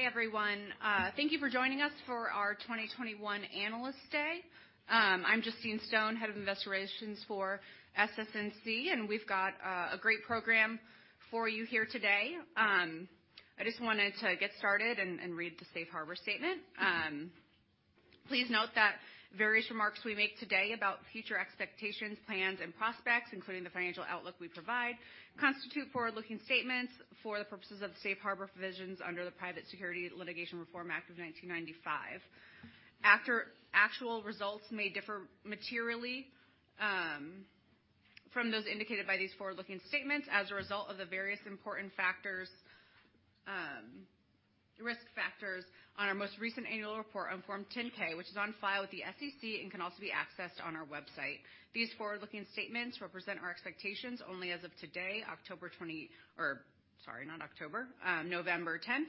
Hi, everyone. Thank you for joining us for our 2021 Analyst Day. I'm Justine Stone, Head of Investor Relations for SS&C, and we've got a great program for you here today. I just wanted to get started and read the Safe Harbor statement. Please note that various remarks we make today about future expectations, plans and prospects, including the financial outlook we provide, constitue forward-looking statements for the purposes of safe harbor provisions under the Private Securities Litigation Reform Act of 1995. Actual results may differ materially from those indicated by these forward-looking statements as a result of the various important factors, risk factors on our most recent annual report on Form 10-K, which is on file with the SEC and can also be accessed on our website. These forward-looking statements represent our expectations only as of today, November 10t,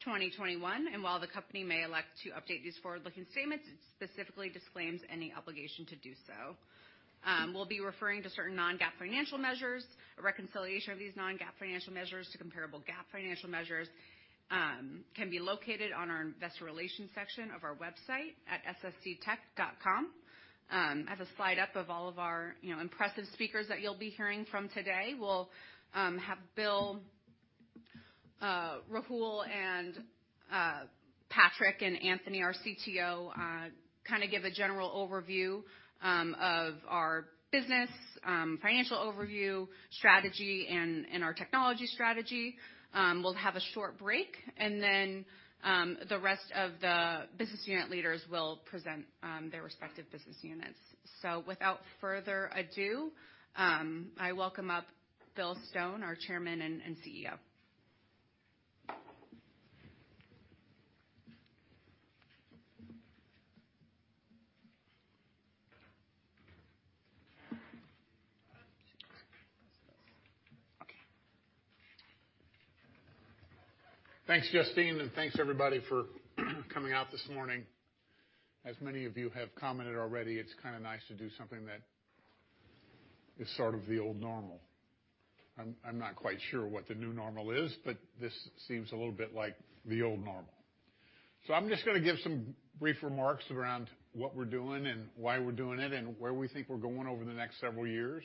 2021. While the company may elect to update these forward-looking statements, it specifically disclaims any obligation to do so. We'll be referring to certain non-GAAP financial measures. A reconciliation of these non-GAAP financial measures to comparable GAAP financial measures can be located on our investor relations section of our website at ssctech.com. I have a slide up of all of our, you know, impressive speakers that you'll be hearing from today. We'll have Bill, Rahul, and Patrick and Anthony, our CTO, kinda give a general overview of our business, financial overview, strategy and our technology strategy. We'll have a short break and then the rest of the business unit leaders will present their respective business units. Without further ado, I welcome up Bill Stone, our Chairman and CEO. Thanks, Justine, and thanks everybody for coming out this morning. As many of you have commented already, it's kinda nice to do something that is sort of the old normal. I'm not quite sure what the new normal is, but this seems a little bit like the old normal. I'm just gonna give some brief remarks around what we're doing and why we're doing it, and where we think we're going over the next several years.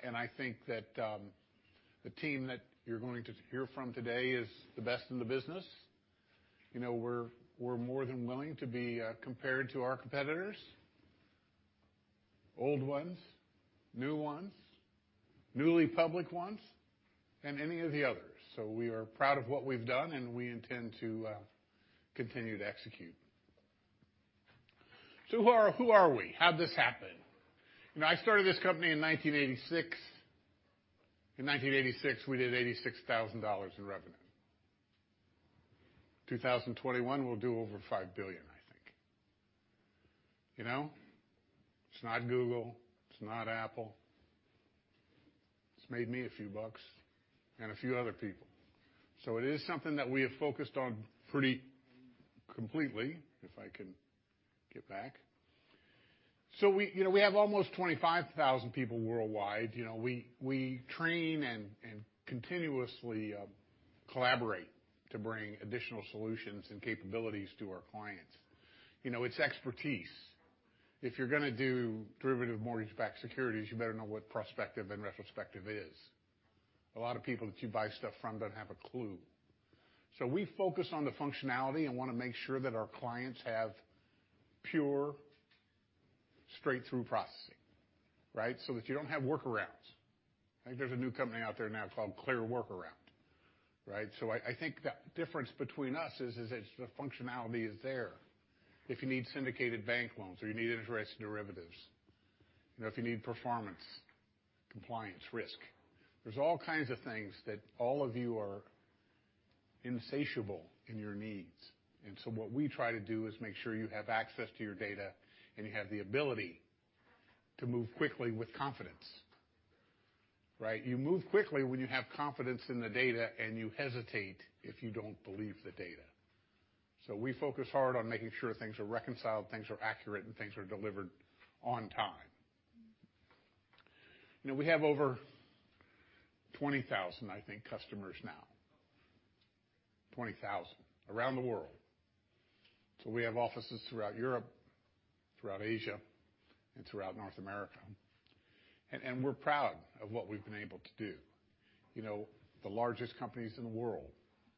I think that the team that you're going to hear from today is the best in the business. You know, we're more than willing to be compared to our competitors, old ones, new ones, newly public ones, and any of the others. We are proud of what we've done, and we intend to continue to execute. Who are we? How'd this happen? You know, I started this company in 1986. In 1986, we did $86,000 in revenue. 2021, we'll do over $5 billion, I think. You know, it's not Google, it's not Apple. It's made me a few bucks and a few other people. It is something that we have focused on pretty completely, if I can get back. We, you know, we have almost 25,000 people worldwide. You know, we train and continuously collaborate to bring additional solutions and capabilities to our clients. You know, it's expertise. If you're gonna do derivative mortgage-backed securities, you better know what prospective and retrospective is. A lot of people that you buy stuff from don't have a clue. We focus on the functionality and wanna make sure that our clients have pure, straight-through processing, right? That you don't have workarounds. I think there's a new company out there now called Clearwater Analytics, right? I think the difference between us is it's the functionality is there. If you need syndicated bank loans or you need interest derivatives, you know, if you need performance, compliance, risk, there's all kinds of things that all of you are insatiable in your needs. What we try to do is make sure you have access to your data, and you have the ability to move quickly with confidence, right? You move quickly when you have confidence in the data, and you hesitate if you don't believe the data. We focus hard on making sure things are reconciled, things are accurate, and things are delivered on time. You know, we have over 20,000, I think, customers now. 20,000 around the world. We have offices throughout Europe, throughout Asia, and throughout North America, and we're proud of what we've been able to do. You know, the largest companies in the world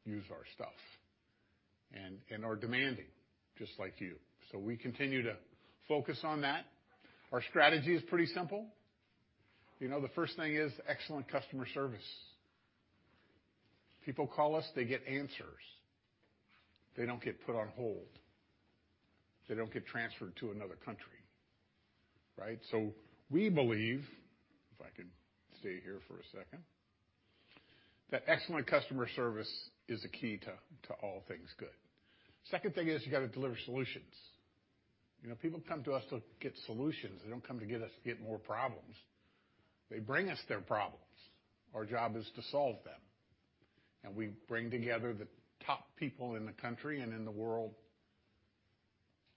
use our stuff and are demanding just like you. We continue to focus on that. Our strategy is pretty simple. You know, the first thing is excellent customer service. People call us, they get answers. They don't get put on hold. They don't get transferred to another country, right? We believe, if I could stay here for a second, that excellent customer service is the key to all things good. Second thing is you gotta deliver solutions. You know, people come to us to get solutions. They don't come to get us to get more problems. They bring us their problems. Our job is to solve them. We bring together the top people in the country and in the world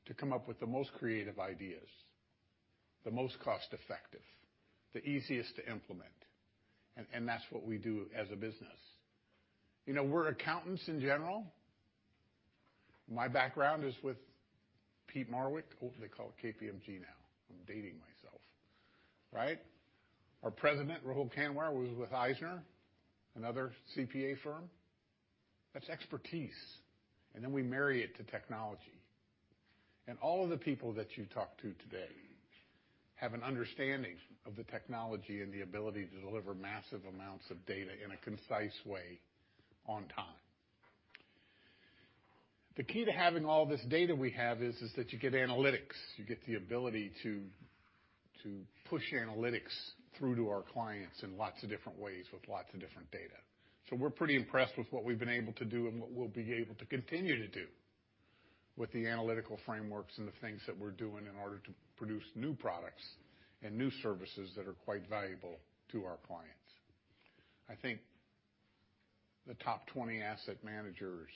to come up with the most creative ideas, the most cost-effective, the easiest to implement. That's what we do as a business. You know, we're accountants in general. My background is with Peat Marwick. Hopefully, they call it KPMG now. I'm dating myself, right? Our President, Rahul Kanwar, was with Eisner, another CPA firm. That's expertise, and then we marry it to technology. All of the people that you talk to today have an understanding of the technology and the ability to deliver massive amounts of data in a concise way on time. The key to having all this data we have is that you get analytics. You get the ability to push analytics through to our clients in lots of different ways with lots of different data. We're pretty impressed with what we've been able to do and what we'll be able to continue to do with the analytical frameworks and the things that we're doing in order to produce new products and new services that are quite valuable to our clients. I think the top 20 asset managers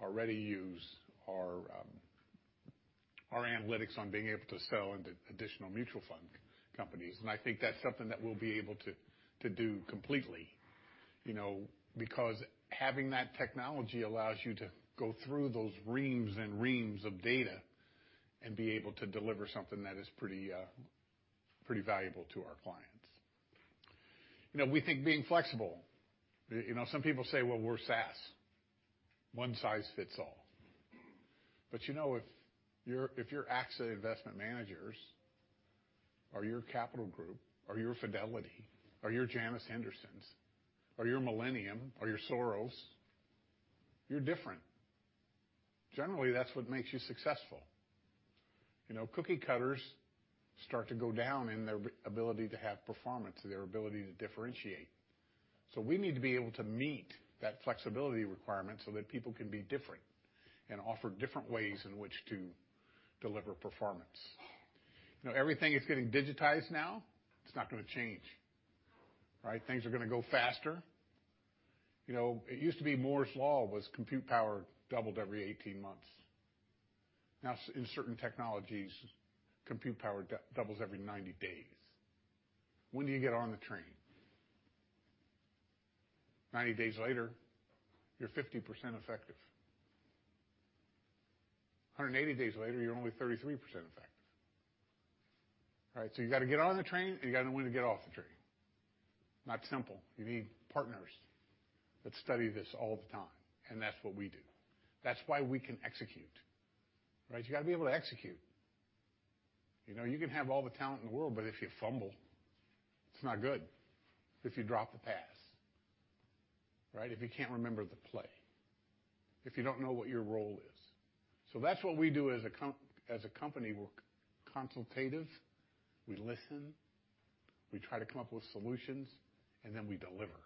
already use our analytics on being able to sell into additional mutual fund companies, and I think that's something that we'll be able to do completely. You know, because having that technology allows you to go through those reams and reams of data and be able to deliver something that is pretty valuable to our clients. You know, we think being flexible. You know, some people say, well, we're SaaS. One size fits all. You know, if you're AXA Investment Managers or you're Capital Group or you're Fidelity or you're Janus Henderson or you're Millennium or you're Soros, you're different. Generally, that's what makes you successful. You know, cookie cutters start to go down in their ability to have performance, their ability to differentiate. We need to be able to meet that flexibility requirement so that people can be different and offer different ways in which to deliver performance. You know, everything is getting digitized now. It's not gonna change, right? Things are gonna go faster. You know, it used to be Moore's Law was compute power doubled every 18 months. Now, in certain technologies, compute power doubles every 90 days. When do you get on the train? 90 days later, you're 50% effective. 180 days later, you're only 33% effective. All right? You gotta get on the train, and you gotta know when to get off the train. Not simple. You need partners that study this all the time, and that's what we do. That's why we can execute, right? You gotta be able to execute. You know, you can have all the talent in the world, but if you fumble, it's not good. If you drop the pass, right? If you can't remember the play, if you don't know what your role is. That's what we do as a company. We're consultative, we listen, we try to come up with solutions, and then we deliver.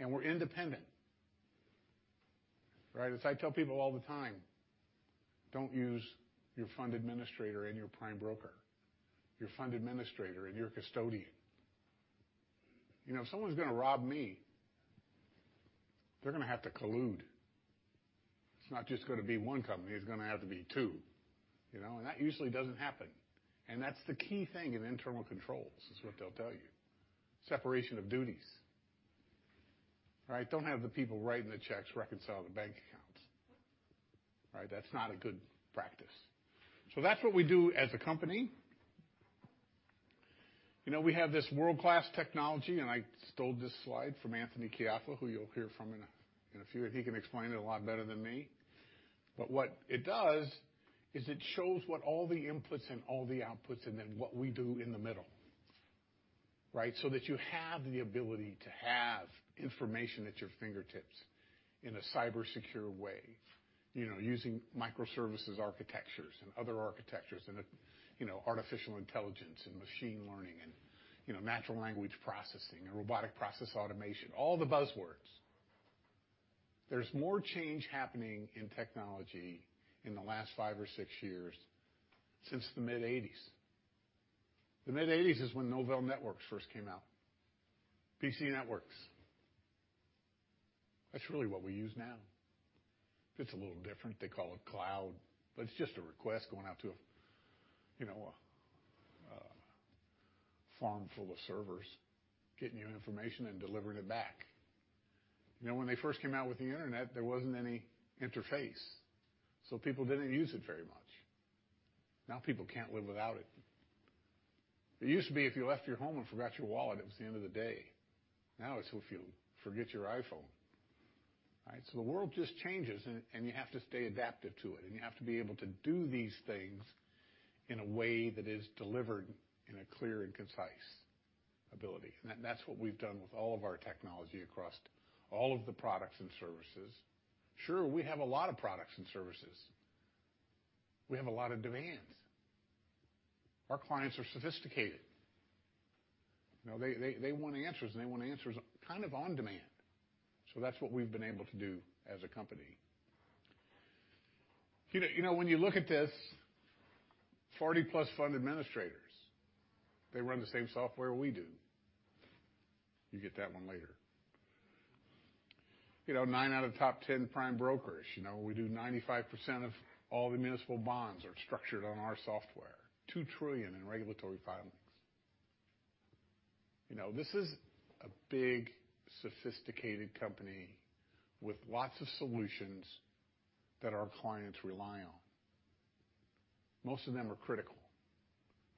We're independent, right? As I tell people all the time, don't use your fund administrator and your prime broker, your fund administrator and your custodian. You know, if someone's gonna rob me, they're gonna have to collude. It's not just gonna be one company, it's gonna have to be two, you know? That usually doesn't happen, and that's the key thing in internal controls. It's what they'll tell you. Separation of duties, right? Don't have the people writing the checks reconcile the bank accounts, right? That's not a good practice. That's what we do as a company. You know, we have this world-class technology, and I stole this slide from Anthony Caiafa, who you'll hear from in a few. He can explain it a lot better than me. What it does is it shows what all the inputs and all the outputs and then what we do in the middle, right? that you have the ability to have information at your fingertips in a cybersecure way, you know, using microservices architectures and other architectures and, you know, artificial intelligence and machine learning and, you know, natural language processing and robotic process automation. All the buzzwords. There's more change happening in technology in the last five or six years since the mid-1980s. The mid-1980s is when Novell Networks first came out. PC Networks. That's really what we use now. It's a little different. They call it cloud, but it's just a request going out to a, you know, farm full of servers, getting your information and delivering it back. You know, when they first came out with the Internet, there wasn't any interface, so people didn't use it very much. Now people can't live without it. It used to be if you left your home and forgot your wallet, it was the end of the day. Now it's if you forget your iPhone, right? The world just changes and you have to stay adaptive to it, and you have to be able to do these things in a way that is delivered in a clear and concise ability. That's what we've done with all of our technology across all of the products and services. Sure, we have a lot of products and services. We have a lot of demands. Our clients are sophisticated. You know, they want answers, and they want answers kind of on demand. That's what we've been able to do as a company. You know, when you look at this, 40+ fund administrators, they run the same software we do. You get that one later. You know, nine out of top 10 prime brokers. You know, we do 95% of all the municipal bonds are structured on our software, $2 trillion in regulatory filings. You know, this is a big, sophisticated company with lots of solutions that our clients rely on. Most of them are critical.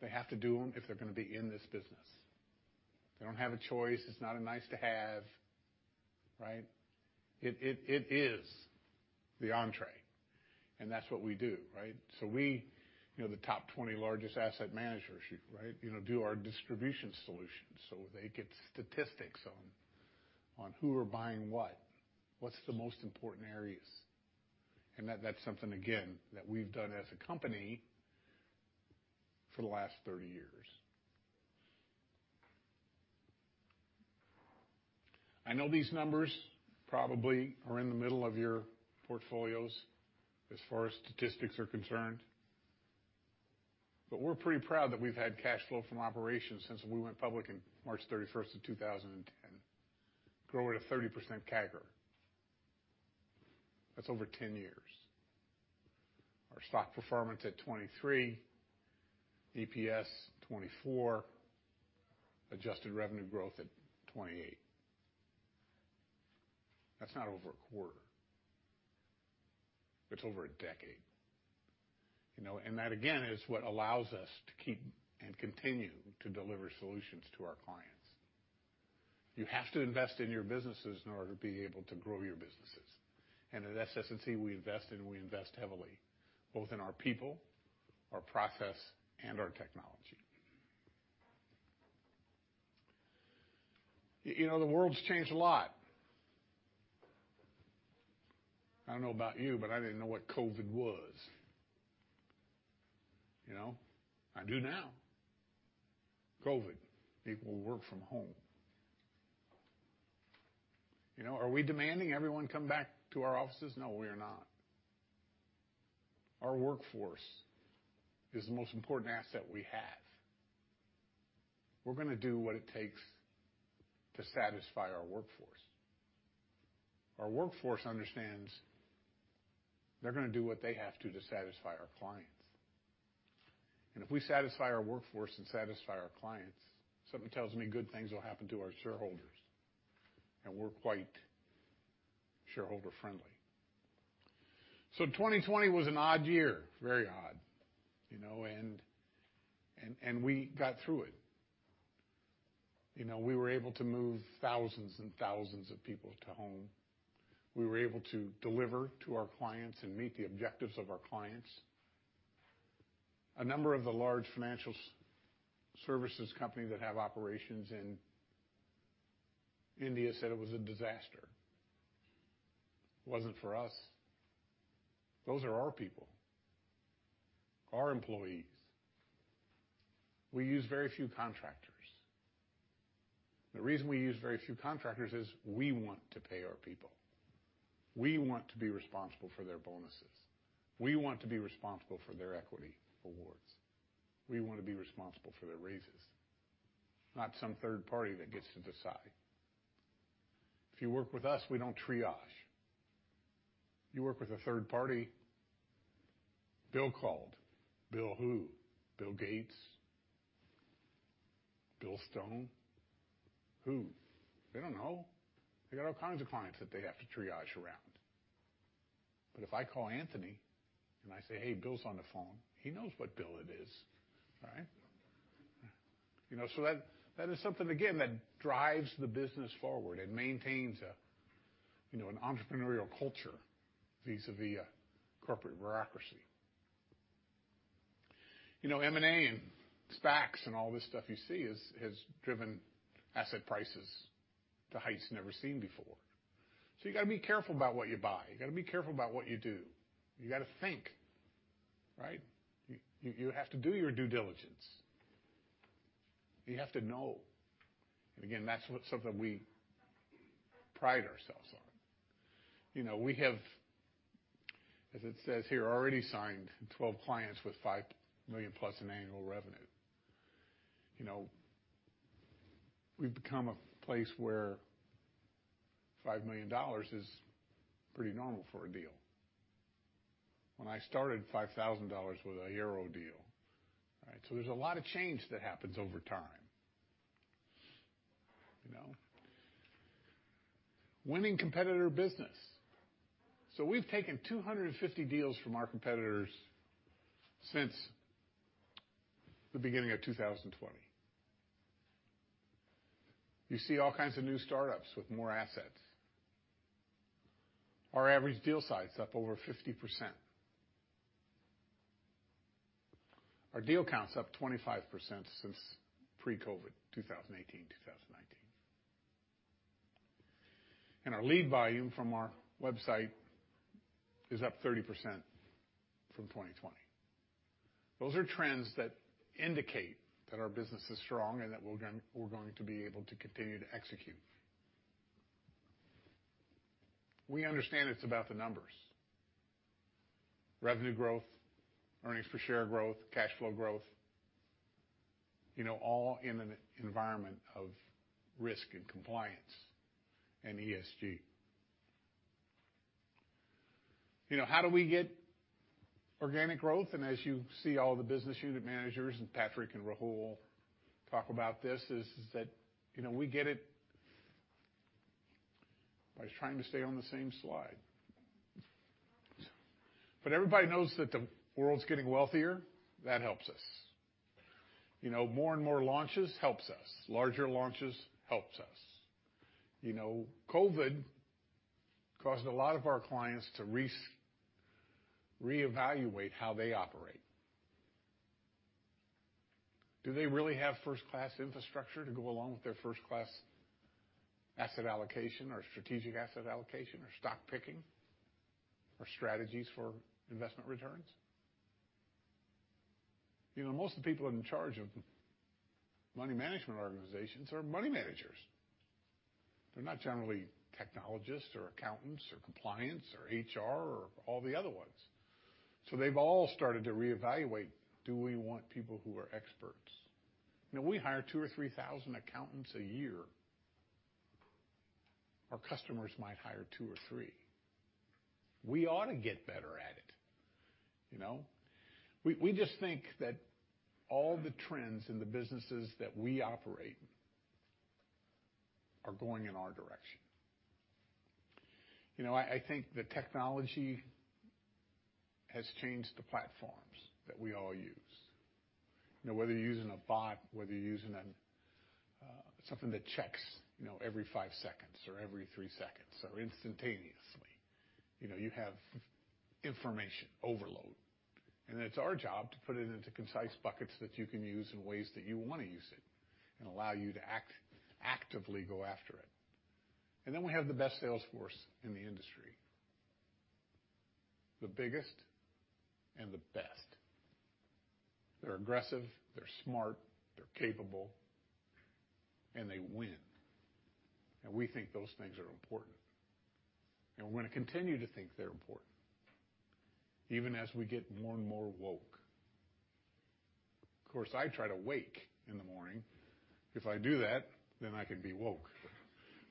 They have to do them if they're gonna be in this business. They don't have a choice. It's not a nice to have, right? It is the entree, and that's what we do, right? So we, you know, the top 20 largest asset managers, right, you know, do our distribution solutions, so they get statistics on who are buying what's the most important areas. That, that's something again, that we've done as a company for the last 30 years. I know these numbers probably are in the middle of your portfolios as far as statistics are concerned. We're pretty proud that we've had cash flow from operations since we went public in March 31st, 2010, grow at a 30% CAGR. That's over 10 years. Our stock performance at 23%, EPS 24%, adjusted revenue growth at 28%. That's not over a quarter. It's over a decade. You know, that again is what allows us to keep and continue to deliver solutions to our clients. You have to invest in your businesses in order to be able to grow your businesses. At SS&C, we invest and we invest heavily, both in our people, our process, and our technology. You know, the world's changed a lot. I don't know about you, but I didn't know what COVID was. You know. I do now. COVID, people work from home. You know, are we demanding everyone come back to our offices? No, we are not. Our workforce is the most important asset we have. We're gonna do what it takes to satisfy our workforce. Our workforce understands they're gonna do what they have to satisfy our clients. If we satisfy our workforce and satisfy our clients, something tells me good things will happen to our shareholders, and we're quite shareholder-friendly. 2020 was an odd year, very odd. You know, and we got through it. You know, we were able to move thousands and thousands of people to home. We were able to deliver to our clients and meet the objectives of our clients. A number of the large financial services companies that have operations in India said it was a disaster. It wasn't for us. Those are our people, our employees. We use very few contractors. The reason we use very few contractors is we want to pay our people. We want to be responsible for their bonuses. We want to be responsible for their equity awards. We wanna be responsible for their raises, not some third party that gets to decide. If you work with us, we don't triage. You work with a third party, Bill called. Bill who? Bill Gates? Bill Stone? Who? They don't know. They got all kinds of clients that they have to triage around. If I call Anthony, and I say, "Hey, Bill's on the phone," he knows what Bill it is, right? You know, so that is something again that drives the business forward and maintains a you know an entrepreneurial culture vis-a-vis a corporate bureaucracy. You know, M&A and SPACs and all this stuff you see has driven asset prices to heights never seen before. You gotta be careful about what you buy. You gotta be careful about what you do. You gotta think, right? You have to do your due diligence. You have to know. Again, that's something we pride ourselves on. You know, we have, as it says here, already signed 12 clients with $5 million+ in annual revenue. You know, we've become a place where $5 million is pretty normal for a deal. When I started, $5,000 was a year-old deal, right? There's a lot of change that happens over time. You know? Winning competitor business. We've taken 250 deals from our competitors since the beginning of 2020. You see all kinds of new startups with more assets. Our average deal size is up over 50%. Our deal count's up 25% since pre-COVID, 2018, 2019. Our lead volume from our website is up 30% from 2020. Those are trends that indicate that our business is strong and that we're going to be able to continue to execute. We understand it's about the numbers. Revenue growth, earnings per share growth, cash flow growth, you know, all in an environment of risk and compliance and ESG. You know, how do we get organic growth? As you see all the business unit managers, and Patrick and Rahul talk about this, is that, you know, we get it. I was trying to stay on the same slide. Everybody knows that the world's getting wealthier. That helps us. You know, more and more launches helps us. Larger launches helps us. You know, COVID caused a lot of our clients to reevaluate how they operate. Do they really have first-class infrastructure to go along with their first-class asset allocation or strategic asset allocation or stock picking or strategies for investment returns? You know, most of the people in charge of money management organizations are money managers. They're not generally technologists or accountants or compliance or HR or all the other ones. So they've all started to reevaluate, do we want people who are experts? You know, we hire 2,000 or 3,000 accountants a year. Our customers might hire two or three. We ought to get better at it, you know? We just think that all the trends in the businesses that we operate are going in our direction. You know, I think the technology has changed the platforms that we all use. You know, whether you're using a bot, whether you're using a something that checks, you know, every five seconds or every three seconds or instantaneously, you know, you have information overload, and it's our job to put it into concise buckets that you can use in ways that you wanna use it and allow you to actively go after it. Then we have the best sales force in the industry. The biggest and the best. They're aggressive, they're smart, they're capable, and they win. We think those things are important. We're gonna continue to think they're important, even as we get more and more woke. Of course, I try to wake in the morning. If I do that, then I can be woke,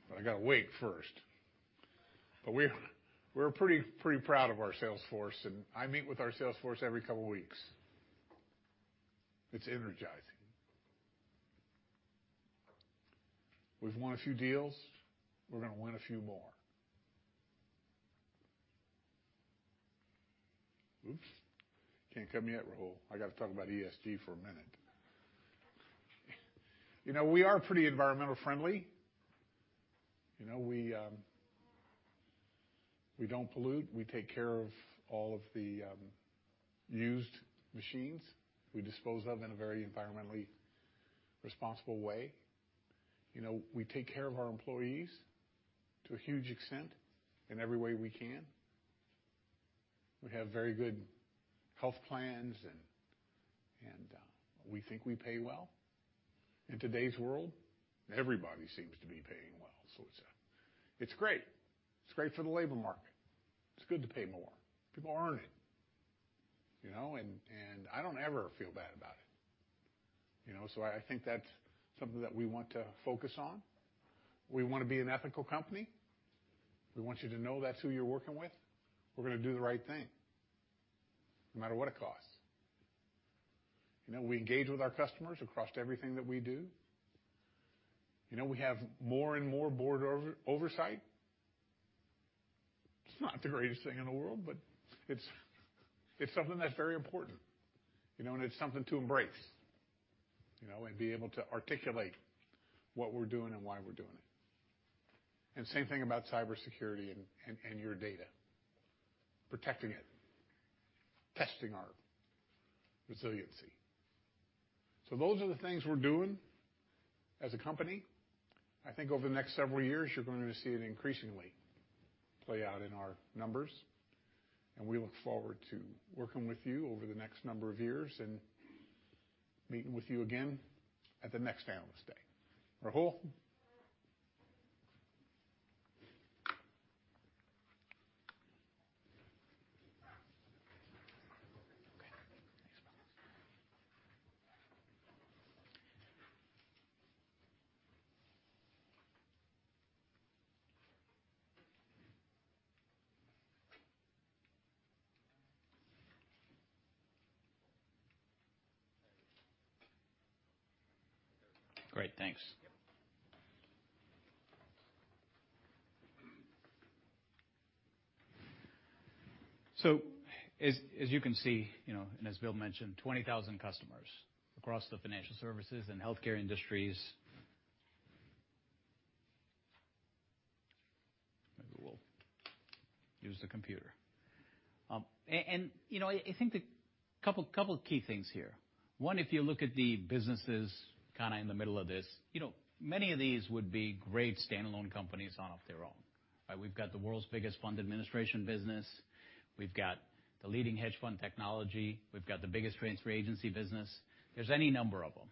but I gotta wake first. We're pretty proud of our sales force, and I meet with our sales force every couple weeks. It's energizing. We've won a few deals. We're gonna win a few more. Oops, can't cut me yet, Rahul. I gotta talk about ESG for a minute. You know, we are pretty environmentally friendly. You know, we don't pollute. We take care of all of the used machines. We dispose them in a very environmentally responsible way. You know, we take care of our employees to a huge extent in every way we can. We have very good health plans, and we think we pay well. In today's world, everybody seems to be paying well, so it's great. It's great for the labor market. It's good to pay more. People earn it, you know? I don't ever feel bad about it. You know? I think that's something that we want to focus on. We wanna be an ethical company. We want you to know that's who you're working with. We're gonna do the right thing, no matter what it costs. You know, we engage with our customers across everything that we do. You know, we have more and more board oversight. It's not the greatest thing in the world, but it's something that's very important. You know, it's something to embrace, you know, and be able to articulate what we're doing and why we're doing it. Same thing about cybersecurity and your data. Protecting it, testing our resiliency. Those are the things we're doing as a company. I think over the next several years, you're going to see it increasingly play out in our numbers, and we look forward to working with you over the next number of years and meeting with you again at the next Analyst Day. Rahul. Great. Thanks. Yep. As you can see, you know, and as Bill mentioned, 20,000 customers across the financial services and healthcare industries. Maybe we'll use the computer. You know, I think the couple of key things here. One, if you look at the businesses kinda in the middle of this, you know, many of these would be great standalone companies on their own. We've got the world's biggest fund administration business. We've got the leading hedge fund technology. We've got the biggest transfer agency business. There's any number of them.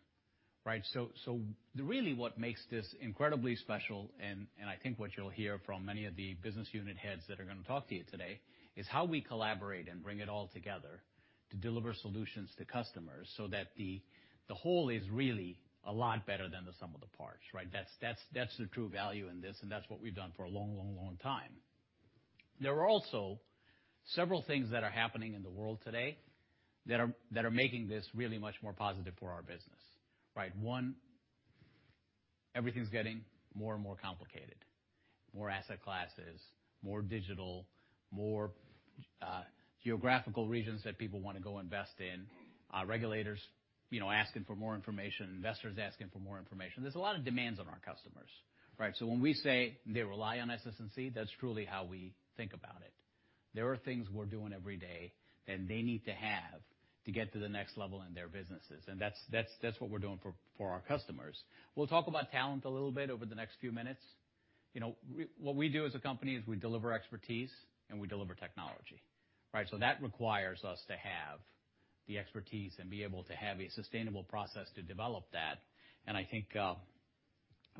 Right. Really what makes this incredibly special, and I think what you'll hear from many of the business unit heads that are gonna talk to you today, is how we collaborate and bring it all together to deliver solutions to customers so that the whole is really a lot better than the sum of the parts, right? That's the true value in this, and that's what we've done for a long, long, long time. There are also several things that are happening in the world today that are making this really much more positive for our business, right? One, everything's getting more and more complicated. More asset classes, more digital, more geographical regions that people wanna go invest in, regulators, you know, asking for more information, investors asking for more information. There's a lot of demands on our customers, right? When we say they rely on SS&C, that's truly how we think about it. There are things we're doing every day that they need to have to get to the next level in their businesses, and that's what we're doing for our customers. We'll talk about talent a little bit over the next few minutes. You know, what we do as a company is we deliver expertise and we deliver technology, right? That requires us to have the expertise and be able to have a sustainable process to develop that, and I think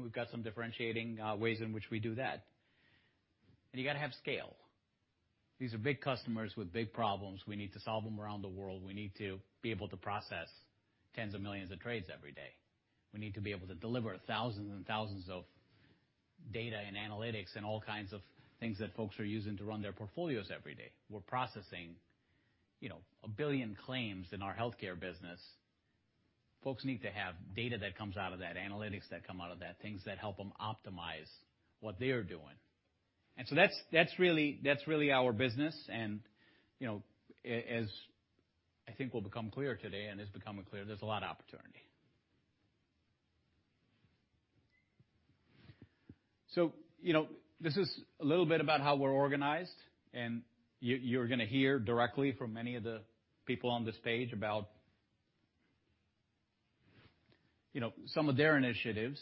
we've got some differentiating ways in which we do that. You gotta have scale. These are big customers with big problems. We need to solve them around the world. We need to be able to process tens of millions of trades every day. We need to be able to deliver thousands and thousands of data and analytics and all kinds of things that folks are using to run their portfolios every day. We're processing, you know, 1 billion claims in our healthcare business. Folks need to have data that comes out of that, analytics that come out of that, things that help them optimize what they are doing. That's really our business and, you know, as I think will become clear today, and has become clear, there's a lot of opportunity. You know, this is a little bit about how we're organized, and you're gonna hear directly from many of the people on this stage about, you know, some of their initiatives.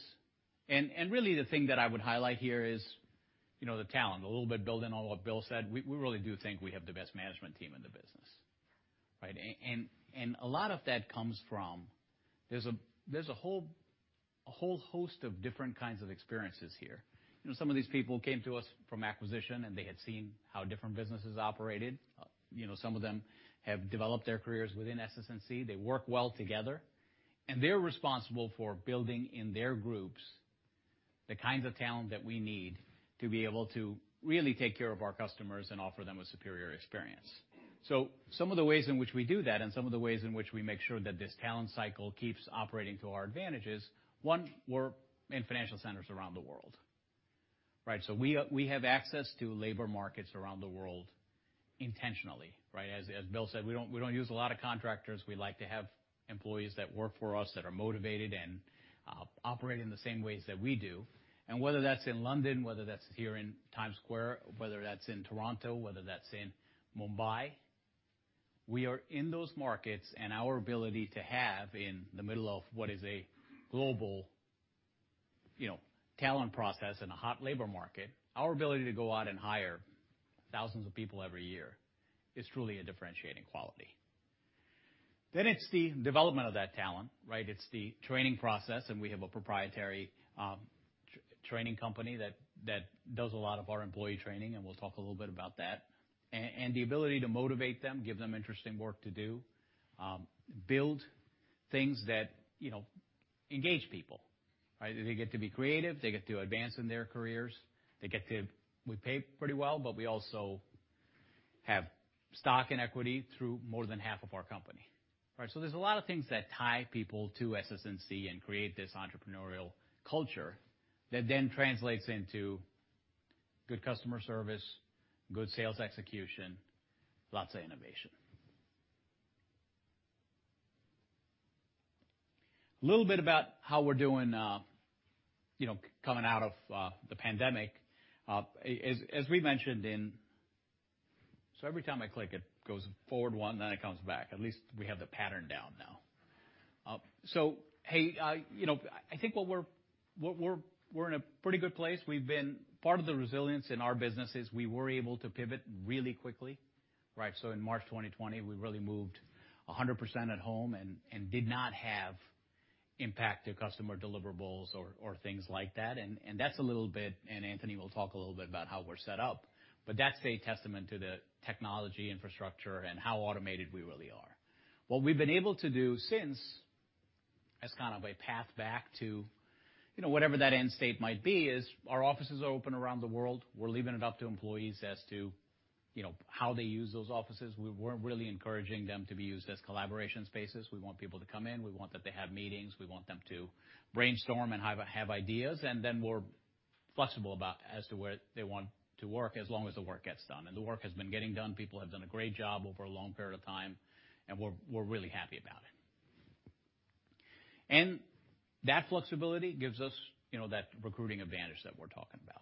Really the thing that I would highlight here is, you know, the talent. A little bit building on what Bill said, we really do think we have the best management team in the business, right? A lot of that comes from. There's a whole host of different kinds of experiences here. You know, some of these people came to us from acquisition, and they had seen how different businesses operated. You know, some of them have developed their careers within SS&C. They work well together, and they're responsible for building in their groups the kinds of talent that we need to be able to really take care of our customers and offer them a superior experience. Some of the ways in which we do that and some of the ways in which we make sure that this talent cycle keeps operating to our advantages, one, we're in financial centers around the world, right? We have access to labor markets around the world intentionally, right? As Bill said, we don't use a lot of contractors. We like to have employees that work for us, that are motivated and operate in the same ways that we do. Whether that's in London, whether that's here in Times Square, whether that's in Toronto, whether that's in Mumbai, we are in those markets, and our ability to have in the middle of what is a global, you know, talent process and a hot labor market, our ability to go out and hire thousands of people every year is truly a differentiating quality. It's the development of that talent, right? It's the training process, and we have a proprietary training company that does a lot of our employee training, and we'll talk a little bit about that. The ability to motivate them, give them interesting work to do, build things that, you know, engage people, right? They get to be creative. They get to advance in their careers. We pay pretty well, but we also have stock and equity through more than half of our company, right? There's a lot of things that tie people to SS&C and create this entrepreneurial culture that then translates into good customer service, good sales execution, lots of innovation. Little bit about how we're doing, you know, coming out of the pandemic. As we mentioned in every time I click, it goes forward one, then it comes back. At least we have the pattern down now. I think we're in a pretty good place. Part of the resilience in our business is we were able to pivot really quickly, right? In March 2020, we really moved 100% at home and did not have impact to customer deliverables or things like that. That's a little bit, and Anthony will talk a little bit about how we're set up, but that's a testament to the technology infrastructure and how automated we really are. What we've been able to do since, as kind of a path back to, you know, whatever that end state might be, is our offices are open around the world. We're leaving it up to employees as to, you know, how they use those offices. We're really encouraging them to be used as collaboration spaces. We want people to come in. We want that they have meetings. We want them to brainstorm and have ideas, and then we're flexible about as to where they want to work, as long as the work gets done. The work has been getting done. People have done a great job over a long period of time, and we're really happy about it. That flexibility gives us, you know, that recruiting advantage that we're talking about.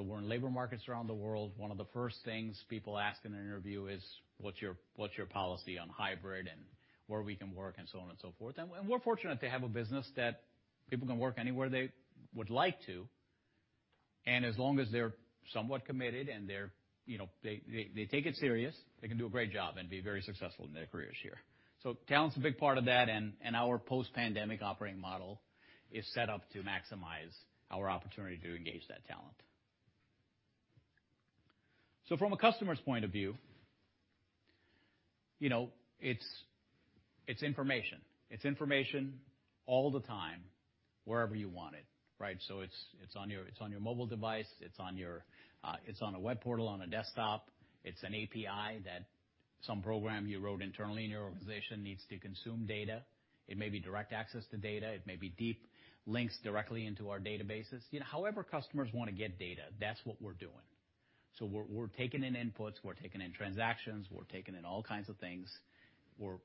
We're in labor markets around the world. One of the first things people ask in an interview is, "What's your policy on hybrid and where we can work?" So on and so forth. We're fortunate to have a business that people can work anywhere they would like to. As long as they're somewhat committed, you know, they take it serious, they can do a great job and be very successful in their careers here. Talent's a big part of that, and our post-pandemic operating model is set up to maximize our opportunity to engage that talent. From a customer's point of view, you know, it's information. It's information all the time, wherever you want it, right? It's on your mobile device, it's on a web portal on a desktop. It's an API that some program you wrote internally in your organization needs to consume data. It may be direct access to data, it may be deep links directly into our databases. You know, however customers wanna get data, that's what we're doing. We're taking in inputs, we're taking in transactions, we're taking in all kinds of things. We're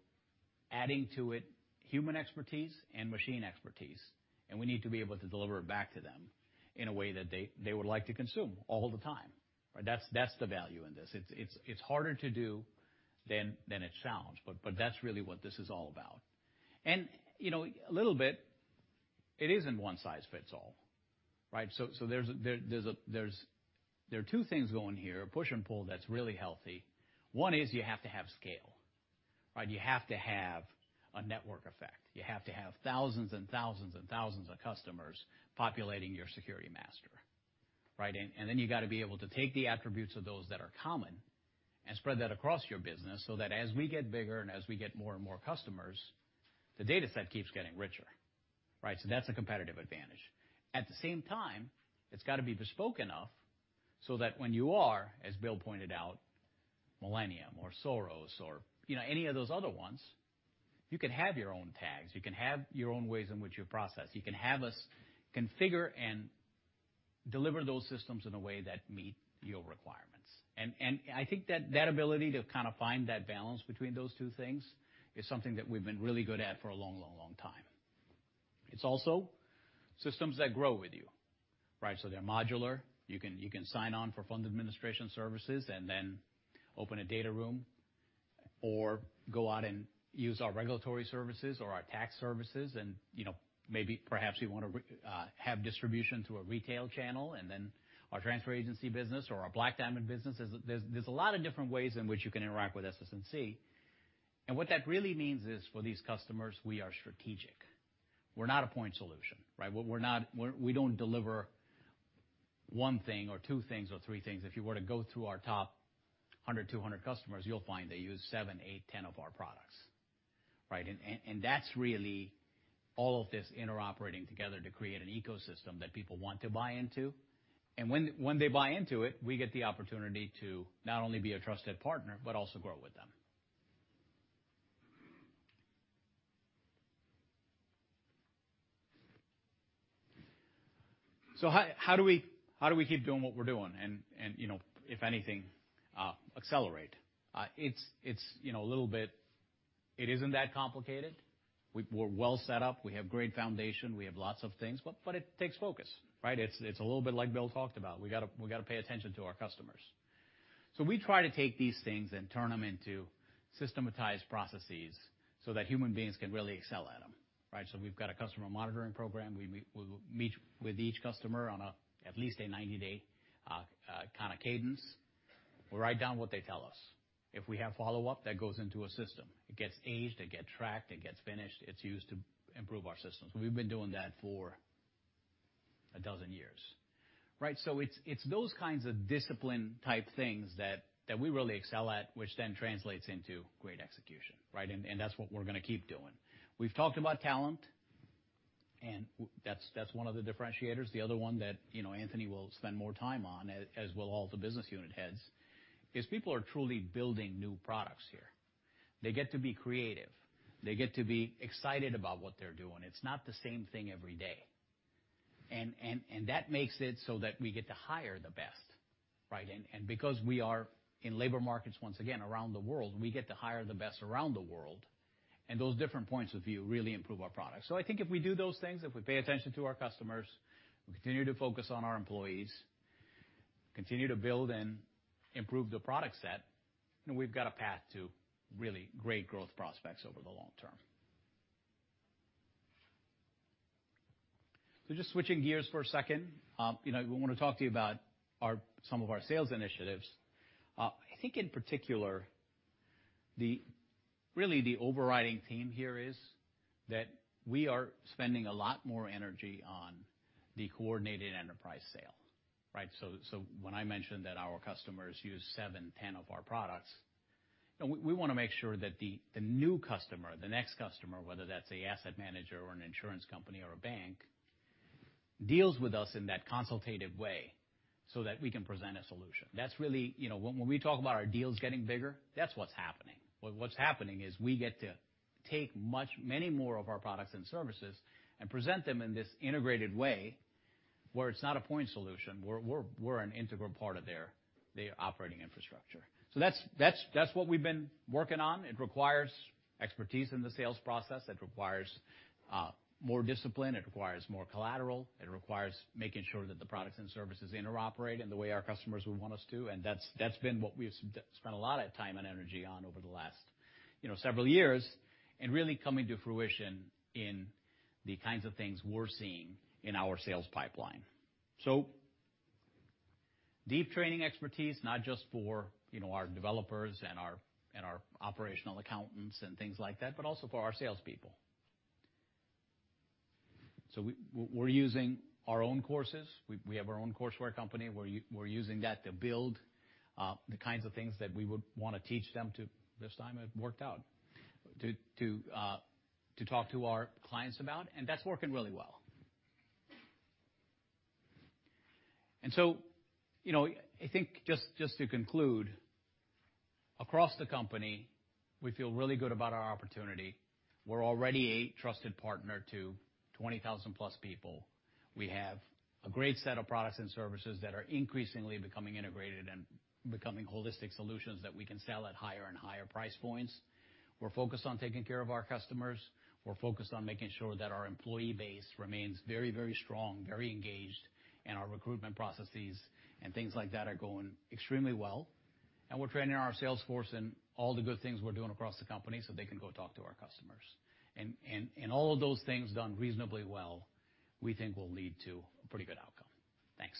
adding to it human expertise and machine expertise. We need to be able to deliver it back to them in a way that they would like to consume all the time. Right? That's the value in this. It's harder to do than it sounds, but that's really what this is all about. You know, a little bit, it isn't one size fits all, right? There's a. There are two things going here, push and pull, that's really healthy. One is you have to have scale, right? You have to have a network effect. You have to have thousands and thousands and thousands of customers populating your security master, right? And then you gotta be able to take the attributes of those that are common and spread that across your business so that as we get bigger and as we get more and more customers, the dataset keeps getting richer, right? That's a competitive advantage. At the same time, it's gotta be bespoke enough so that when you are, as Bill pointed out, Millennium or Soros or, you know, any of those other ones, you can have your own tags, you can have your own ways in which you process. You can have us configure and deliver those systems in a way that meet your requirements. I think that ability to kind of find that balance between those two things is something that we've been really good at for a long time. It's also systems that grow with you, right? So they're modular. You can sign on for fund administration services, and then open a data room or go out and use our regulatory services or our tax services. You know, maybe perhaps you wanna have distribution through a retail channel, and then our transfer agency business or our Black Diamond business. There's a lot of different ways in which you can interact with SS&C. What that really means is, for these customers, we are strategic. We're not a point solution, right? We don't deliver one thing or two things or three things. If you were to go through our top 100, 200 customers, you'll find they use seven, eight, 10 of our products, right? That's really all of this interoperating together to create an ecosystem that people want to buy into. When they buy into it, we get the opportunity to not only be a trusted partner, but also grow with them. How do we keep doing what we're doing and, you know, if anything, accelerate? It's, you know, a little bit. It isn't that complicated. We're well set up. We have great foundation. We have lots of things. It takes focus, right? It's a little bit like Bill talked about. We gotta pay attention to our customers. We try to take these things and turn them into systematized processes so that human beings can really excel at them, right? We've got a customer monitoring program. We meet with each customer on a, at least a 90-day kind of cadence. We write down what they tell us. If we have follow-up, that goes into a system. It gets aged, it gets tracked, it gets finished. It's used to improve our systems. We've been doing that for a dozen years, right? It's those kinds of discipline-type things that we really excel at, which then translates into great execution, right? That's what we're gonna keep doing. We've talked about talent, and that's one of the differentiators. The other one that, you know, Anthony will spend more time on, as will all the business unit heads, is people are truly building new products here. They get to be creative. They get to be excited about what they're doing. It's not the same thing every day. That makes it so that we get to hire the best, right? Because we are in labor markets, once again, around the world, we get to hire the best around the world, and those different points of view really improve our products. I think if we do those things, if we pay attention to our customers, we continue to focus on our employees, continue to build and improve the product set, then we've got a path to really great growth prospects over the long term. Just switching gears for a second. You know, we wanna talk to you about our, some of our sales initiatives. I think in particular, really the overriding theme here is that we are spending a lot more energy on the coordinated enterprise sale, right? When I mentioned that our customers use seven, 10 of our products, and we wanna make sure that the new customer, the next customer, whether that's an asset manager or an insurance company or a bank, deals with us in that consultative way so that we can present a solution. That's really you know, when we talk about our deals getting bigger, that's what's happening. What's happening is we get to take many more of our products and services and present them in this integrated way where it's not a point solution. We're an integral part of their operating infrastructure. That's what we've been working on. It requires expertise in the sales process. It requires more discipline. It requires more collateral. It requires making sure that the products and services interoperate in the way our customers would want us to. That's been what we've spent a lot of time and energy on over the last, you know, several years, and really coming to fruition in the kinds of things we're seeing in our sales pipeline. Deep training expertise, not just for, you know, our developers and our operational accountants and things like that, but also for our salespeople. We're using our own courses. We have our own courseware company. We're using that to build the kinds of things that we would wanna teach them to this time it worked out to talk to our clients about, and that's working really well. You know, I think just to conclude, across the company, we feel really good about our opportunity. We're already a trusted partner to 20,000+ people. We have a great set of products and services that are increasingly becoming integrated and becoming holistic solutions that we can sell at higher and higher price points. We're focused on taking care of our customers. We're focused on making sure that our employee base remains very, very strong, very engaged, and our recruitment processes and things like that are going extremely well. We're training our sales force in all the good things we're doing across the company so they can go talk to our customers. All of those things done reasonably well, we think, will lead to a pretty good outcome. Thanks.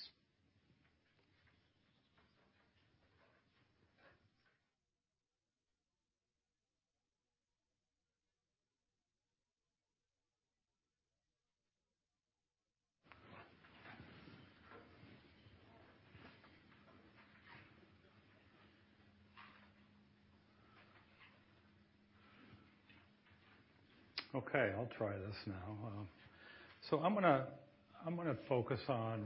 Okay, I'll try this now. So I'm gonna focus on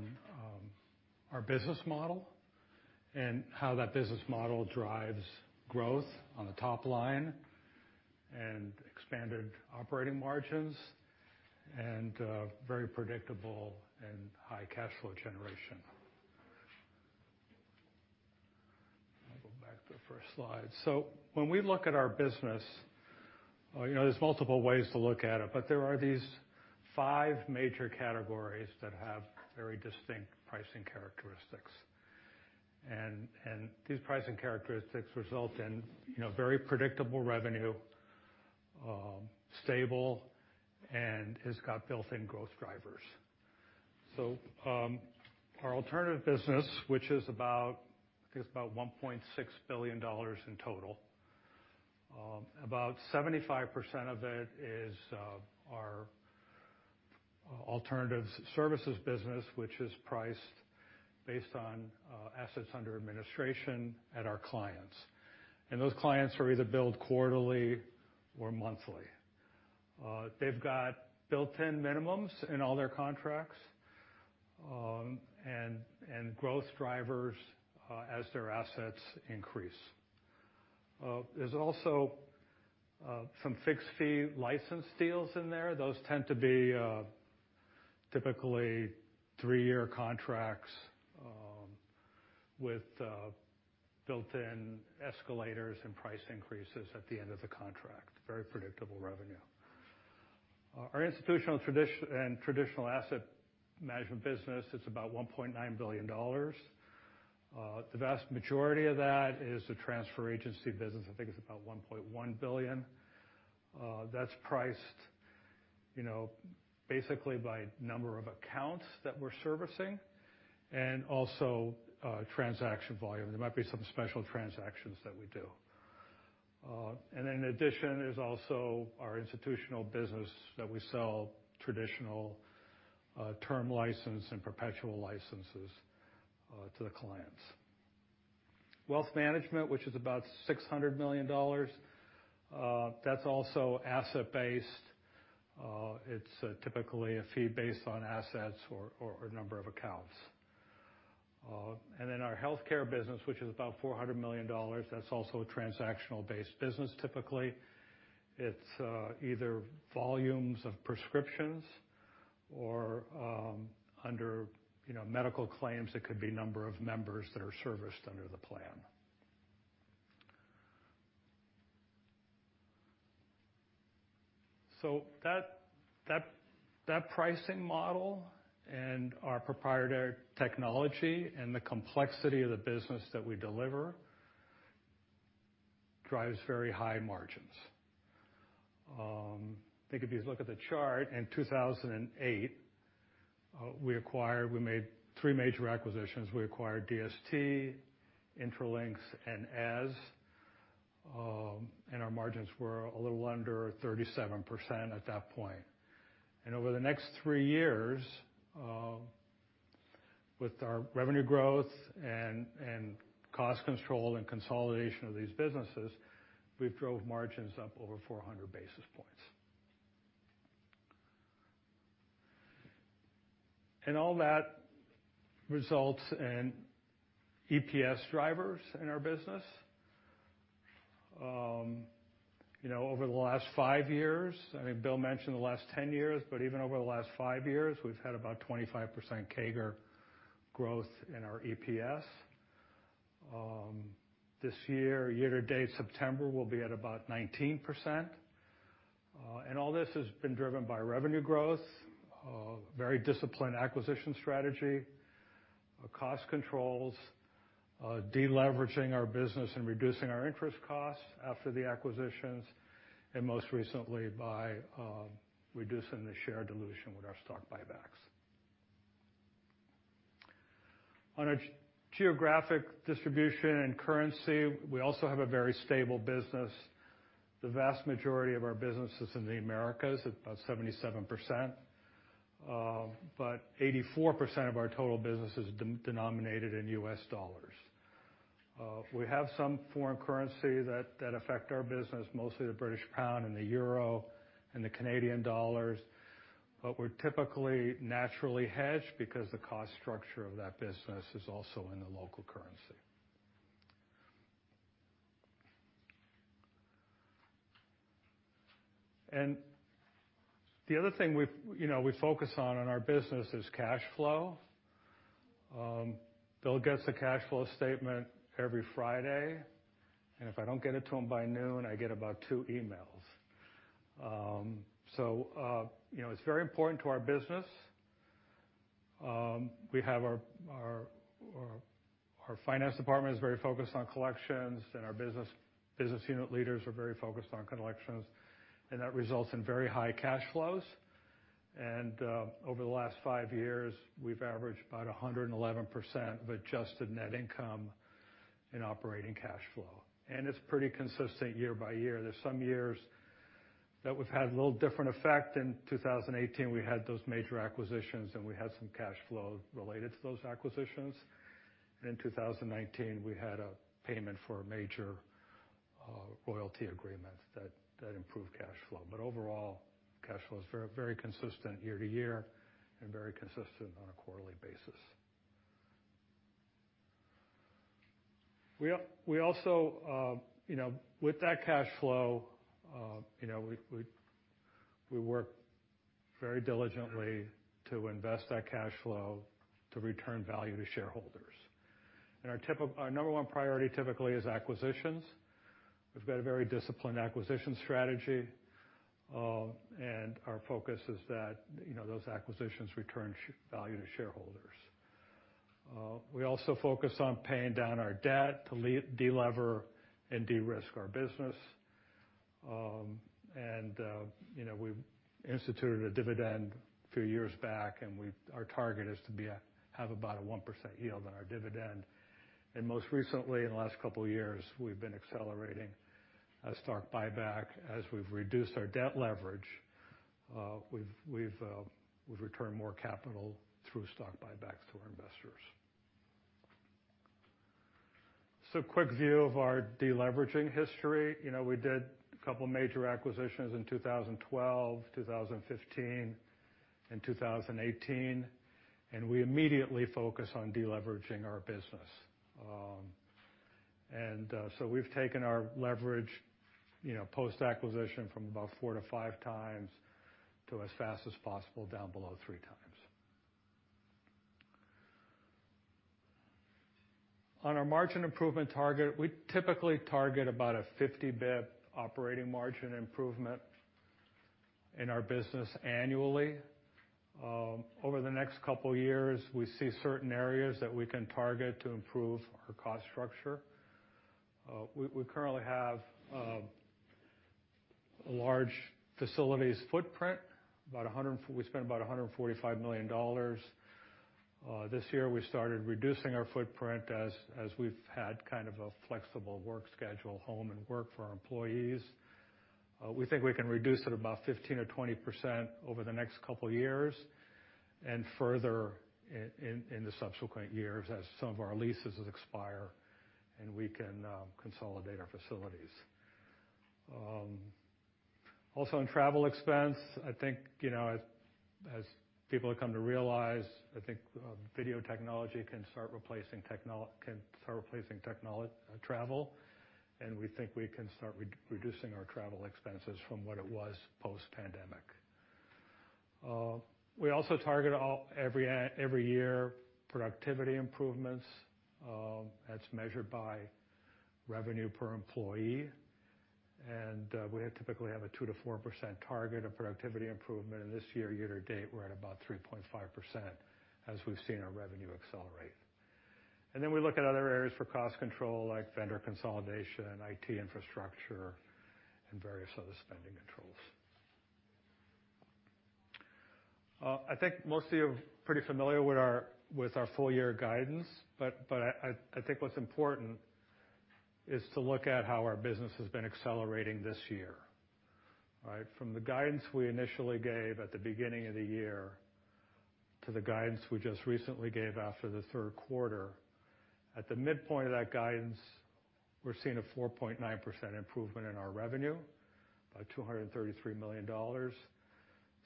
our business model and how that business model drives growth on the top line and expanded operating margins and very predictable and high cash flow generation. I'll go back to the first slide. When we look at our business, you know, there's multiple ways to look at it, but there are these five major categories that have very distinct pricing characteristics. And these pricing characteristics result in, you know, very predictable revenue, stable, and it's got built-in growth drivers. Our alternative business, which is about, I think, it's about $1.6 billion in total. About 75% of it is our alternatives services business, which is priced based on assets under administration at our clients. And those clients are either billed quarterly or monthly. They've got built-in minimums in all their contracts, and growth drivers as their assets increase. There's also some fixed-fee license deals in there. Those tend to be typically three-year contracts with built-in escalators and price increases at the end of the contract. Very predictable revenue. Our institutional and traditional asset management business, it's about $1.9 billion. The vast majority of that is the transfer agency business. I think it's about $1.1 billion. That's priced, you know, basically by number of accounts that we're servicing and also transaction volume. There might be some special transactions that we do. In addition, there's also our institutional business that we sell traditional term license and perpetual licenses to the clients. Wealth management, which is about $600 million, that's also asset-based. It's typically a fee based on assets or number of accounts. Then our healthcare business, which is about $400 million, that's also a transactional-based business. Typically, it's either volumes of prescriptions or, under you know medical claims, it could be number of members that are serviced under the plan. That pricing model and our proprietary technology and the complexity of the business that we deliver drives very high margins. Think if you look at the chart, in 2008 we made three major acquisitions. We. DST, Intralinks, and Eze, and our margins were a little under 37% at that point. Over the next three years, with our revenue growth and cost control and consolidation of these businesses, we've drove margins up over 400 basis points. All that results in EPS drivers in our business. You know, over the last five years, I think Bill mentioned the last 10 years, but even over the last five years, we've had about 25% CAGR growth in our EPS. This year to date, September will be at about 19%. All this has been driven by revenue growth, a very disciplined acquisition strategy, cost controls, deleveraging our business and reducing our interest costs after the acquisitions, and most recently by reducing the share dilution with our stock buybacks. On a geographic distribution and currency, we also have a very stable business. The vast majority of our business is in the Americas, at about 77%. But 84% of our total business is denominated in US dollars. We have some foreign currency that affects our business, mostly the British pound and the euro and the Canadian dollars, but we're typically naturally hedged because the cost structure of that business is also in the local currency. The other thing we focus on in our business is cash flow. Bill gets a cash flow statement every Friday, and if I don't get it to him by noon, I get about two emails. You know, it's very important to our business. We have our finance department is very focused on collections, and our business unit leaders are very focused on collections, and that results in very high cash flows. Over the last five years, we've averaged about 111% of adjusted net income in operating cash flow. It's pretty consistent year-by-year. There's some years that we've had a little different effect. In 2018, we had those major acquisitions, and we had some cash flow related to those acquisitions. In 2019, we had a payment for a major royalty agreement that improved cash flow. Overall, cash flow is very consistent year-to-year and very consistent on a quarterly basis. We also, you know, with that cash flow, you know, we work very diligently to invest that cash flow to return value to shareholders. Our number one priority typically is acquisitions. We've got a very disciplined acquisition strategy. Our focus is that, you know, those acquisitions return value to shareholders. We also focus on paying down our debt to delever and de-risk our business. You know, we've instituted a dividend a few years back, and our target is to have about a 1% yield on our dividend. Most recently, in the last couple of years, we've been accelerating our stock buyback. As we've reduced our debt leverage, we've returned more capital through stock buybacks to our investors. Quick view of our deleveraging history. You know, we did a couple major acquisitions in 2012, 2015, and 2018, and we immediately focus on deleveraging our business. We've taken our leverage, you know, post-acquisition from about 4x-5x to as fast as possible down below 3x. On our margin improvement target, we typically target about a 50 bp operating margin improvement in our business annually. Over the next couple of years, we see certain areas that we can target to improve our cost structure. We currently have a large facilities footprint. We spend about $145 million. This year we started reducing our footprint as we've had kind of a flexible work schedule, home and work for our employees. We think we can reduce it about 15% or 20% over the next couple of years and further in the subsequent years as some of our leases expire, and we can consolidate our facilities. Also in travel expense, I think, you know, as people have come to realize, I think, video technology can start replacing travel, and we think we can start re-reducing our travel expenses from what it was post-pandemic. We also target every year productivity improvements. That's measured by revenue per employee. We typically have a 2%-4% target of productivity improvement. This year-to-date, we're at about 3.5% as we've seen our revenue accelerate. We look at other areas for cost control like vendor consolidation, IT infrastructure, and various other spending controls. I think most of you are pretty familiar with our full-year guidance, but I think what's important is to look at how our business has been accelerating this year. All right. From the guidance we initially gave at the beginning of the year to the guidance we just recently gave after the third quarter. At the midpoint of that guidance, we're seeing a 4.9% improvement in our revenue, about $233 million,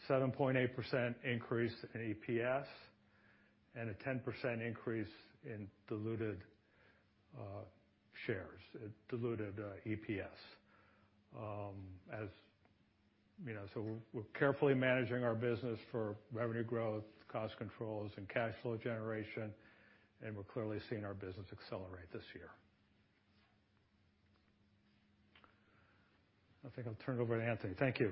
7.8% increase in EPS, and a 10% increase in diluted EPS. As you know, we're carefully managing our business for revenue growth, cost controls, and cash flow generation, and we're clearly seeing our business accelerate this year. I think I'll turn it over to Anthony. Thank you.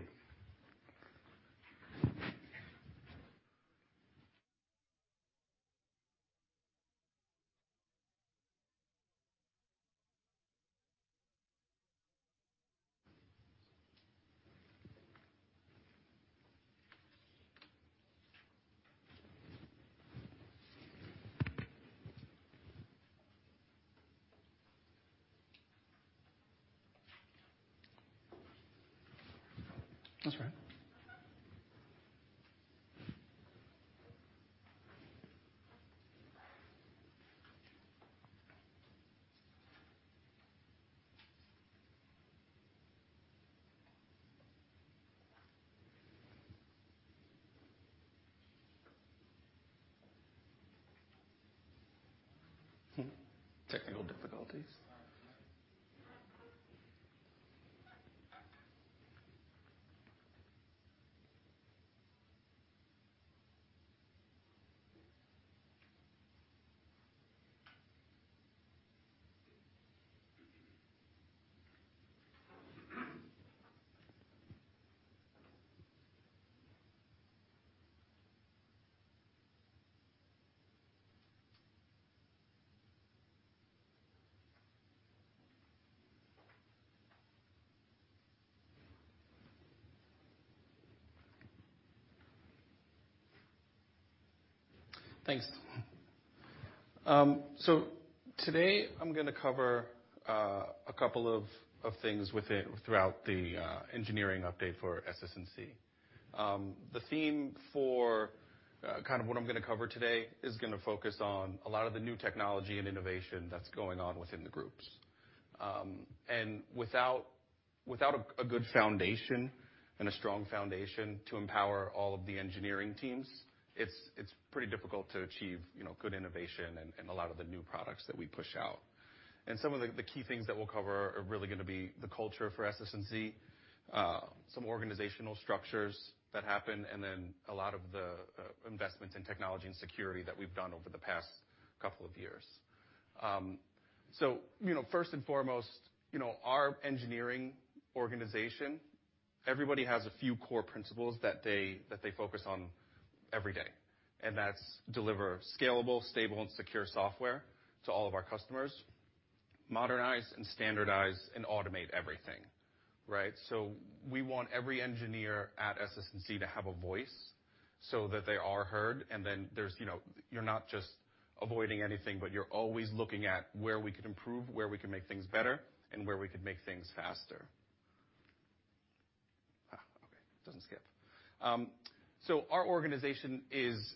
That's all right. Technical difficulties. Thanks. So today I'm gonna cover a couple of things throughout the engineering update for SS&C. The theme for kind of what I'm gonna cover today is gonna focus on a lot of the new technology and innovation that's going on within the groups. Without a good foundation and a strong foundation to empower all of the engineering teams, it's pretty difficult to achieve, you know, good innovation and a lot of the new products that we push out. Some of the key things that we'll cover are really gonna be the culture for SS&C, some organizational structures that happen, and then a lot of the investments in technology and security that we've done over the past couple of years. You know, first and foremost, you know, our engineering organization, everybody has a few core principles that they focus on every day, and that's deliver scalable, stable, and secure software to all of our customers. Modernize and standardize and automate everything, right? We want every engineer at SS&C to have a voice so that they are heard, and then there's, you know, you're not just avoiding anything, but you're always looking at where we could improve, where we can make things better, and where we could make things faster. Our organization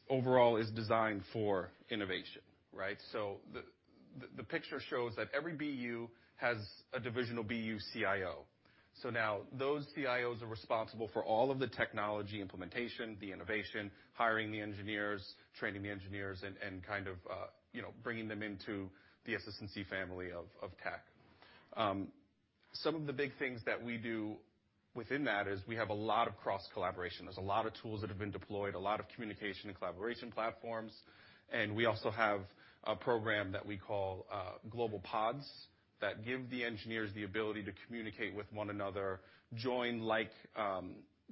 overall is designed for innovation, right? The picture shows that every BU has a divisional BU CIO. Now those CIOs are responsible for all of the technology implementation, the innovation, hiring the engineers, training the engineers and kind of bringing them into the SS&C family of tech. Some of the big things that we do within that is we have a lot of cross-collaboration. There's a lot of tools that have been deployed, a lot of communication and collaboration platforms, and we also have a program that we call Global Pods that give the engineers the ability to communicate with one another, join like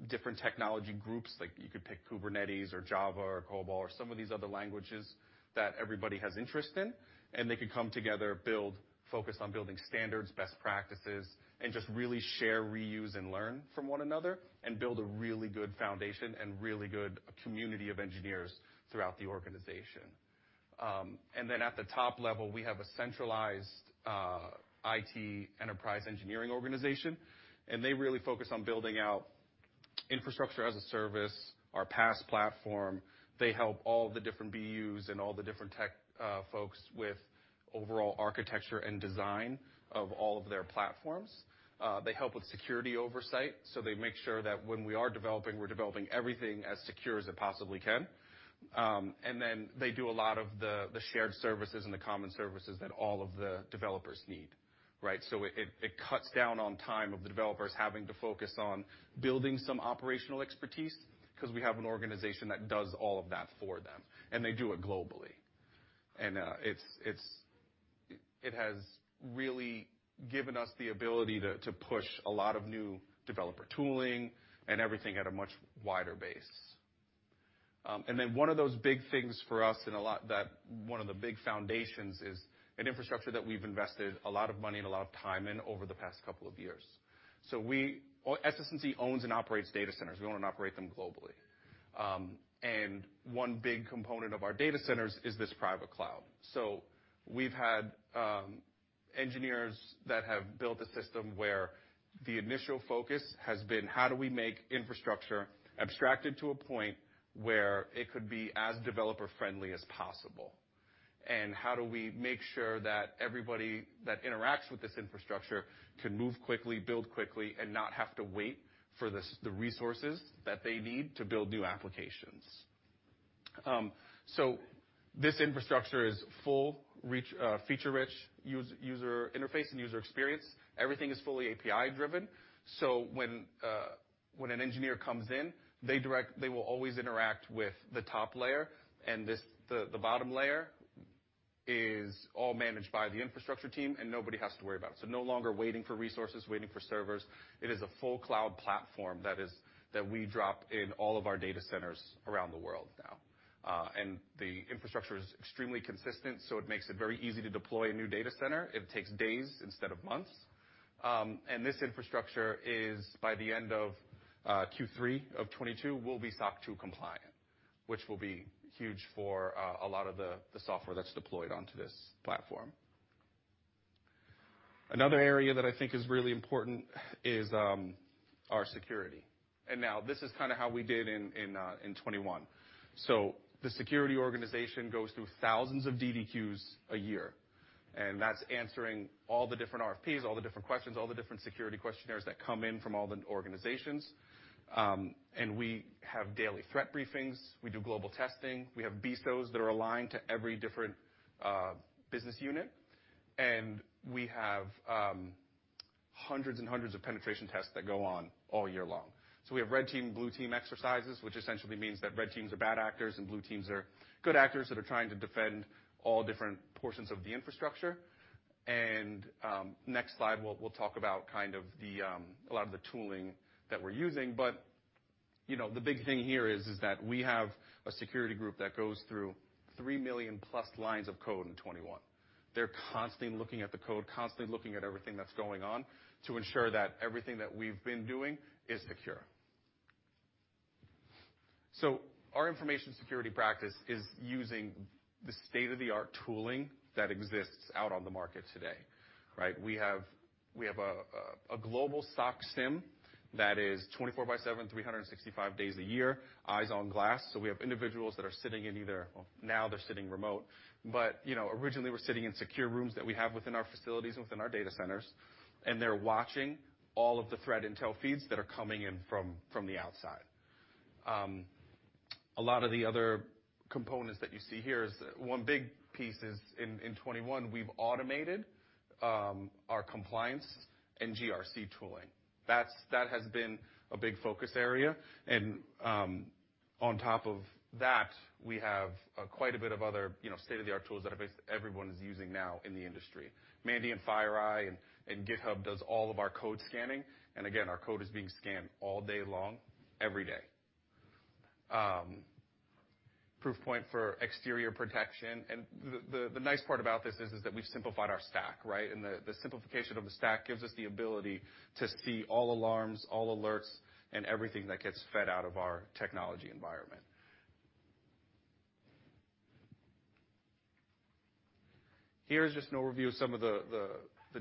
different technology groups. Like you could pick Kubernetes or Java or COBOL or some of these other languages that everybody has interest in, and they could come together, build, focus on building standards, best practices, and just really share, reuse, and learn from one another and build a really good foundation and really good community of engineers throughout the organization. At the top level, we have a centralized IT enterprise engineering organization, and they really focus on building out Infrastructure as a Service, our PaaS platform. They help all the different BUs and all the different tech folks with overall architecture and design of all of their platforms. They help with security oversight, so they make sure that when we are developing, we're developing everything as secure as it possibly can. They do a lot of the shared services and the common services that all of the developers need, right? It cuts down on time of the developers having to focus on building some operational expertise 'cause we have an organization that does all of that for them, and they do it globally. It has really given us the ability to push a lot of new developer tooling and everything at a much wider base. One of those big things for us, one of the big foundations, is an infrastructure that we've invested a lot of money and a lot of time in over the past couple of years. SS&C owns and operates data centers. We own and operate them globally. One big component of our data centers is this private cloud. We've had engineers that have built a system where the initial focus has been how do we make infrastructure abstracted to a point where it could be as developer-friendly as possible? How do we make sure that everybody that interacts with this infrastructure can move quickly, build quickly, and not have to wait for the resources that they need to build new applications? This infrastructure is feature-rich user interface and user experience. Everything is fully API-driven, so when an engineer comes in, they will always interact with the top layer and the bottom layer is all managed by the infrastructure team, and nobody has to worry about waiting for resources, waiting for servers. It is a full cloud platform that we drop in all of our data centers around the world now. The infrastructure is extremely consistent, so it makes it very easy to deploy a new data center. It takes days instead of months. This infrastructure is by the end of Q3 of 2022 will be SOC 2 compliant, which will be huge for a lot of the software that's deployed onto this platform. Another area that I think is really important is our security. Now this is kind of how we did in 2021. The security organization goes through thousands of DDQs a year, and that's answering all the different RFPs, all the different questions, all the different security questionnaires that come in from all the organizations. We have daily threat briefings. We do global testing. We have BISOs that are aligned to every different business unit. We have hundreds of penetration tests that go on all year long. We have red team, blue team exercises, which essentially means that red teams are bad actors and blue teams are good actors that are trying to defend all different portions of the infrastructure. Next slide, we'll talk about kind of a lot of the tooling that we're using. You know, the big thing here is that we have a security group that goes through 3 million+ lines of code in 2021. They're constantly looking at the code, constantly looking at everything that's going on to ensure that everything that we've been doing is secure. Our information security practice is using the state-of-the-art tooling that exists out on the market today, right? We have a global SOC SIEM that is 24/7, 365 days a year, eyes on glass. We have individuals that are sitting. Now they're sitting remote, but you know, originally were sitting in secure rooms that we have within our facilities and within our data centers, and they're watching all of the threat intel feeds that are coming in from the outside. A lot of the other components that you see here is one big piece. In 2021, we've automated our compliance and GRC tooling. That has been a big focus area. On top of that, we have quite a bit of other, you know, state-of-the-art tools that everyone is using now in the industry. Mandiant FireEye and GitHub does all of our code scanning, and again, our code is being scanned all day long, every day. Proofpoint for exterior protection. The nice part about this is that we've simplified our stack, right? The simplification of the stack gives us the ability to see all alarms, all alerts, and everything that gets fed out of our technology environment. Here is just an overview of some of the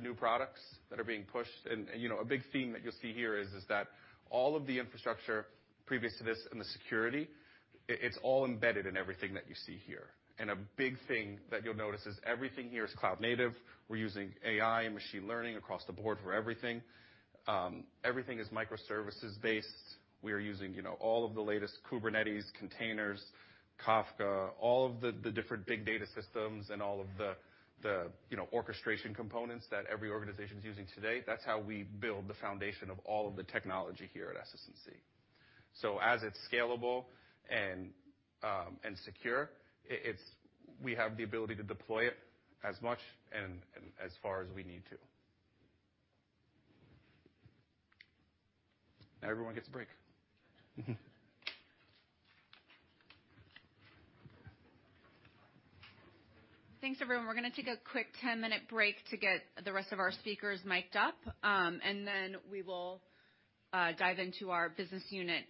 new products that are being pushed. You know, a big theme that you'll see here is that all of the infrastructure previous to this and the security, it's all embedded in everything that you see here. A big thing that you'll notice is everything here is cloud native. We're using AI and machine learning across the board for everything. Everything is microservices-based. We are using, you know, all of the latest Kubernetes containers, Kafka, all of the different big data systems and all of the, you know, orchestration components that every organization's using today. That's how we build the foundation of all of the technology here at SS&C. As it's scalable and secure, we have the ability to deploy it as much and as far as we need to. Now everyone gets a break. Thanks, everyone. We're gonna take a quick 10-minute break to get the rest of our speakers mic'd up, and then we will dive into our business unit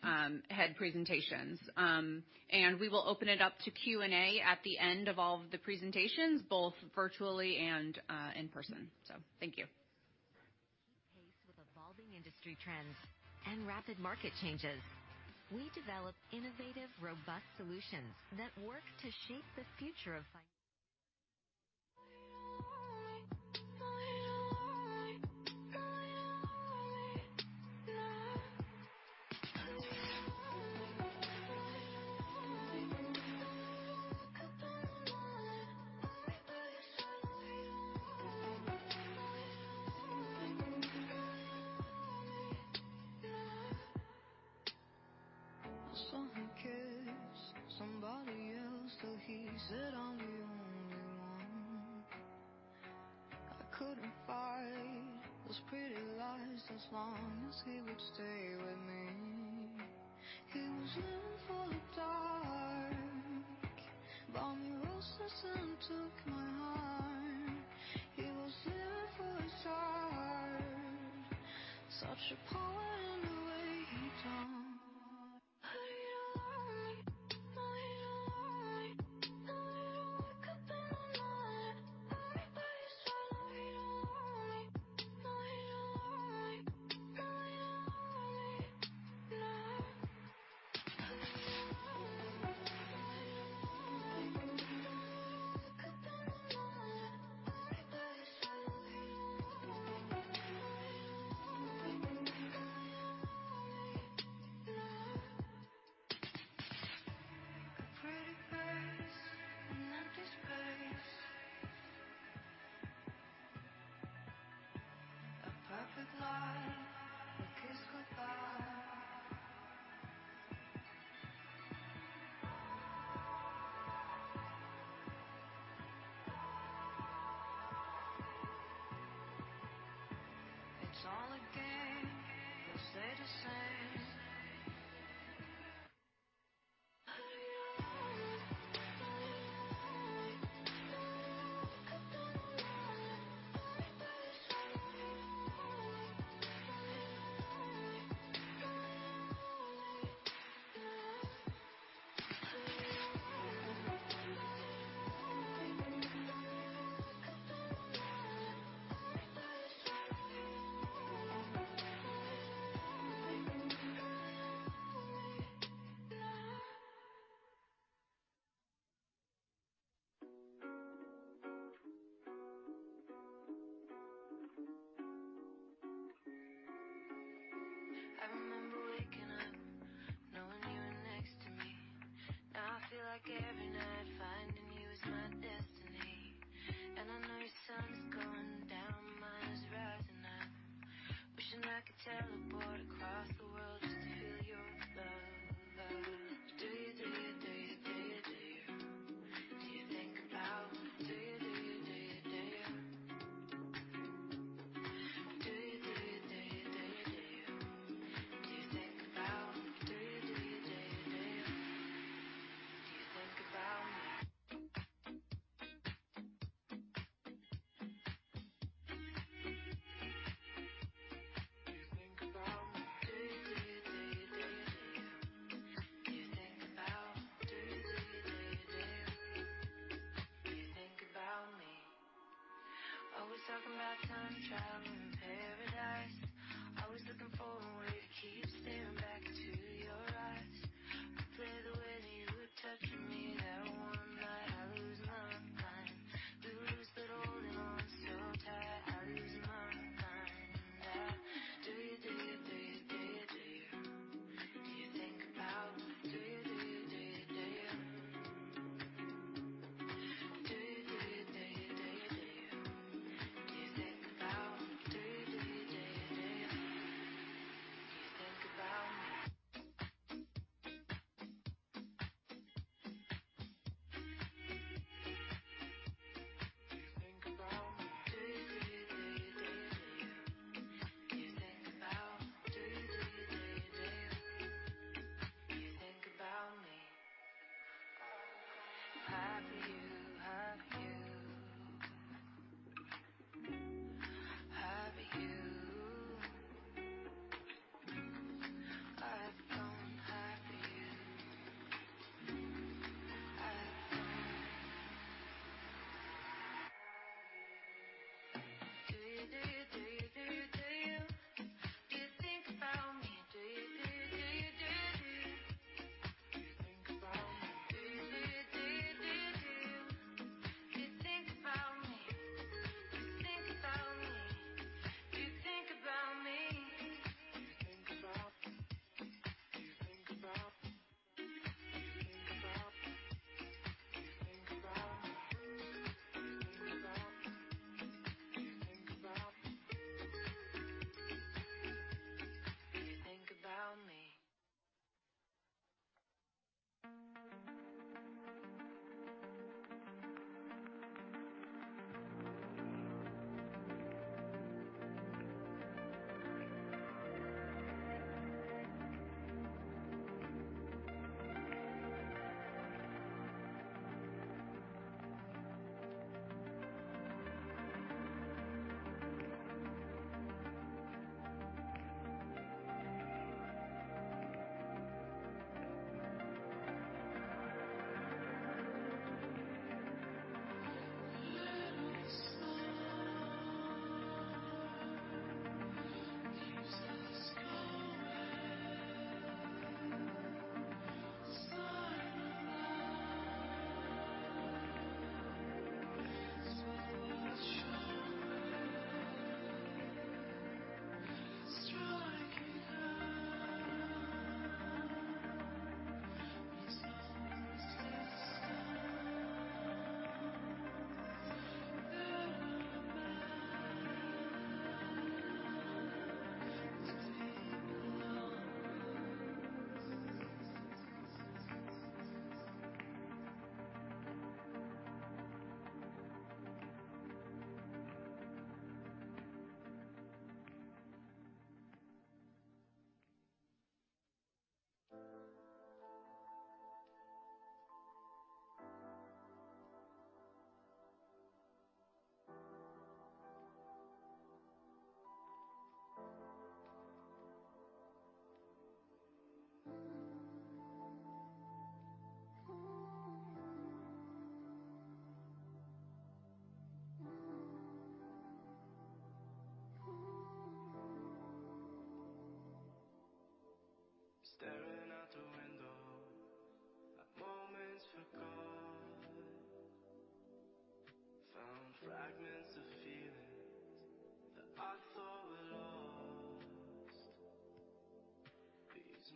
head presentations. We will open it up to Q&A at the end of all of the presentations, both virtually and in person. Thank you. With evolving industry trends and rapid market changes, we developed innovative robust solutions that work to shape the future of...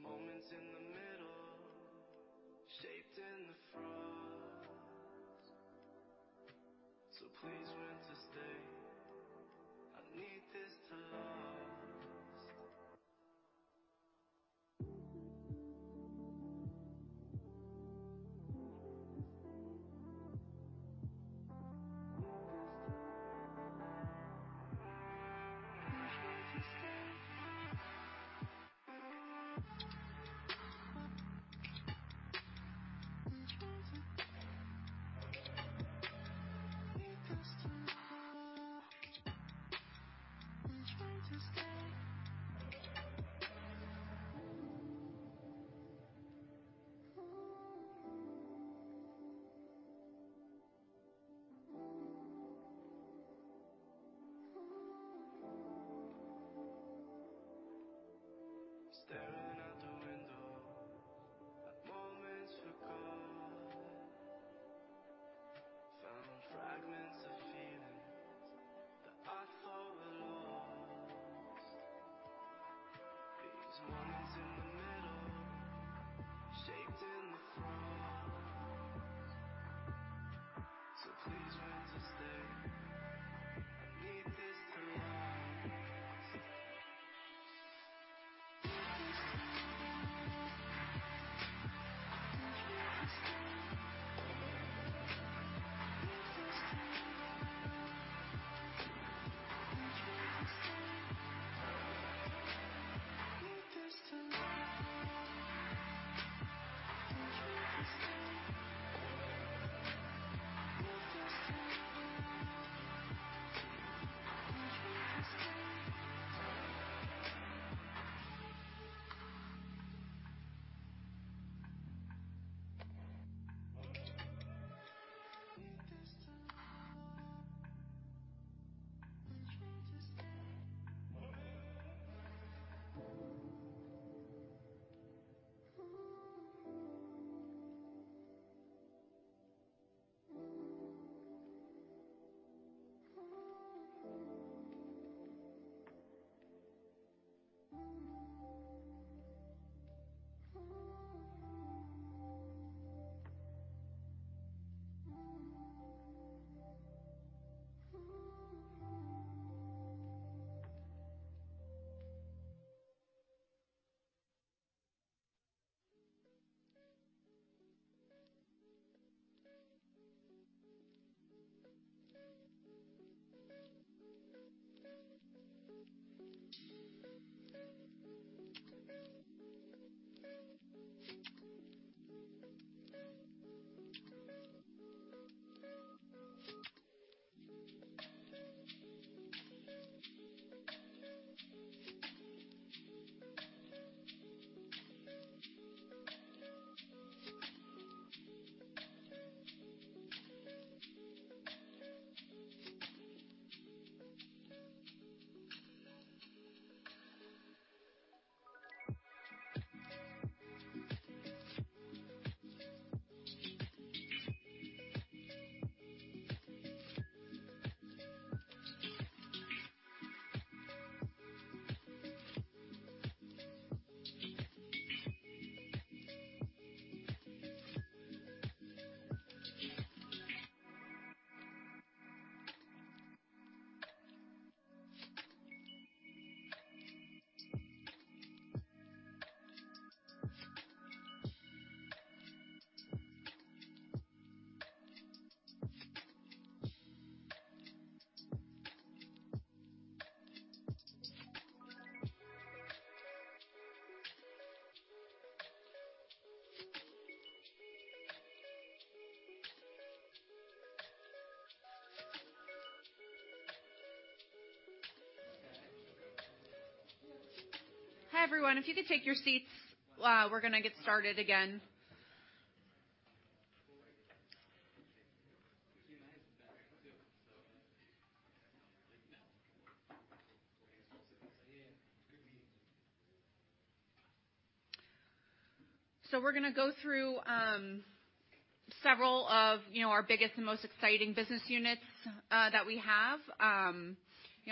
Hi, everyone. If you could take your seats, we're gonna get started again. We're gonna go through several of, you know, our biggest and most exciting business units that we have. You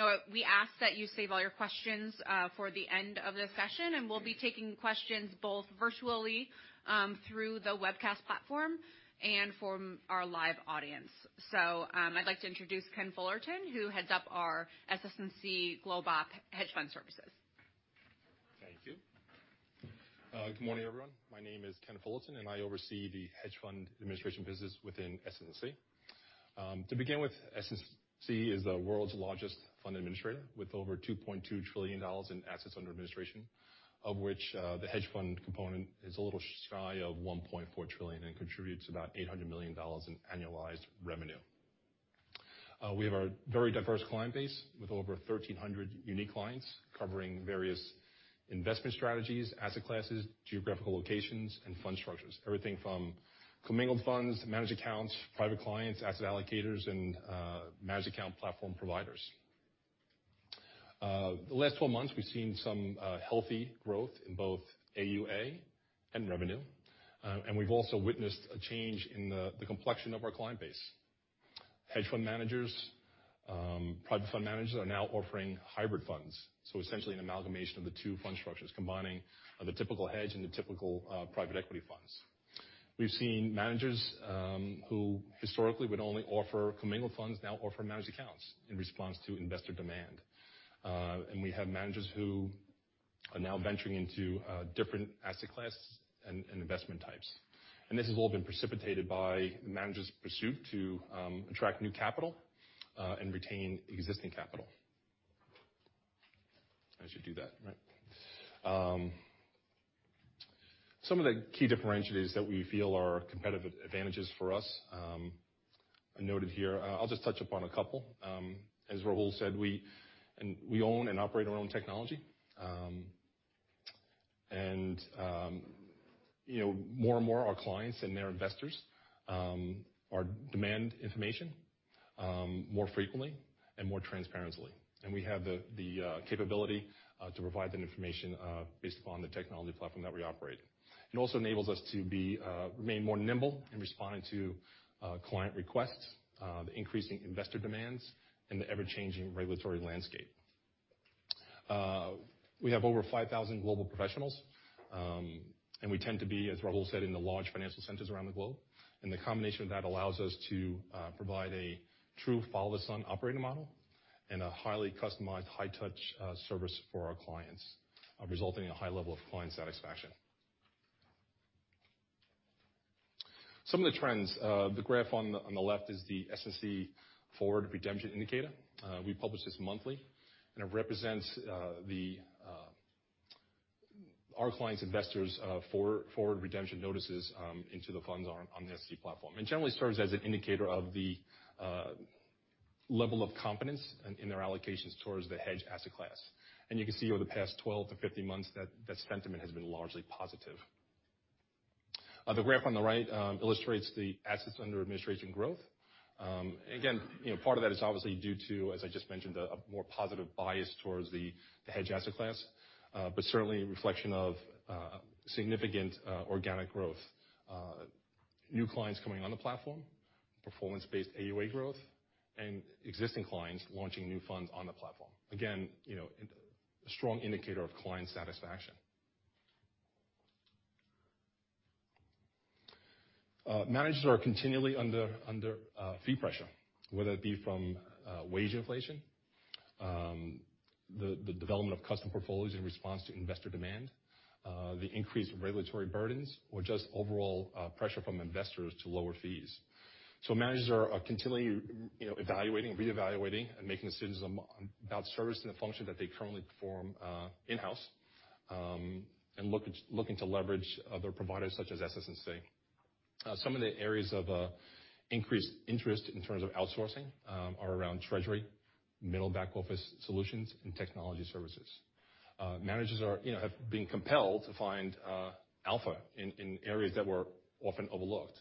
know, we ask that you save all your questions for the end of the session, and we'll be taking questions both virtually through the webcast platform and from our live audience. I'd like to introduce Ken Fullerton, who heads up our SS&C GlobeOp Hedge Fund Services. Thank you. Good morning, everyone. My name is Ken Fullerton, and I oversee the hedge fund administration business within SS&C. To begin with, SS&C is the world's largest fund administrator, with over $2.2 trillion in assets under administration, of which the hedge fund component is a little shy of $1.4 trillion and contributes about $800 million in annualized revenue. We have a very diverse client base, with over 1,300 unique clients covering various investment strategies, asset classes, geographical locations, and fund structures. Everything from commingled funds, managed accounts, private clients, asset allocators, and managed account platform providers. The last 12 months, we've seen some healthy growth in both AUA and revenue. We've also witnessed a change in the complexion of our client base. Hedge fund managers, private fund managers are now offering hybrid funds, so essentially an amalgamation of the two fund structures, combining the typical hedge and the typical private equity funds. We've seen managers who historically would only offer commingled funds now offer managed accounts in response to investor demand. We have managers who are now venturing into different asset classes and investment types. This has all been precipitated by the managers' pursuit to attract new capital and retain existing capital. I should do that, right. Some of the key differentiators that we feel are competitive advantages for us are noted here. I'll just touch upon a couple. As Rahul said, we own and operate our own technology. You know, more and more our clients and their investors are demanding information more frequently and more transparently. We have the capability to provide that information based upon the technology platform that we operate. It also enables us to remain more nimble in responding to client requests, the increasing investor demands, and the ever-changing regulatory landscape. We have over 5,000 global professionals, and we tend to be, as Rahul said, in the large financial centers around the globe. The combination of that allows us to provide a true follow the sun operating model and a highly customized high-touch service for our clients, resulting in a high level of client satisfaction. Some of the trends. The graph on the left is the SS&C Forward Redemption Indicator. We publish this monthly, and it represents our clients' investors forward redemption notices into the funds on the SS&C platform. It generally serves as an indicator of the level of confidence in their allocations towards the hedge asset class. You can see over the past 12-15 months that sentiment has been largely positive. The graph on the right illustrates the assets under administration growth. Again, you know, part of that is obviously due to, as I just mentioned, a more positive bias towards the hedge asset class. But certainly a reflection of significant organic growth, new clients coming on the platform, performance-based AUA growth, and existing clients launching new funds on the platform. Again, you know, a strong indicator of client satisfaction. Managers are continually under fee pressure, whether it be from wage inflation, the development of custom portfolios in response to investor demand, the increased regulatory burdens or just overall pressure from investors to lower fees. Managers are continually you know evaluating, reevaluating, and making decisions about services and the function that they currently perform in-house and looking to leverage other providers such as SS&C. Some of the areas of increased interest in terms of outsourcing are around treasury, middle back-office solutions and technology services. Managers you know have been compelled to find alpha in areas that were often overlooked,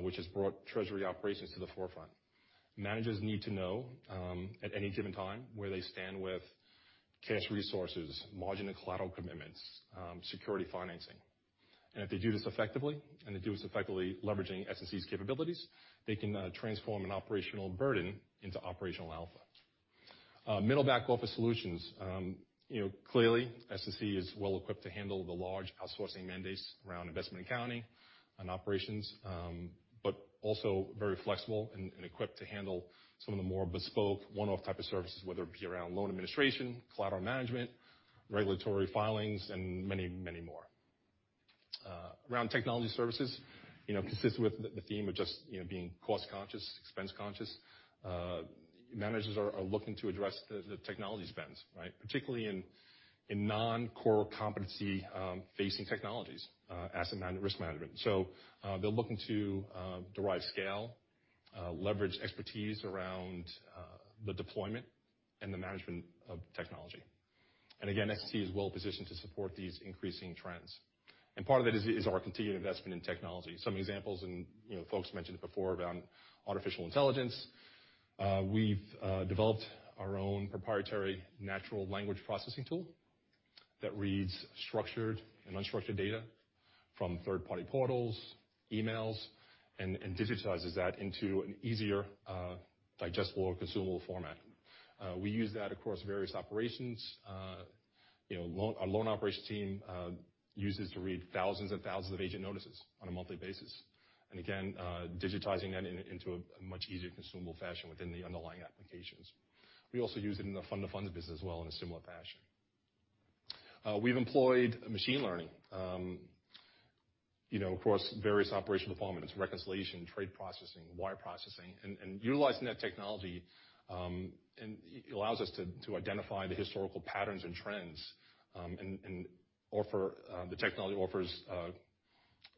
which has brought treasury operations to the forefront. Managers need to know at any given time where they stand with cash resources, margin and collateral commitments, security financing. If they do this effectively, they do this effectively leveraging SS&C's capabilities, they can transform an operational burden into operational alpha. Middle back-office solutions. You know, clearly SS&C is well equipped to handle the large outsourcing mandates around investment accounting and operations, but also very flexible and equipped to handle some of the more bespoke one-off type of services, whether it be around loan administration, collateral management, regulatory filings, and many, many more. Around technology services, you know, consistent with the theme of just, you know, being cost conscious, expense conscious, managers are looking to address the technology spends, right? Particularly in non-core competency facing technologies, risk management. They're looking to derive scale, leverage expertise around the deployment and the management of technology. Again, SS&C is well positioned to support these increasing trends. Part of it is our continued investment in technology. Some examples and, you know, folks mentioned it before around artificial intelligence. We've developed our own proprietary natural language processing tool that reads structured and unstructured data from third-party portals, emails, and digitizes that into an easier, digestible or consumable format. We use that across various operations. You know, our loan operations team uses to read thousands and thousands of agent notices on a monthly basis. Again, digitizing that into a much easier consumable fashion within the underlying applications. We also use it in the fund-of-funds business as well in a similar fashion. We've employed machine learning, you know, across various operational departments, reconciliation, trade processing, wire processing. Utilizing that technology, and it allows us to identify the historical patterns and trends, and offer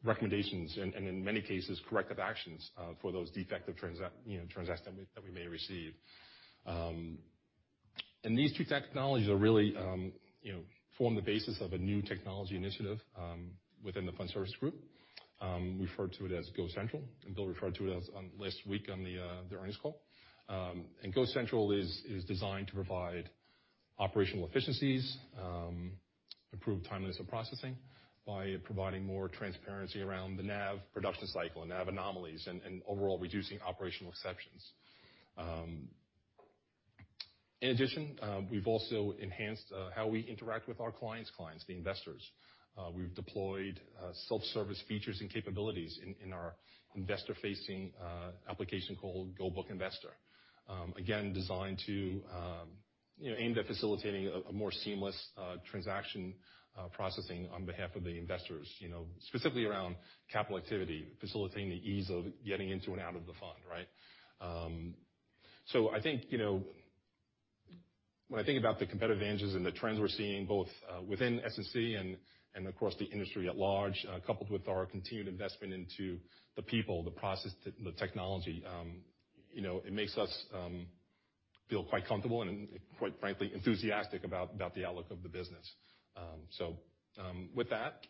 recommendations and in many cases, corrective actions for those defective transactions that we may receive. These two technologies really, you know, form the basis of a new technology initiative within the fund service group. We refer to it as GoCentral, and Bill referred to it last week on the earnings call. GoCentral is designed to provide operational efficiencies, improve timeliness of processing by providing more transparency around the NAV production cycle and NAV anomalies, and overall reducing operational exceptions. In addition, we've also enhanced how we interact with our clients' clients, the investors. We've deployed self-service features and capabilities in our investor-facing application called GoBook Investor. Again, designed to, you know, aimed at facilitating a more seamless transaction processing on behalf of the investors, you know, specifically around capital activity, facilitating the ease of getting into and out of the fund, right? I think, you know, when I think about the competitive advantages and the trends we're seeing both within SS&C and, of course, the industry at large, coupled with our continued investment into the people, the process, the technology, you know, it makes us feel quite comfortable and quite frankly, enthusiastic about the outlook of the business. With that,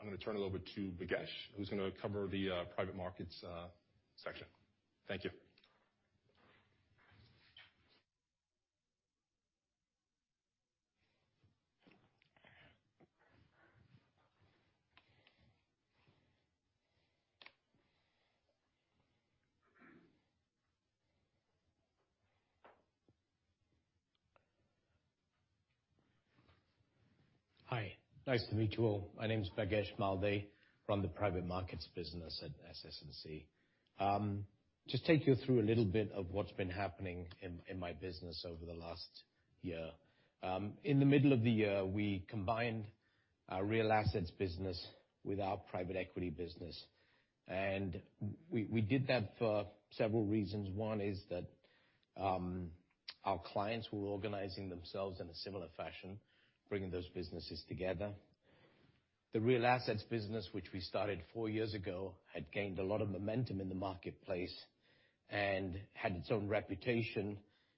I'm gonna turn it over to Bhagesh, who's gonna cover the private markets section. Thank you. Hi. Nice to meet you all. My name's Bhagesh Malde, from the Private Markets business at SS&C. Just take you through a little bit of what's been happening in my business over the last year. In the middle of the year, we combined our Real Assets business with our Private Equity business. We did that for several reasons. One is that our clients were organizing themselves in a similar fashion, bringing those businesses together. The Real Assets business, which we started four years ago, had gained a lot of momentum in the marketplace and had its own reputation,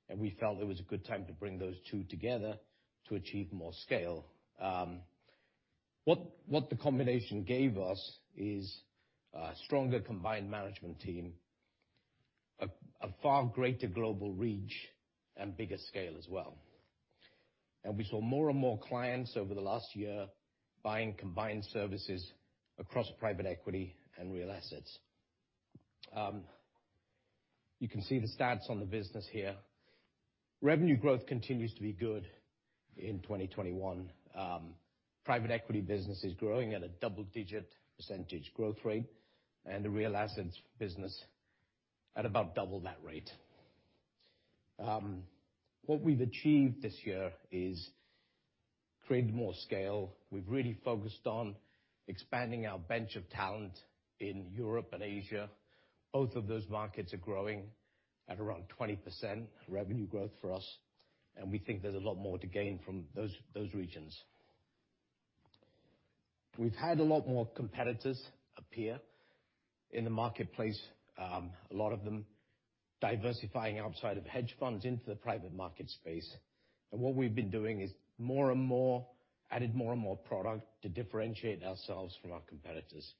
and we felt it was a good time to bring those two together to achieve more scale. What the combination gave us is a stronger combined management team, a far greater global reach, and bigger scale as well. We saw more and more clients over the last year buying combined services across Private Equity and Real Assets. You can see the stats on the business here. Revenue growth continues to be good in 2021. Private Equity business is growing at a double-digit percentage growth rate, and the Real Assets business at about double that rate. What we've achieved this year is created more scale. We've really focused on expanding our bench of talent in Europe and Asia. Both of those markets are growing at around 20% revenue growth for us, and we think there's a lot more to gain from those regions. We've had a lot more competitors appear in the marketplace, a lot of them diversifying outside of hedge funds into the private market space. What we've been doing is more and more added more and more product to differentiate ourselves from our competitors.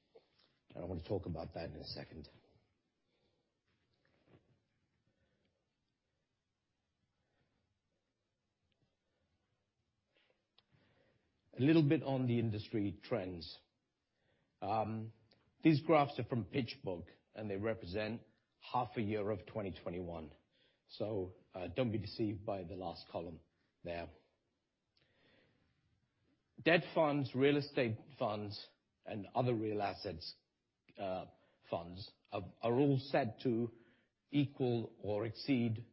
I wanna talk about that in a second. A little bit on the industry trends. These graphs are from PitchBook, and they represent half a year of 2021, so don't be deceived by the last column there. Debt funds, real estate funds, and other real assets funds are all set to equal or exceed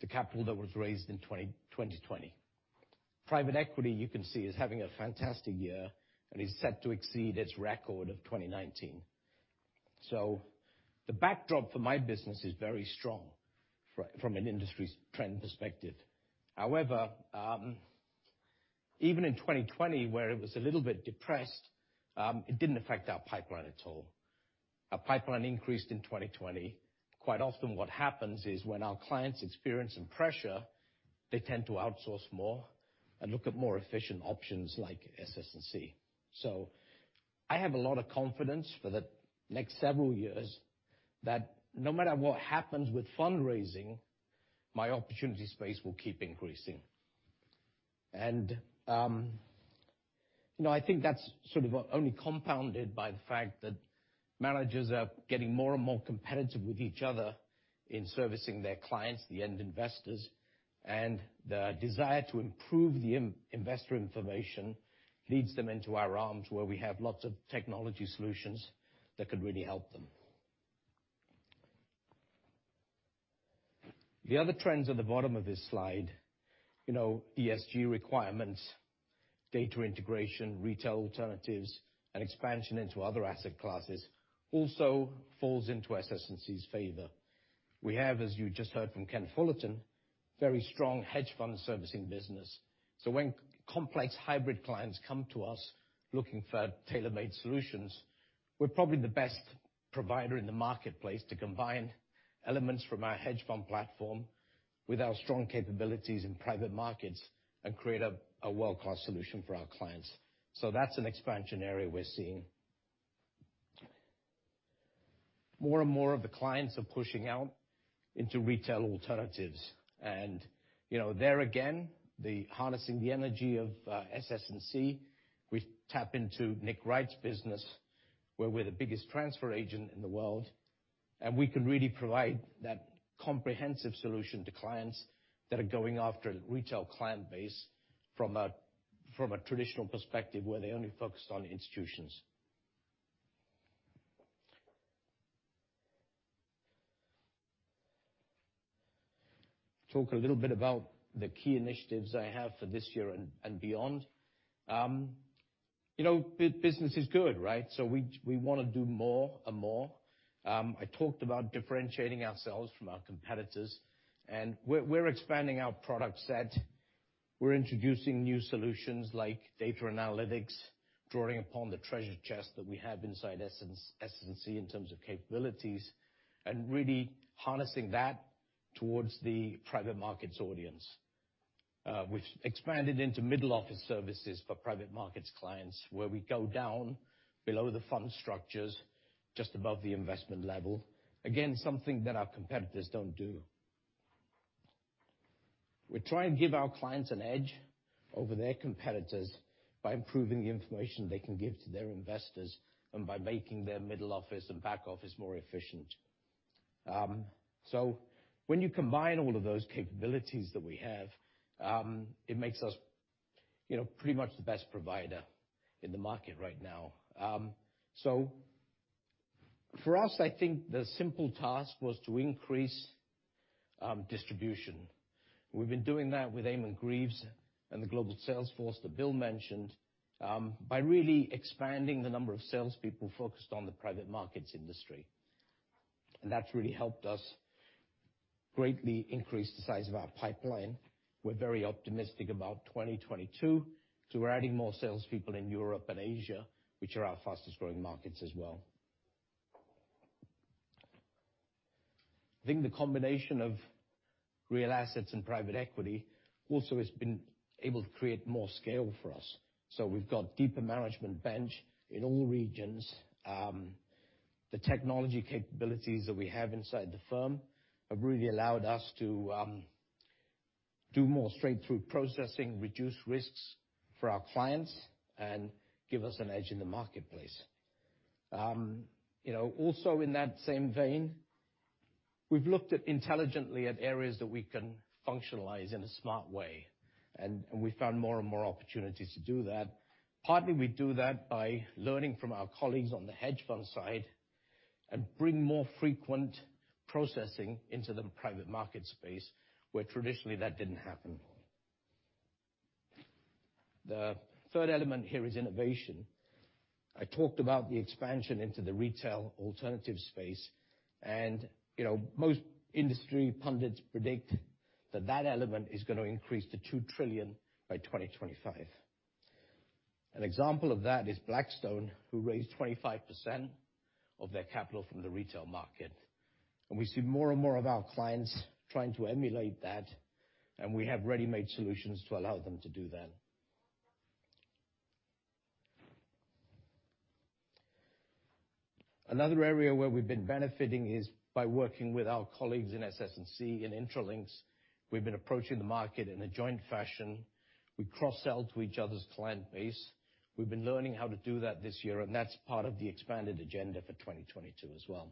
the capital that was raised in 2020. Private Equity, you can see, is having a fantastic year and is set to exceed its record of 2019. The backdrop for my business is very strong from an industry trend perspective. However, even in 2020, where it was a little bit depressed, it didn't affect our pipeline at all. Our pipeline increased in 2020. Quite often, what happens is when our clients experience some pressure, they tend to outsource more and look at more efficient options like SS&C. I have a lot of confidence for the next several years that no matter what happens with fundraising, my opportunity space will keep increasing. You know, I think that's sort of only compounded by the fact that managers are getting more and more competitive with each other in servicing their clients, the end investors. The desire to improve the in-investor information leads them into our arms, where we have lots of technology solutions that could really help them. The other trends at the bottom of this slide, you know, ESG requirements, data integration, retail alternatives, and expansion into other asset classes also falls into SS&C's favor. We have, as you just heard from Ken Fullerton, very strong hedge fund servicing business. When complex hybrid clients come to us looking for tailor-made solutions, we're probably the best provider in the marketplace to combine elements from our hedge fund platform with our strong capabilities in private markets and create a world-class solution for our clients. That's an expansion area we're seeing. More and more of the clients are pushing out into retail alternatives. There again, harnessing the energy of SS&C, we tap into Nick Wright's business, where we're the biggest transfer agent in the world. We can really provide that comprehensive solution to clients that are going after the retail client base from a traditional perspective, where they only focused on institutions. Talk a little bit about the key initiatives I have for this year and beyond. Business is good, right? We wanna do more and more. I talked about differentiating ourselves from our competitors, and we're expanding our product set. We're introducing new solutions like data analytics, drawing upon the treasure chest that we have inside SS&C in terms of capabilities, and really harnessing that towards the private markets audience. We've expanded into middle office services for private markets clients, where we go down below the fund structures just above the investment level. Again, something that our competitors don't do. We try and give our clients an edge over their competitors by improving the information they can give to their investors and by making their middle office and back office more efficient. When you combine all of those capabilities that we have, it makes us, you know, pretty much the best provider in the market right now. For us, I think the simple task was to increase distribution. We've been doing that with Eamonn Greaves and the global sales force that Bill mentioned by really expanding the number of salespeople focused on the private markets industry. That's really helped us greatly increase the size of our pipeline. We're very optimistic about 2022, so we're adding more salespeople in Europe and Asia, which are our fastest-growing markets as well. I think the combination of real assets and private equity also has been able to create more scale for us. We've got deeper management bench in all regions. The technology capabilities that we have inside the firm have really allowed us to do more straight-through processing, reduce risks for our clients, and give us an edge in the marketplace. You know, also in that same vein, we've looked intelligently at areas that we can functionalize in a smart way, and we found more and more opportunities to do that. Partly, we do that by learning from our colleagues on the hedge fund side and bring more frequent processing into the private market space, where traditionally that didn't happen. The third element here is innovation. I talked about the expansion into the retail alternative space and, you know, most industry pundits predict that element is gonna increase to $2 trillion by 2025. An example of that is Blackstone, who raised 25% of their capital from the retail market. We see more and more of our clients trying to emulate that, and we have ready-made solutions to allow them to do that. Another area where we've been benefiting is by working with our colleagues in SS&C and Intralinks. We've been approaching the market in a joint fashion. We cross-sell to each other's client base. We've been learning how to do that this year, and that's part of the expanded agenda for 2022 as well.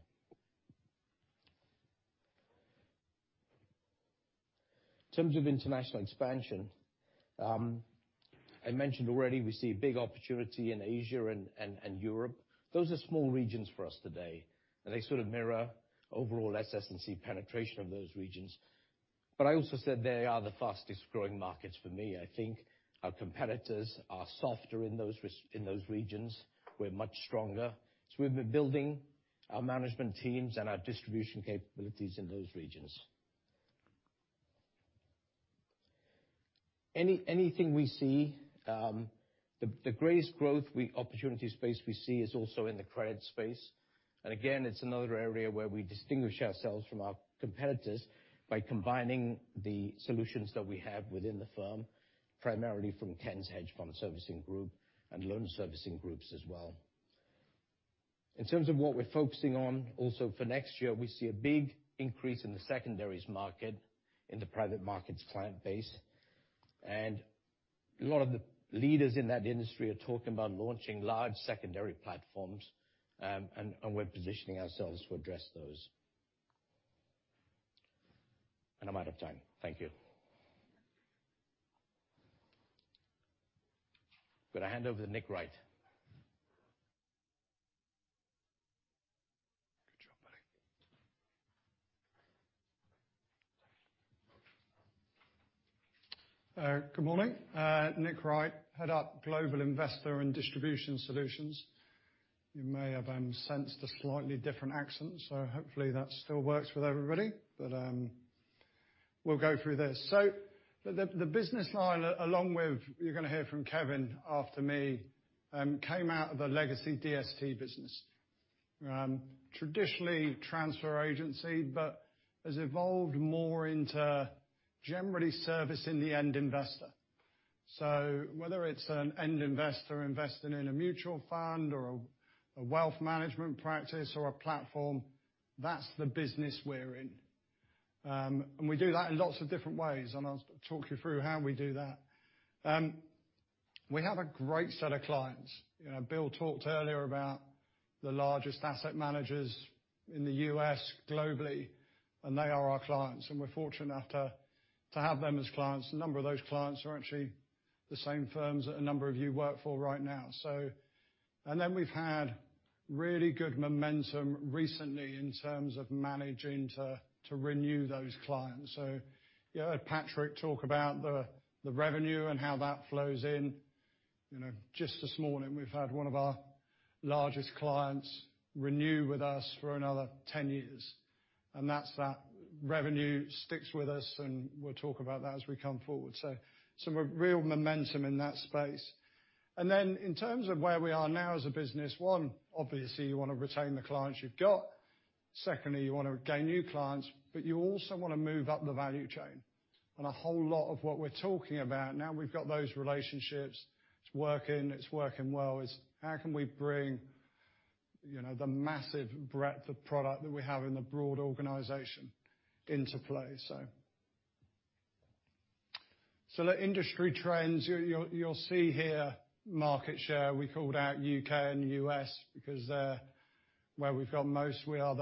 In terms of international expansion, I mentioned already we see a big opportunity in Asia and Europe. Those are small regions for us today, and they sort of mirror overall SS&C penetration of those regions. But I also said they are the fastest-growing markets for me. I think our competitors are softer in those regions. We're much stronger, so we've been building our management teams and our distribution capabilities in those regions. Anything we see, the greatest growth opportunity space we see is also in the credit space. Again, it's another area where we distinguish ourselves from our competitors by combining the solutions that we have within the firm, primarily from Ken's hedge fund servicing group and loan servicing groups as well. In terms of what we're focusing on, also for next year, we see a big increase in the secondaries market in the private markets client base. A lot of the leaders in that industry are talking about launching large secondary platforms, and we're positioning ourselves to address those. I'm out of time. Thank you. Gonna hand over to Nick Wright. Good job, buddy. Good morning. Nick Wright, Head of Global Investor and Distribution Solutions. You may have sensed a slightly different accent, so hopefully that still works with everybody. We'll go through this. The business line, along with, you're gonna hear from Kevin after me, came out of the legacy DST business. Traditionally, transfer agency, but has evolved more into generally servicing the end investor. Whether it's an end investor investing in a mutual fund or a wealth management practice or a platform, that's the business we're in. We do that in lots of different ways, and I'll talk you through how we do that. We have a great set of clients. You know, Bill talked earlier about the largest asset managers in the U.S. globally, and they are our clients, and we're fortunate enough to have them as clients. A number of those clients are actually the same firms that a number of you work for right now. We've had really good momentum recently in terms of managing to renew those clients. You heard Patrick talk about the revenue and how that flows in. You know, just this morning, we've had one of our largest clients renew with us for another 10 years. That's the revenue that sticks with us, and we'll talk about that as we come forward. Some real momentum in that space. In terms of where we are now as a business, one, obviously, you wanna retain the clients you've got. Secondly, you wanna gain new clients, but you also wanna move up the value chain. A whole lot of what we're talking about, now we've got those relationships, it's working, it's working well, is how can we bring, you know, the massive breadth of product that we have in the broad organization into play. The industry trends, you'll see here market share. We called out U.K. and U.S. because they're where we've got most. We are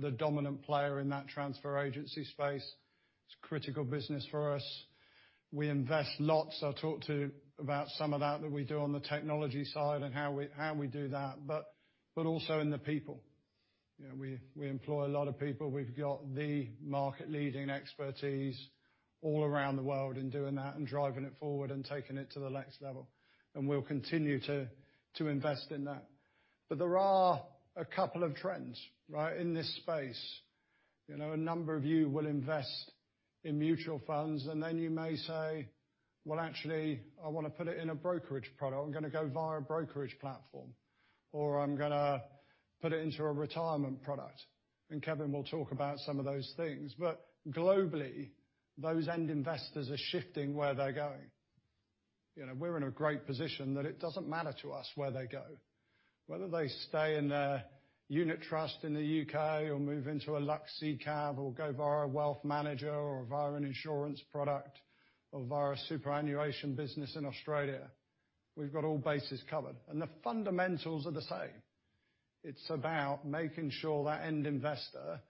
the dominant player in that transfer agency space. It's critical business for us. We invest lots. I'll talk about some of that we do on the technology side and how we do that, but also in the people. You know, we employ a lot of people. We've got the market-leading expertise all around the world in doing that and driving it forward and taking it to the next level. We'll continue to invest in that. There are a couple of trends, right, in this space. You know, a number of you will invest in mutual funds, and then you may say, "Well, actually, I wanna put it in a brokerage product. I'm gonna go via a brokerage platform, or I'm gonna put it into a retirement product." Kevin will talk about some of those things. Globally, those end investors are shifting where they're going. You know, we're in a great position that it doesn't matter to us where they go. Whether they stay in a unit trust in the U.K. or move into a Lux SICAV or go via a wealth manager or via an insurance product or via a superannuation business in Australia, we've got all bases covered. The fundamentals are the same. It's about making sure that end investor,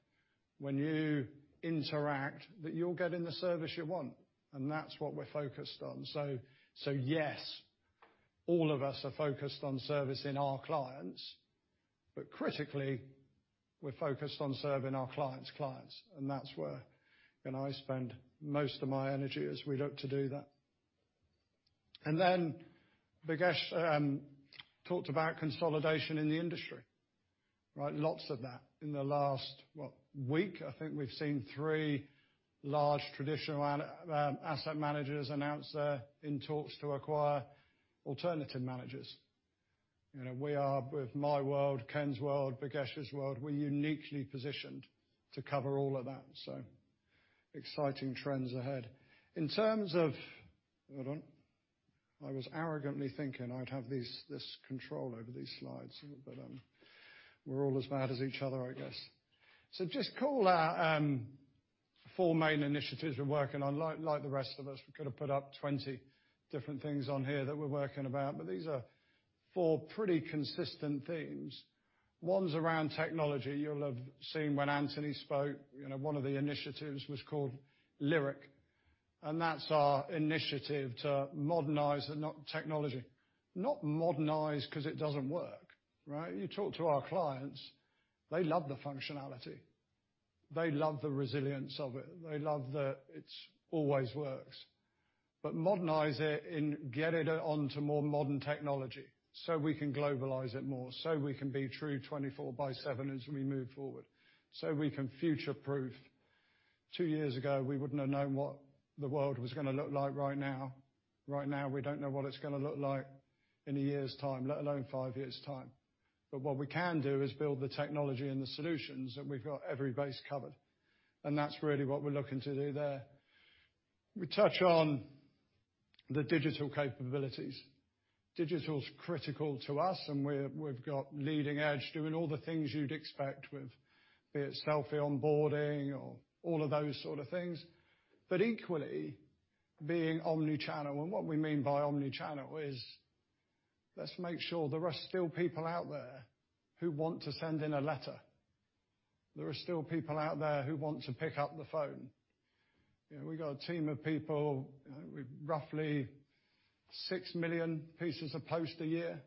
when you interact, that you're getting the service you want, and that's what we're focused on. Yes, all of us are focused on servicing our clients. Critically, we're focused on serving our clients' clients, and that's where, you know, I spend most of my energy as we look to do that. Then Bhagesh talked about consolidation in the industry, right? Lots of that in the last, what, week. I think we've seen three large traditional asset managers announce they're in talks to acquire alternative managers. You know, we are with my world, Ken's world, Bhagesh's world, we're uniquely positioned to cover all of that. Exciting trends ahead. In terms of. Hold on. I was arrogantly thinking I'd have this control over these slides, but we're all as bad as each other, I guess. Just call out four main initiatives we're working on. Like the rest of us, we could have put up 20 different things on here that we're working on, but these are four pretty consistent themes. One's around technology. You'll have seen when Anthony spoke, you know, one of the initiatives was called Lyric, and that's our initiative to modernize the technology. Not modernize 'cause it doesn't work, right? You talk to our clients, they love the functionality. They love the resilience of it. They love that it's always works. Modernize it and get it onto more modern technology, so we can globalize it more, so we can be true 24/7 as we move forward, so we can future-proof. Two years ago, we wouldn't have known what the world was gonna look like right now. Right now, we don't know what it's gonna look like in a year's time, let alone five years' time. What we can do is build the technology and the solutions, and we've got every base covered. That's really what we're looking to do there. We touch on the digital capabilities. Digital's critical to us, and we've got leading edge doing all the things you'd expect with, be it selfie onboarding or all of those sort of things. Equally, being omni-channel, and what we mean by omni-channel is let's make sure there are still people out there who want to send in a letter. There are still people out there who want to pick up the phone. You know, we got a team of people with roughly 6 million pieces of post a year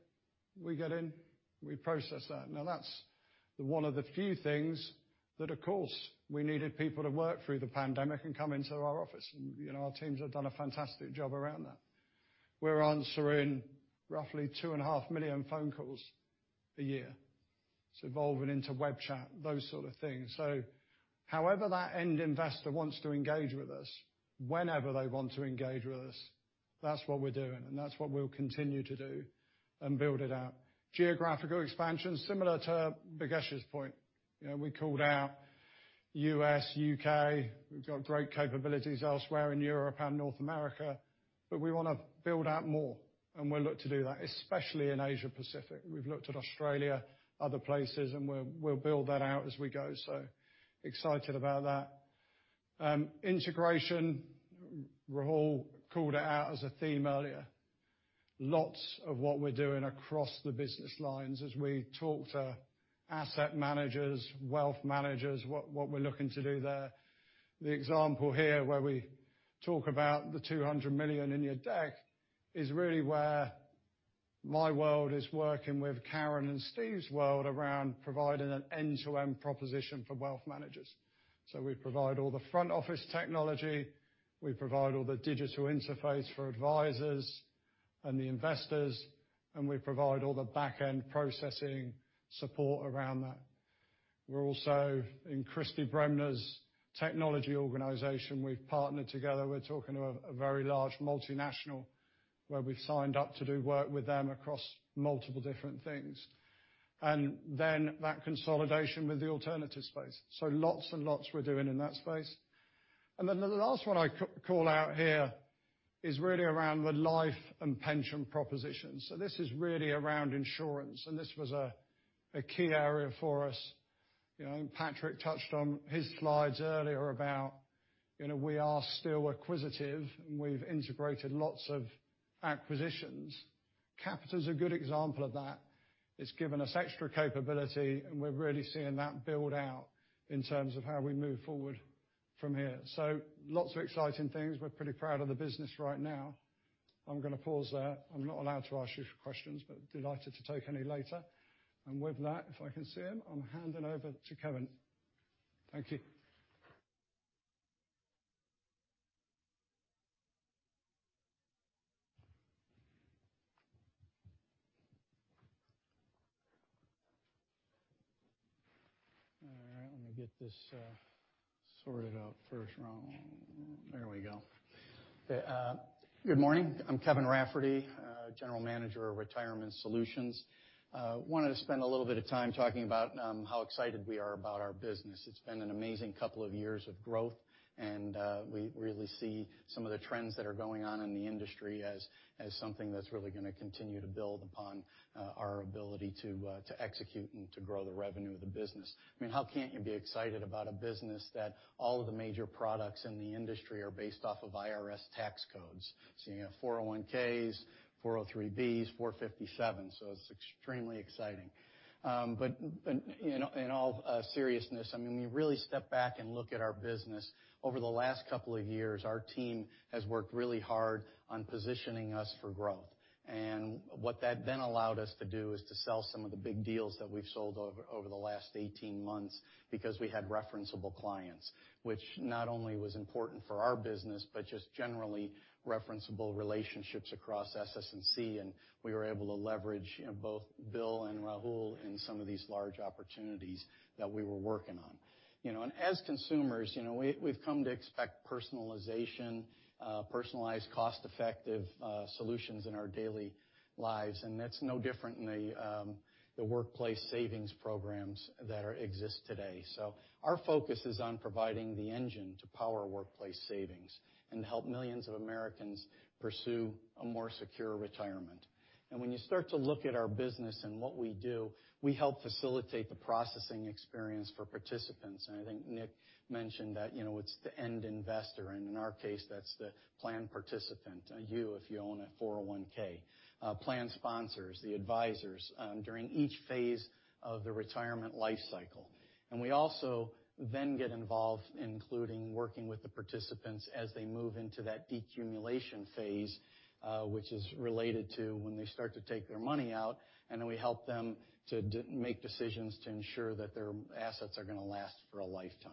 we get in. We process that. Now that's one of the few things that, of course, we needed people to work through the pandemic and come into our office. You know, our teams have done a fantastic job around that. We're answering roughly 2.5 million phone calls a year. It's evolving into web chat, those sort of things. However that end investor wants to engage with us, whenever they want to engage with us, that's what we're doing, and that's what we'll continue to do and build it out. Geographical expansion, similar to Bhagesh's point. You know, we called out U.S., U.K., we've got great capabilities elsewhere in Europe and North America, but we wanna build out more, and we'll look to do that, especially in Asia Pacific. We've looked at Australia, other places, and we'll build that out as we go. Excited about that. Integration, Rahul called it out as a theme earlier. Lots of what we're doing across the business lines as we talk to asset managers, wealth managers, what we're looking to do there. The example here where we talk about the $200 million in your deck is really where my world is working with Karen and Steve's world around providing an end-to-end proposition for wealth managers. We provide all the front office technology, we provide all the digital interface for advisors and the investors, and we provide all the back-end processing support around that. We're also in Christy Bremner's technology organization, we've partnered together. We're talking to a very large multinational where we've signed up to do work with them across multiple different things. Then that consolidation with the alternative space. Lots and lots we're doing in that space. Then the last one I call out here is really around the life and pension propositions. This is really around insurance, and this was a key area for us. You know, Patrick touched on his slides earlier about, you know, we are still acquisitive, and we've integrated lots of acquisitions. Capita is a good example of that. It's given us extra capability, and we're really seeing that build out in terms of how we move forward from here. Lots of exciting things. We're pretty proud of the business right now. I'm gonna pause there. I'm not allowed to answer your questions, but I'm delighted to take any later. With that, if I can see him, I'm handing over to Kevin. Thank you. Good morning. I'm Kevin Rafferty, General Manager of Retirement Solutions. I wanted to spend a little bit of time talking about how excited we are about our business. It's been an amazing couple of years of growth, and we really see some of the trends that are going on in the industry as something that's really gonna continue to build upon our ability to execute and to grow the revenue of the business. I mean, how can't you be excited about a business that all of the major products in the industry are based off of IRS tax codes? You have 401(k)s, 403(b)s, 457(b)s, so it's extremely exciting. you know, in all seriousness, I mean, when you really step back and look at our business, over the last couple of years, our team has worked really hard on positioning us for growth. What that then allowed us to do is to sell some of the big deals that we've sold over the last 18 months because we had referenceable clients, which not only was important for our business, but just generally referenceable relationships across SS&C, and we were able to leverage, you know, both Bill and Rahul in some of these large opportunities that we were working on. You know, as consumers, you know, we've come to expect personalization, personalized cost-effective solutions in our daily lives, and that's no different in the workplace savings programs that exist today. Our focus is on providing the engine to power workplace savings and help millions of Americans pursue a more secure retirement. When you start to look at our business and what we do, we help facilitate the processing experience for participants. I think Nick mentioned that, it's the end investor, and in our case, that's the plan participant, you if you own a 401(k), plan sponsors, the advisors, during each phase of the retirement life cycle. We also then get involved, including working with the participants as they move into that decumulation phase, which is related to when they start to take their money out, and then we help them to make decisions to ensure that their assets are gonna last for a lifetime.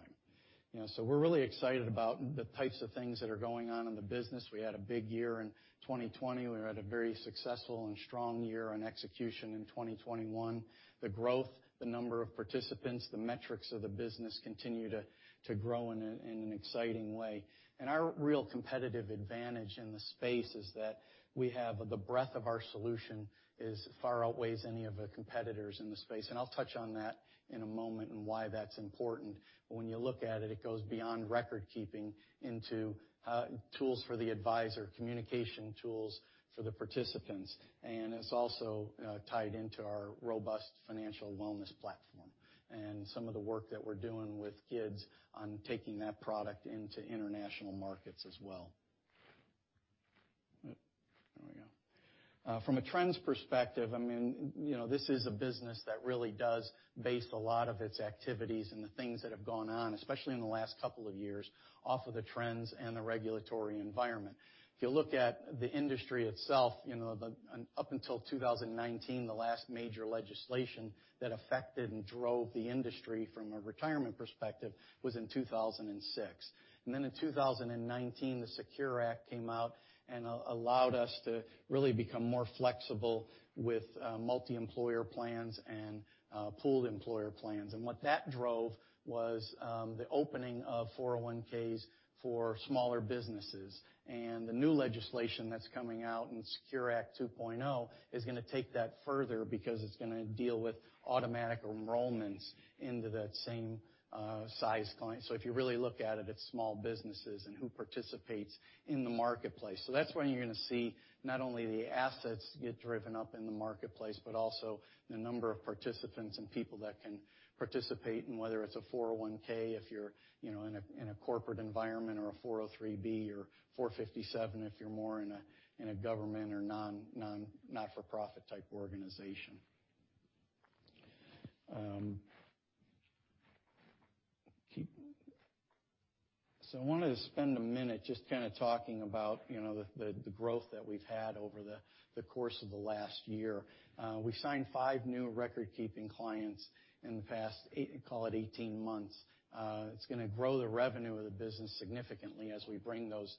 You know, we're really excited about the types of things that are going on in the business. We had a big year in 2020. We had a very successful and strong year on execution in 2021. The growth, the number of participants, the metrics of the business continue to grow in an exciting way. Our real competitive advantage in the space is that the breadth of our solution far outweighs any of the competitors in the space. I'll touch on that in a moment and why that's important. When you look at it goes beyond record keeping into tools for the advisor, communication tools for the participants. It's also tied into our robust financial wellness platform and some of the work that we're doing with kids on taking that product into international markets as well. There we go. From a trends perspective, I mean, you know, this is a business that really does base a lot of its activities and the things that have gone on, especially in the last couple of years, off of the trends and the regulatory environment. If you look at the industry itself, you know, up until 2019, the last major legislation that affected and drove the industry from a retirement perspective was in 2006. Then in 2019, the SECURE Act came out and allowed us to really become more flexible with multi-employer plans and pooled employer plans. What that drove was the opening of 401(k)s for smaller businesses. The new legislation that's coming out in SECURE Act 2.0 is gonna take that further because it's gonna deal with automatic enrollments into that same size client. If you really look at it's small businesses and who participates in the marketplace. That's when you're gonna see not only the assets get driven up in the marketplace, but also the number of participants and people that can participate in whether it's a 401(k) if you're, you know, in a corporate environment or a 403(b) or 457(b) if you're more in a government or not-for-profit type organization. I wanted to spend a minute just kinda talking about, you know, the growth that we've had over the course of the last year. We've signed five new recordkeeping clients in the past eight, call it 18 months. It's gonna grow the revenue of the business significantly as we bring those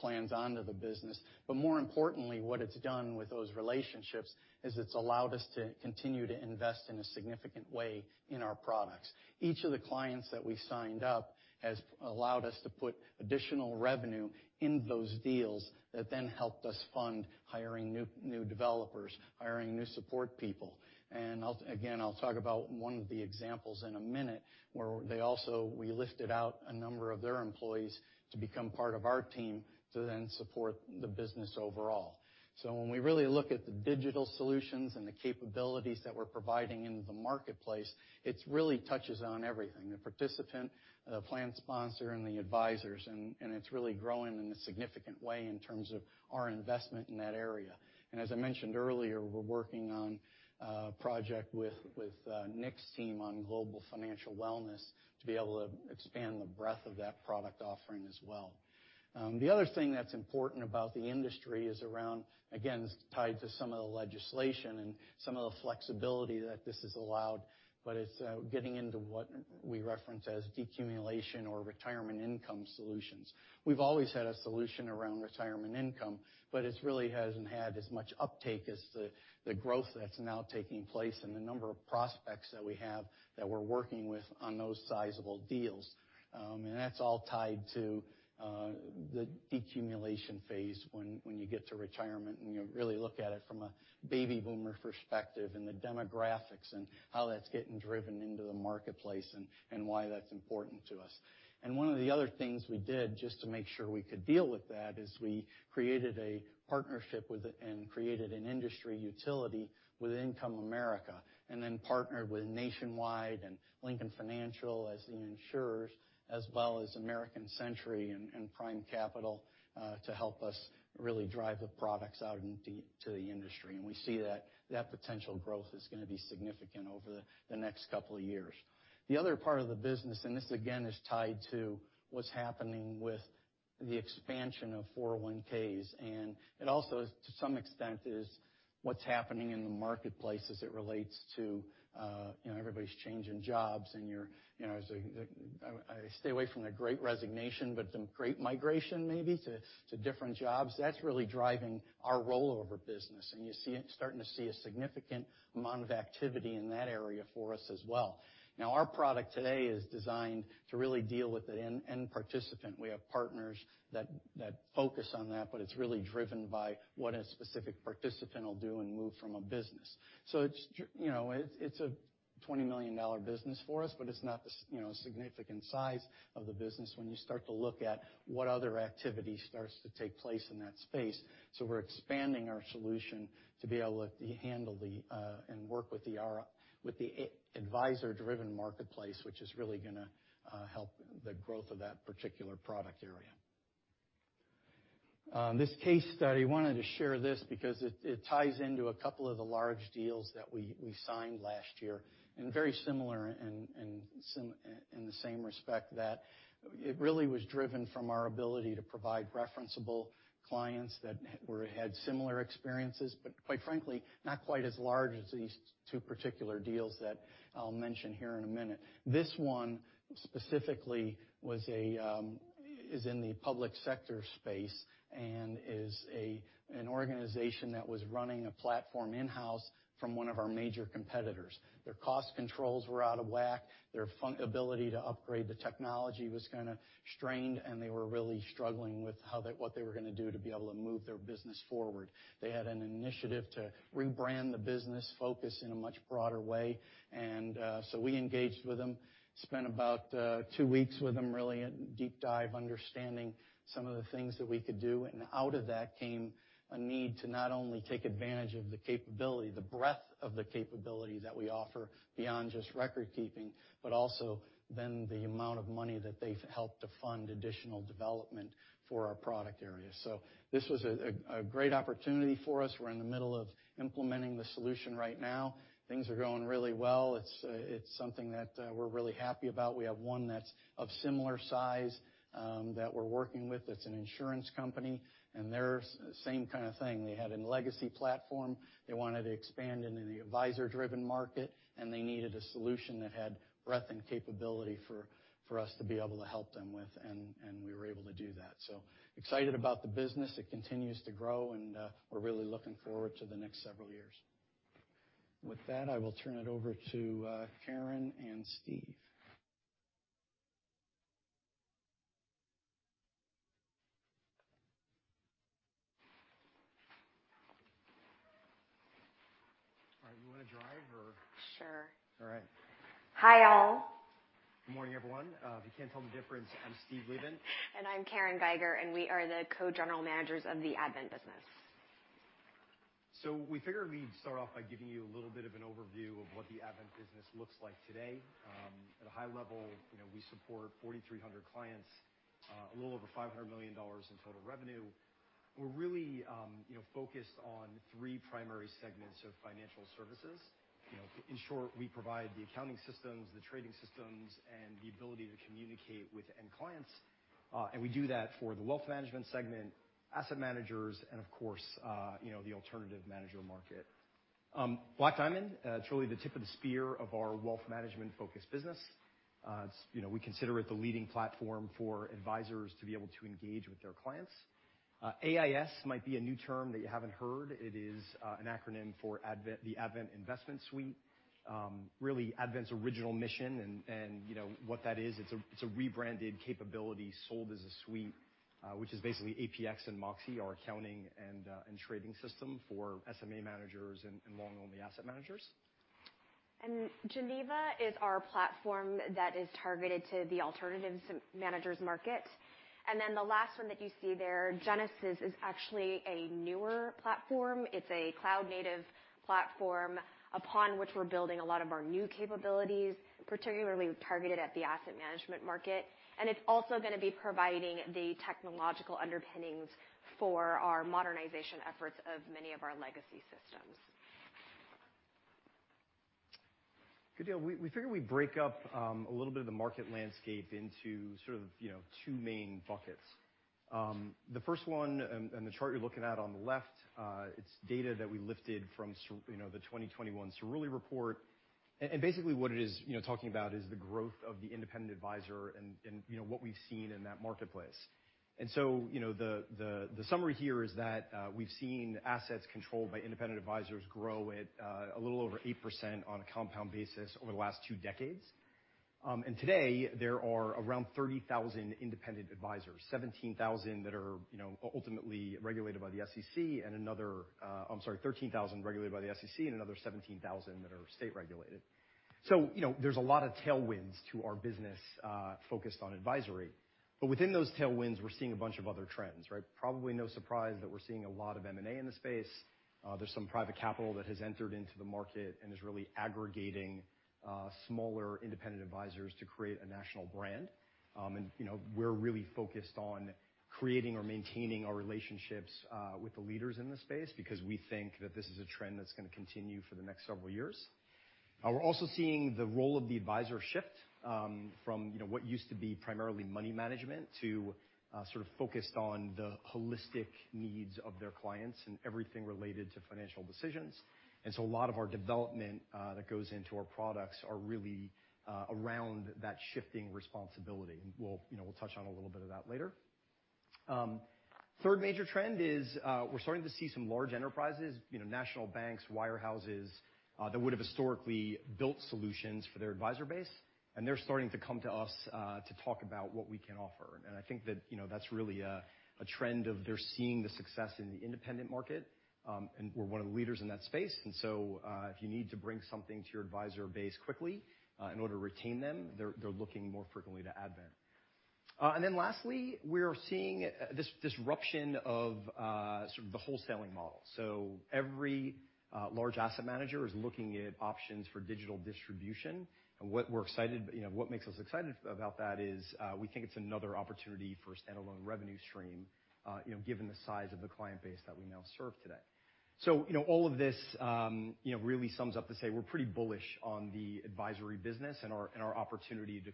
plans onto the business. More importantly, what it's done with those relationships is it's allowed us to continue to invest in a significant way in our products. Each of the clients that we signed up has allowed us to put additional revenue in those deals that then helped us fund hiring new developers, hiring new support people. I'll talk about one of the examples in a minute, where we lifted out a number of their employees to become part of our team to then support the business overall. When we really look at the digital solutions and the capabilities that we're providing into the marketplace, it really touches on everything, the participant, the plan sponsor, and the advisors. It's really growing in a significant way in terms of our investment in that area. As I mentioned earlier, we're working on a project with Nick's team on global financial wellness to be able to expand the breadth of that product offering as well. The other thing that's important about the industry is around, again, this is tied to some of the legislation and some of the flexibility that this has allowed, but it's getting into what we reference as decumulation or retirement income solutions. We've always had a solution around retirement income, but it really hasn't had as much uptake as the growth that's now taking place and the number of prospects that we have that we're working with on those sizable deals. That's all tied to the decumulation phase when you get to retirement, and you really look at it from a baby boomer perspective and the demographics and how that's getting driven into the marketplace and why that's important to us. One of the other things we did just to make sure we could deal with that is we created a partnership with and created an industry utility with Income America, and then partnered with Nationwide and Lincoln Financial as the insurers, as well as American Century and Prime Capital to help us really drive the products out into the industry. We see that potential growth is gonna be significant over the next couple of years. The other part of the business, and this again is tied to what's happening with the expansion of 401(k)s, and it also, to some extent, is what's happening in the marketplace as it relates to, you know, everybody's changing jobs and you're, you know, as a... I stay away from the great resignation, but the great migration maybe to different jobs. That's really driving our rollover business, and you see it starting to see a significant amount of activity in that area for us as well. Now, our product today is designed to really deal with the end participant. We have partners that focus on that, but it's really driven by what a specific participant will do and move from a business. It's a $20 million business for us, you know, but it's not the significant size of the business when you start to look at what other activity starts to take place in that space. We're expanding our solution to be able to handle the and work with the advisor-driven marketplace, which is really gonna help the growth of that particular product area. In this case study, I wanted to share this because it ties into a couple of the large deals that we signed last year, and very similar in the same respect that it really was driven from our ability to provide referenceable clients that had similar experiences, but quite frankly, not quite as large as these two particular deals that I'll mention here in a minute. This one specifically is in the public sector space and is an organization that was running a platform in-house from one of our major competitors. Their cost controls were out of whack, their ability to upgrade the technology was kinda strained, and they were really struggling with what they were gonna do to be able to move their business forward. They had an initiative to rebrand the business, focus in a much broader way, and so we engaged with them, spent about two weeks with them, really a deep dive, understanding some of the things that we could do. Out of that came a need to not only take advantage of the capability, the breadth of the capability that we offer beyond just recordkeeping, but also then the amount of money that they've helped to fund additional development for our product area. This was a great opportunity for us. We're in the middle of implementing the solution right now. Things are going really well. It's something that we're really happy about. We have one that's of similar size that we're working with. It's an insurance company, and they're the same kind of thing. They had a legacy platform. They wanted to expand into the advisor-driven market, and they needed a solution that had breadth and capability for us to be able to help them with, and we were able to do that. Excited about the business. It continues to grow and, we're really looking forward to the next several years. With that, I will turn it over to Karen and Steve. All right, you wanna drive or? Sure. All right. Hi, all. Good morning, everyone. If you can't tell the difference, I'm Steve Leivent. I'm Karen Geiger, and we are the Co-General Managers of the Advent business. We figured we'd start off by giving you a little bit of an overview of what the Advent business looks like today. At a high level, you know, we support 4,300 clients, a little over $500 million in total revenue. We're really, you know, focused on three primary segments of financial services. You know, in short, we provide the accounting systems, the trading systems, and the ability to communicate with end clients, and we do that for the wealth management segment, asset managers, and of course, you know, the alternative manager market. Black Diamond, it's really the tip of the spear of our wealth management-focused business. It's, you know, we consider it the leading platform for advisors to be able to engage with their clients. AIS might be a new term that you haven't heard. It is, an acronym for Advent, the Advent Investment Suite. Really, Advent's original mission and you know what that is, it's a rebranded capability sold as a suite, which is basically APX and Moxy, our accounting and trading system for SMA managers and long-only asset managers. Geneva is our platform that is targeted to the alternatives managers market. The last one that you see there, Genesis, is actually a newer platform. It's a cloud-native platform upon which we're building a lot of our new capabilities, particularly targeted at the asset management market. It's also gonna be providing the technological underpinnings for our modernization efforts of many of our legacy systems. Good deal. We figured we'd break up a little bit of the market landscape into sort of, you know, two main buckets. The first one and the chart you're looking at on the left, it's data that we lifted from the 2021 Cerulli Report. Basically what it is, you know, talking about is the growth of the independent advisor and you know, what we've seen in that marketplace. You know, the summary here is that, we've seen assets controlled by independent advisors grow at a little over 8% on a compound basis over the last two decades. Today there are around 30,000 independent advisors, 17,000 that are, you know, ultimately regulated by the SEC, and another... I'm sorry, 13,000 regulated by the SEC, and another 17,000 that are state regulated. You know, there's a lot of tailwinds to our business focused on advisory. Within those tailwinds, we're seeing a bunch of other trends, right? Probably no surprise that we're seeing a lot of M&A in the space. There's some private capital that has entered into the market and is really aggregating smaller independent advisors to create a national brand. You know, we're really focused on creating or maintaining our relationships with the leaders in this space because we think that this is a trend that's gonna continue for the next several years. We're also seeing the role of the advisor shift from, you know, what used to be primarily money management to sort of focused on the holistic needs of their clients and everything related to financial decisions. A lot of our development that goes into our products are really around that shifting responsibility. We'll, you know, touch on a little bit of that later. Third major trend is we're starting to see some large enterprises, you know, national banks, wirehouses that would've historically built solutions for their advisor base, and they're starting to come to us to talk about what we can offer. I think that, you know, that's really a trend of they're seeing the success in the independent market and we're one of the leaders in that space. If you need to bring something to your advisor base quickly, in order to retain them, they're looking more frequently to Advent. We're seeing this disruption of sort of the wholesaling model. Every large asset manager is looking at options for digital distribution. What makes us excited about that is, we think it's another opportunity for a standalone revenue stream, you know, given the size of the client base that we now serve today. You know, all of this, you know, really sums up to say we're pretty bullish on the advisory business and our opportunity to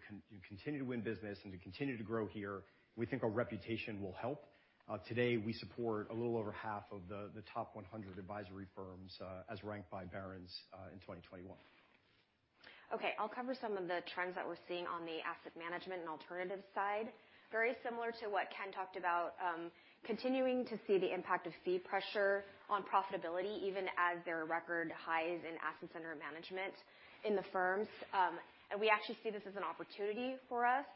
continue to win business and to continue to grow here. We think our reputation will help. Today, we support a little over half of the top 100 advisory firms, as ranked by Barron's, in 2021. Okay, I'll cover some of the trends that we're seeing on the asset management and alternatives side. Very similar to what Ken talked about, continuing to see the impact of fee pressure on profitability even as there are record highs in assets under management in the firms. We actually see this as an opportunity for us,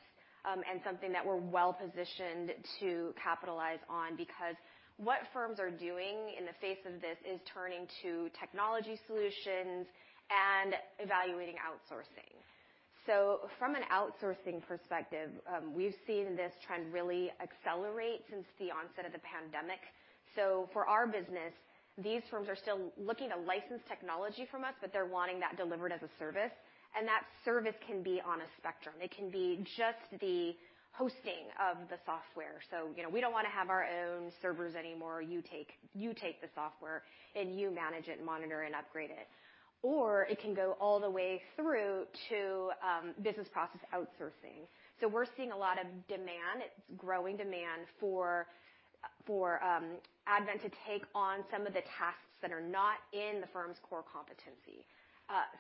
and something that we're well-positioned to capitalize on because what firms are doing in the face of this is turning to technology solutions and evaluating outsourcing. From an outsourcing perspective, we've seen this trend really accelerate since the onset of the pandemic. For our business, these firms are still looking to license technology from us, but they're wanting that delivered as a service, and that service can be on a spectrum. It can be just the hosting of the software. You know, we don't wanna have our own servers anymore. You take the software, and you manage it, monitor, and upgrade it. Or it can go all the way through to business process outsourcing. We're seeing a lot of demand. It's growing demand for Advent to take on some of the tasks that are not in the firm's core competency.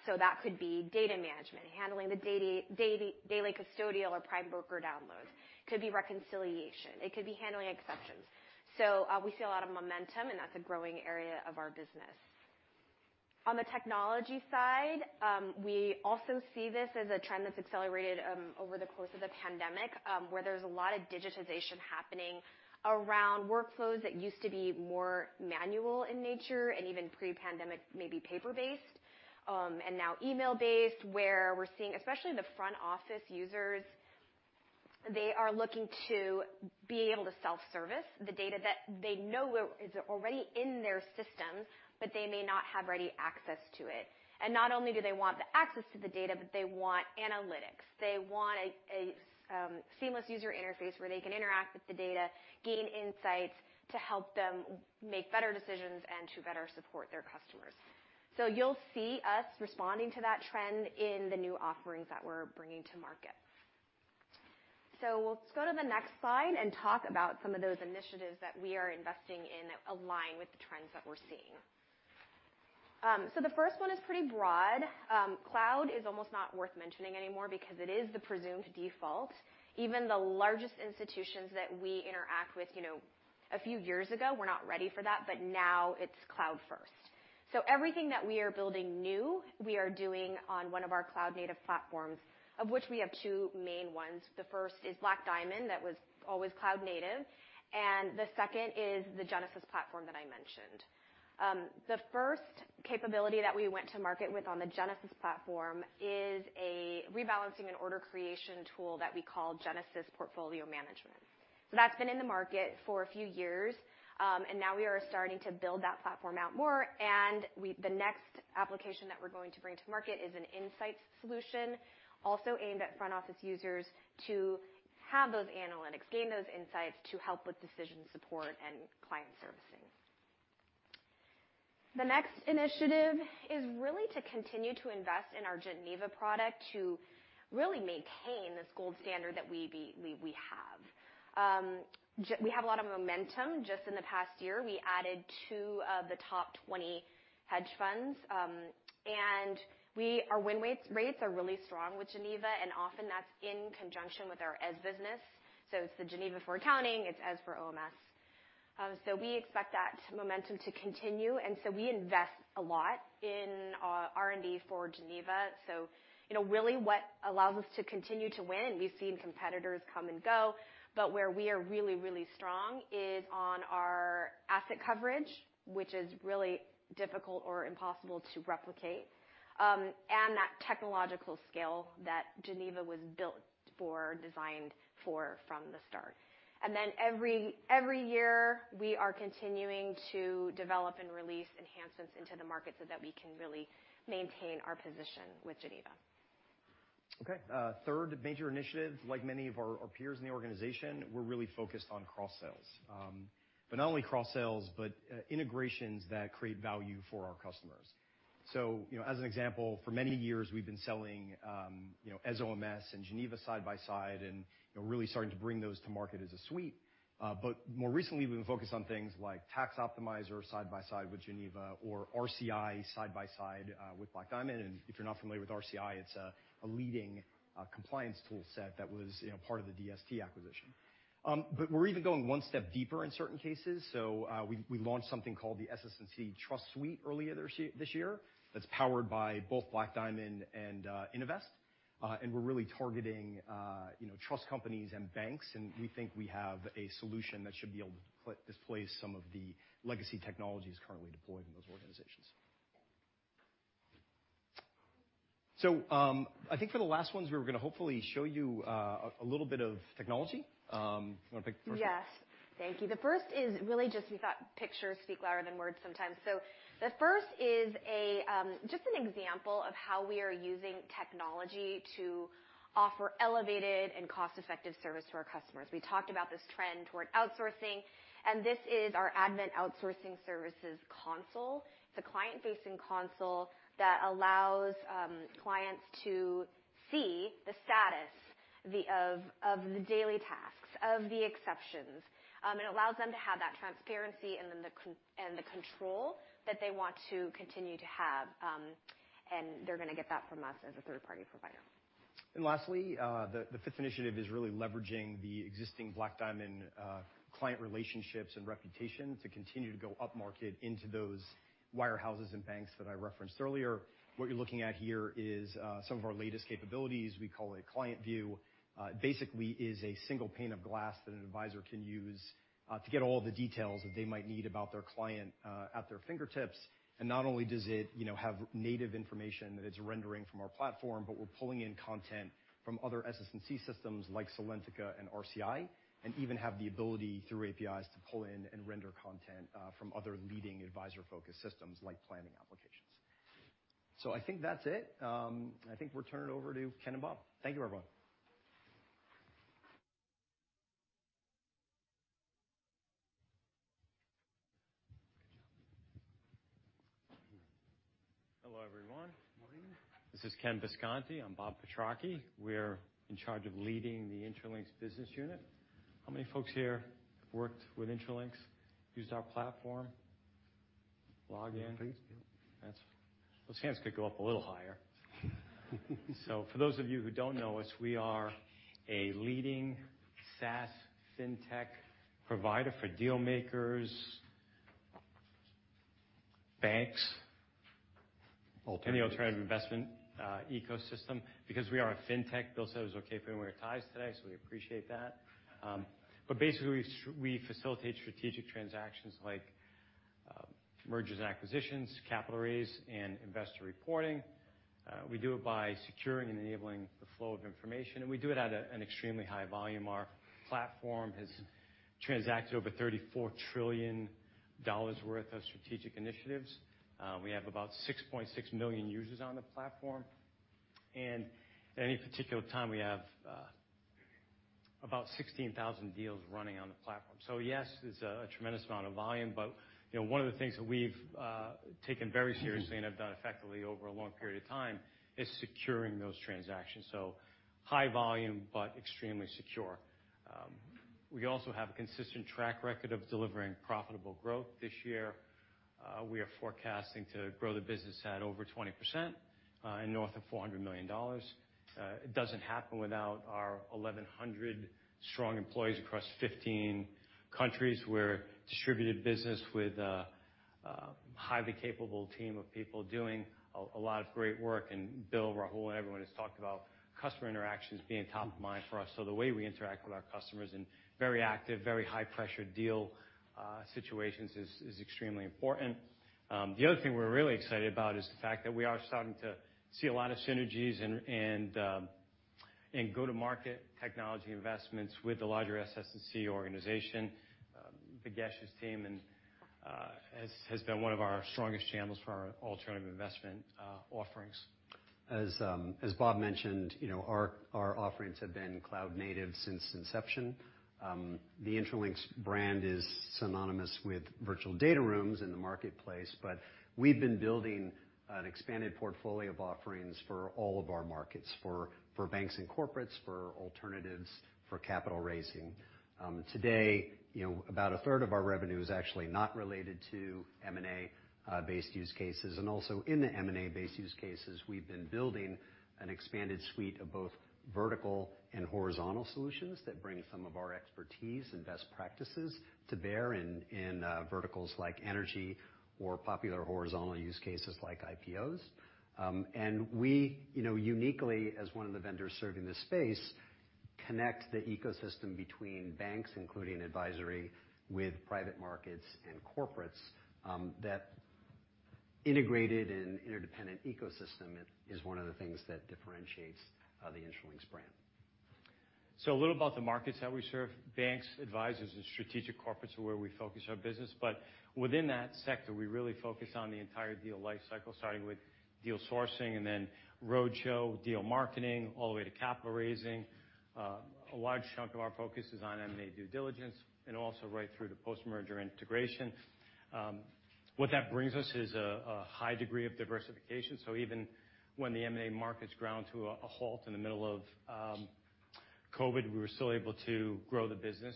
That could be data management, handling the daily custodial or prime broker downloads. Could be reconciliation. It could be handling exceptions. We see a lot of momentum, and that's a growing area of our business. On the technology side, we also see this as a trend that's accelerated over the course of the pandemic, where there's a lot of digitization happening around workflows that used to be more manual in nature and even pre-pandemic, maybe paper-based, and now email-based, where we're seeing, especially the front office users. They are looking to be able to self-service the data that they know is already in their systems, but they may not have ready access to it. Not only do they want the access to the data, but they want analytics. They want a seamless user interface where they can interact with the data, gain insights to help them make better decisions and to better support their customers. You'll see us responding to that trend in the new offerings that we're bringing to market. Let's go to the next slide and talk about some of those initiatives that we are investing in that align with the trends that we're seeing. The first one is pretty broad. Cloud is almost not worth mentioning anymore because it is the presumed default. Even the largest institutions that we interact with, you know, a few years ago, were not ready for that, but now it's cloud first. Everything that we are building new, we are doing on one of our cloud-native platforms, of which we have two main ones. The first is Black Diamond, that was always cloud native, and the second is the Genesis platform that I mentioned. The first capability that we went to market with on the Genesis platform is a rebalancing and order creation tool that we call Genesis Portfolio Management. That's been in the market for a few years, and now we are starting to build that platform out more, and the next application that we're going to bring to market is an insights solution, also aimed at front office users to have those analytics, gain those insights to help with decision support and client servicing. The next initiative is really to continue to invest in our Geneva product to really maintain this gold standard that we have. We have a lot of momentum. Just in the past year, we added two of the top 20 hedge funds, and our win rates are really strong with Geneva, and often that's in conjunction with our Eze business. It's the Geneva for accounting, it's Eze for OMS. We expect that momentum to continue, and we invest a lot in R&D for Geneva. You know, really what allows us to continue to win. We've seen competitors come and go, but where we are really strong is on our asset coverage, which is really difficult or impossible to replicate, and that technological scale that Geneva was built for, designed for from the start. Every year, we are continuing to develop and release enhancements into the market so that we can really maintain our position with Geneva. Okay. Third major initiative, like many of our peers in the organization, we're really focused on cross-sales. But not only cross-sales, integrations that create value for our customers. You know, as an example, for many years, we've been selling Eze OMS and Geneva side by side and really starting to bring those to market as a suite. But more recently, we've been focused on things like Tax Optimizer side by side with Geneva or RCI side by side with Black Diamond. If you're not familiar with RCI, it's a leading compliance toolset that was part of the DST acquisition. We're even going one step deeper in certain cases. We launched something called the SS&C Trust Suite earlier this year, that's powered by both Black Diamond and Innovest. We're really targeting you know, trust companies and banks, and we think we have a solution that should be able to displace some of the legacy technologies currently deployed in those organizations. I think for the last ones, we were gonna hopefully show you a little bit of technology. You wanna pick the first one? Yes. Thank you. The first is really just we thought pictures speak louder than words sometimes. The first is a just an example of how we are using technology to offer elevated and cost-effective service to our customers. We talked about this trend toward outsourcing, and this is our Advent Outsourcing Services console. It's a client-facing console that allows clients to see the status of the daily tasks, of the exceptions. It allows them to have that transparency and then the control that they want to continue to have, and they're gonna get that from us as a third-party provider. Lastly, the fifth initiative is really leveraging the existing Black Diamond client relationships and reputation to continue to go upmarket into those wirehouses and banks that I referenced earlier. What you're looking at here is some of our latest capabilities we call a client view. Basically, it is a single pane of glass that an advisor can use to get all the details that they might need about their client at their fingertips. Not only does it, you know, have native information that it's rendering from our platform, but we're pulling in content from other SS&C systems like Salentica and RCI, and even have the ability through APIs to pull in and render content from other leading advisor-focused systems like planning applications. I think that's it. I think we'll turn it over to Ken and Bob. Thank you, everyone. Good job. Hello, everyone. Good morning. This is Ken Bisconti. I'm Bob Petrocchi. We're in charge of leading the Intralinks business unit. How many folks here have worked with Intralinks, used our platform, logged in? Please do. Those hands could go up a little higher. For those of you who don't know us, we are a leading SaaS fintech provider for deal makers, banks- Alternative investment... in the alternative investment ecosystem. We are a fintech. Bill said it was okay if we didn't wear ties today, so we appreciate that. Basically, we facilitate strategic transactions like mergers and acquisitions, capital raise, and investor reporting. We do it by securing and enabling the flow of information, and we do it at an extremely high volume. Our platform has transacted over $34 trillion worth of strategic initiatives. We have about 6.6 million users on the platform. At any particular time, we have about 16,000 deals running on the platform. Yes, it's a tremendous amount of volume, but you know, one of the things that we've taken very seriously and have done effectively over a long period of time is securing those transactions. High volume, but extremely secure. We also have a consistent track record of delivering profitable growth this year. We are forecasting to grow the business at over 20%, and north of $400 million. It doesn't happen without our 1,100 strong employees across 15 countries. We're a distributed business with a highly capable team of people doing a lot of great work. Bill, Rahul, and everyone has talked about customer interactions being top of mind for us. The way we interact with our customers in very active, very high pressure deal situations is extremely important. The other thing we're really excited about is the fact that we are starting to see a lot of synergies and go-to-market technology investments with the larger SS&C organization. Bhagesh's team and has been one of our strongest channels for our alternative investment offerings. As Bob mentioned, you know, our offerings have been cloud native since inception. The Intralinks brand is synonymous with virtual data rooms in the marketplace, but we've been building an expanded portfolio of offerings for all of our markets, for banks and corporates, for alternatives, for capital raising. Today, you know, about a third of our revenue is actually not related to M&A based use cases. Also in the M&A based use cases, we've been building an expanded suite of both vertical and horizontal solutions that bring some of our expertise and best practices to bear in verticals like energy or popular horizontal use cases like IPOs. We, you know, uniquely as one of the vendors serving this space, connect the ecosystem between banks, including advisory, with private markets and corporates. That integrated and interdependent ecosystem is one of the things that differentiates the Intralinks brand. A little about the markets that we serve. Banks, advisors, and strategic corporates are where we focus our business, but within that sector, we really focus on the entire deal life cycle, starting with deal sourcing and then roadshow, deal marketing, all the way to capital raising. A large chunk of our focus is on M&A due diligence and also right through to post-merger integration. What that brings us is a high degree of diversification. Even when the M&A markets ground to a halt in the middle of COVID, we were still able to grow the business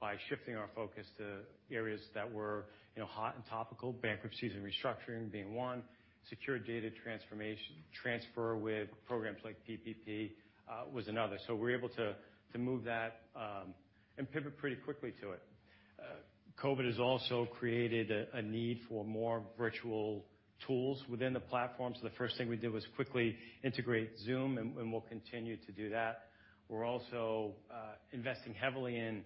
by shifting our focus to areas that were, you know, hot and topical, bankruptcies and restructuring being one, secure data transformation, transfer with programs like PPP, was another. We're able to move that and pivot pretty quickly to it. COVID has also created a need for more virtual tools within the platform. The first thing we did was quickly integrate Zoom, and we'll continue to do that. We're also investing heavily in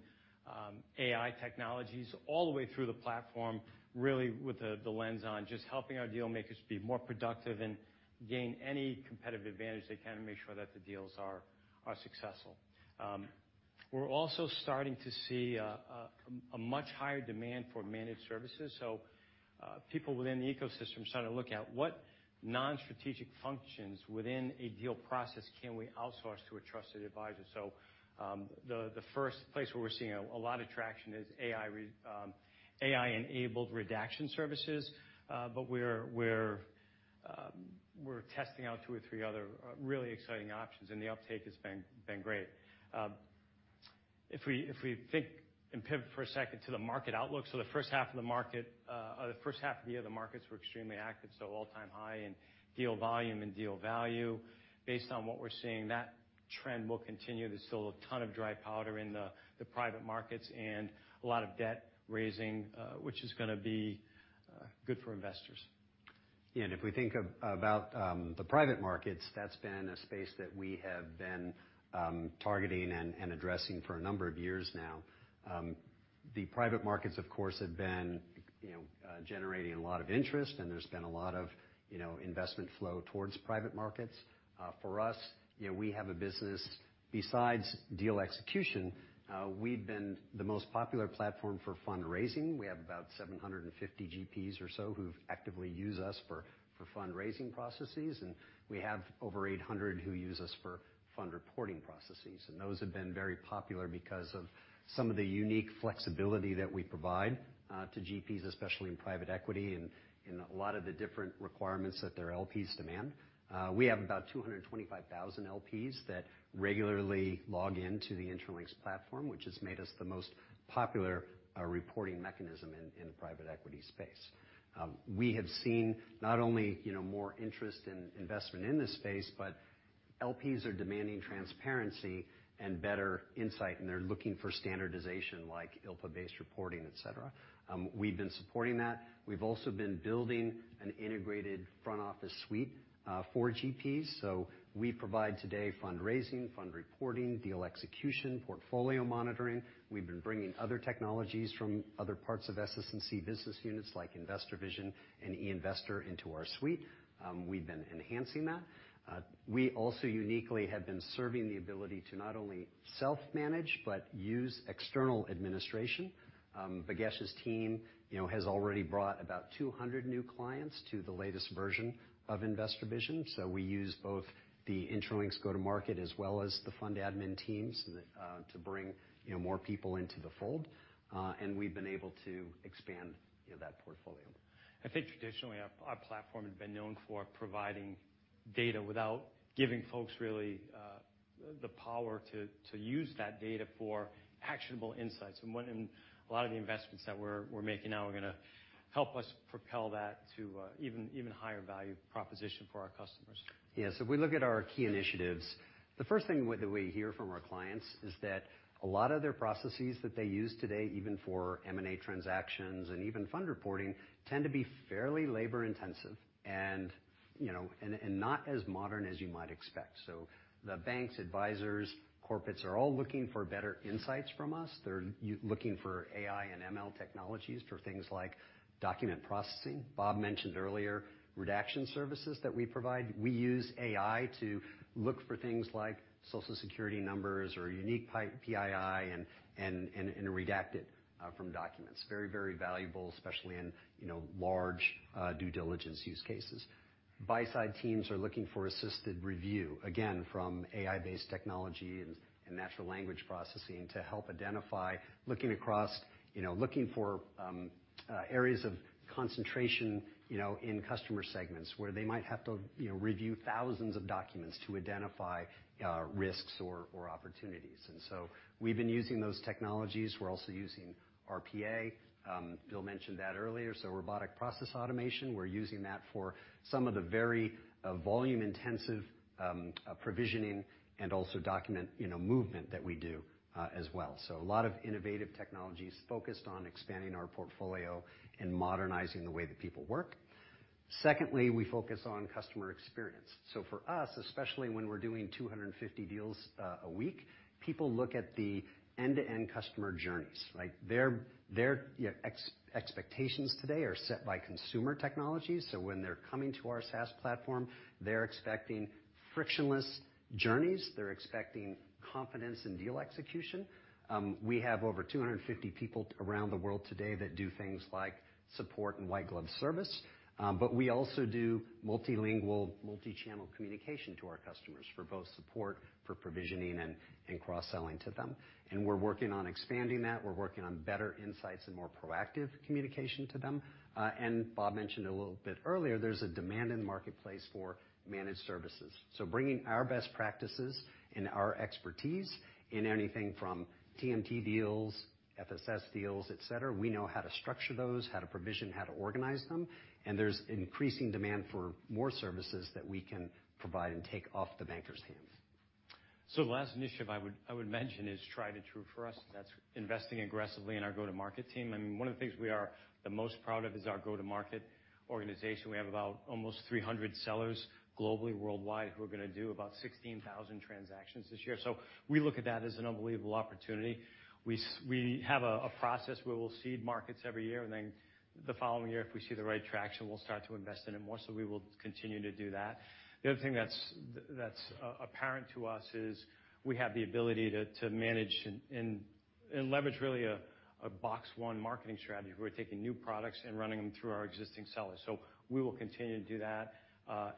AI technologies all the way through the platform, really with the lens on just helping our deal makers be more productive and gain any competitive advantage they can and make sure that the deals are successful. We're also starting to see a much higher demand for managed services. People within the ecosystem are starting to look at what non-strategic functions within a deal process can we outsource to a trusted advisor. The first place where we're seeing a lot of traction is AI-enabled redaction services. We're testing out two or three other really exciting options, and the uptake has been great. If we think and pivot for a second to the market outlook. The first half year of the market or the first half of the year, the markets were extremely active, so all-time high in deal volume and deal value. Based on what we're seeing, that trend will continue. There's still a ton of dry powder in the private markets and a lot of debt raising, which is gonna be good for investors. Yeah, if we think about the private markets, that's been a space that we have been targeting and addressing for a number of years now. The private markets, of course, have been, you know, generating a lot of interest, and there's been a lot of, you know, investment flow towards private markets. For us, you know, we have a business besides deal execution, we've been the most popular platform for fundraising. We have about 750 GPs or so who actively use us for fundraising processes, and we have over 800 who use us for fund reporting processes. Those have been very popular because of some of the unique flexibility that we provide to GPs, especially in private equity and in a lot of the different requirements that their LPs demand. We have about 225,000 LPs that regularly log into the Intralinks platform, which has made us the most popular reporting mechanism in the private equity space. We have seen not only, you know, more interest in investment in this space, but LPs are demanding transparency and better insight, and they're looking for standardization like ILPA-based reporting, et cetera. We've been supporting that. We've also been building an integrated front office suite for GPs. We provide today fundraising, fund reporting, deal execution, portfolio monitoring. We've been bringing other technologies from other parts of SS&C business units like InvestorVision and eInvestor into our suite. We've been enhancing that. We also uniquely have been serving the ability to not only self-manage, but use external administration. Bhagesh's team, you know, has already brought about 200 new clients to the latest version of InvestorVision. We use both the Intralinks go-to-market as well as the fund admin teams to bring, you know, more people into the fold. We've been able to expand, you know, that portfolio. I think traditionally our platform had been known for providing data without giving folks really the power to use that data for actionable insights. A lot of the investments that we're making now are gonna help us propel that to even higher value proposition for our customers. Yes. We look at our key initiatives. The first thing that we hear from our clients is that a lot of their processes that they use today, even for M&A transactions and even fund reporting, tend to be fairly labor-intensive and, you know, not as modern as you might expect. The banks, advisors, corporates are all looking for better insights from us. They're looking for AI and ML technologies for things like document processing. Bob mentioned earlier redaction services that we provide. We use AI to look for things like Social Security numbers or unique PII and redact it from documents. Very valuable, especially in, you know, large due diligence use cases. Buy-side teams are looking for assisted review, again, from AI-based technology and natural language processing to help identify areas of concentration, you know, in customer segments where they might have to, you know, review thousands of documents to identify risks or opportunities. We've been using those technologies. We're also using RPA. Bill mentioned that earlier, so robotic process automation, we're using that for some of the very volume-intensive provisioning and also document, you know, movement that we do as well. A lot of innovative technologies focused on expanding our portfolio and modernizing the way that people work. Secondly, we focus on customer experience. For us, especially when we're doing 250 deals a week, people look at the end-to-end customer journeys. Like, their expectations today are set by consumer technologies. When they're coming to our SaaS platform, they're expecting frictionless journeys. They're expecting confidence in deal execution. We have over 250 people around the world today that do things like support and white glove service. We also do multilingual, multi-channel communication to our customers for both support for provisioning and cross-selling to them. We're working on expanding that. We're working on better insights and more proactive communication to them. Bob mentioned a little bit earlier, there's a demand in the marketplace for managed services. Bringing our best practices and our expertise in anything from TMT deals, FSS deals, et cetera, we know how to structure those, how to provision, how to organize them, and there's increasing demand for more services that we can provide and take off the banker's hands. The last initiative I would mention is tried and true for us, and that's investing aggressively in our go-to-market team. I mean, one of the things we are the most proud of is our go-to-market organization. We have about almost 300 sellers globally, worldwide, who are gonna do about 16,000 transactions this year. We look at that as an unbelievable opportunity. We have a process where we'll seed markets every year, and then the following year, if we see the right traction, we'll start to invest in it more. We will continue to do that. The other thing that's apparent to us is we have the ability to manage and leverage really a box-one marketing strategy. We're taking new products and running them through our existing sellers. We will continue to do that.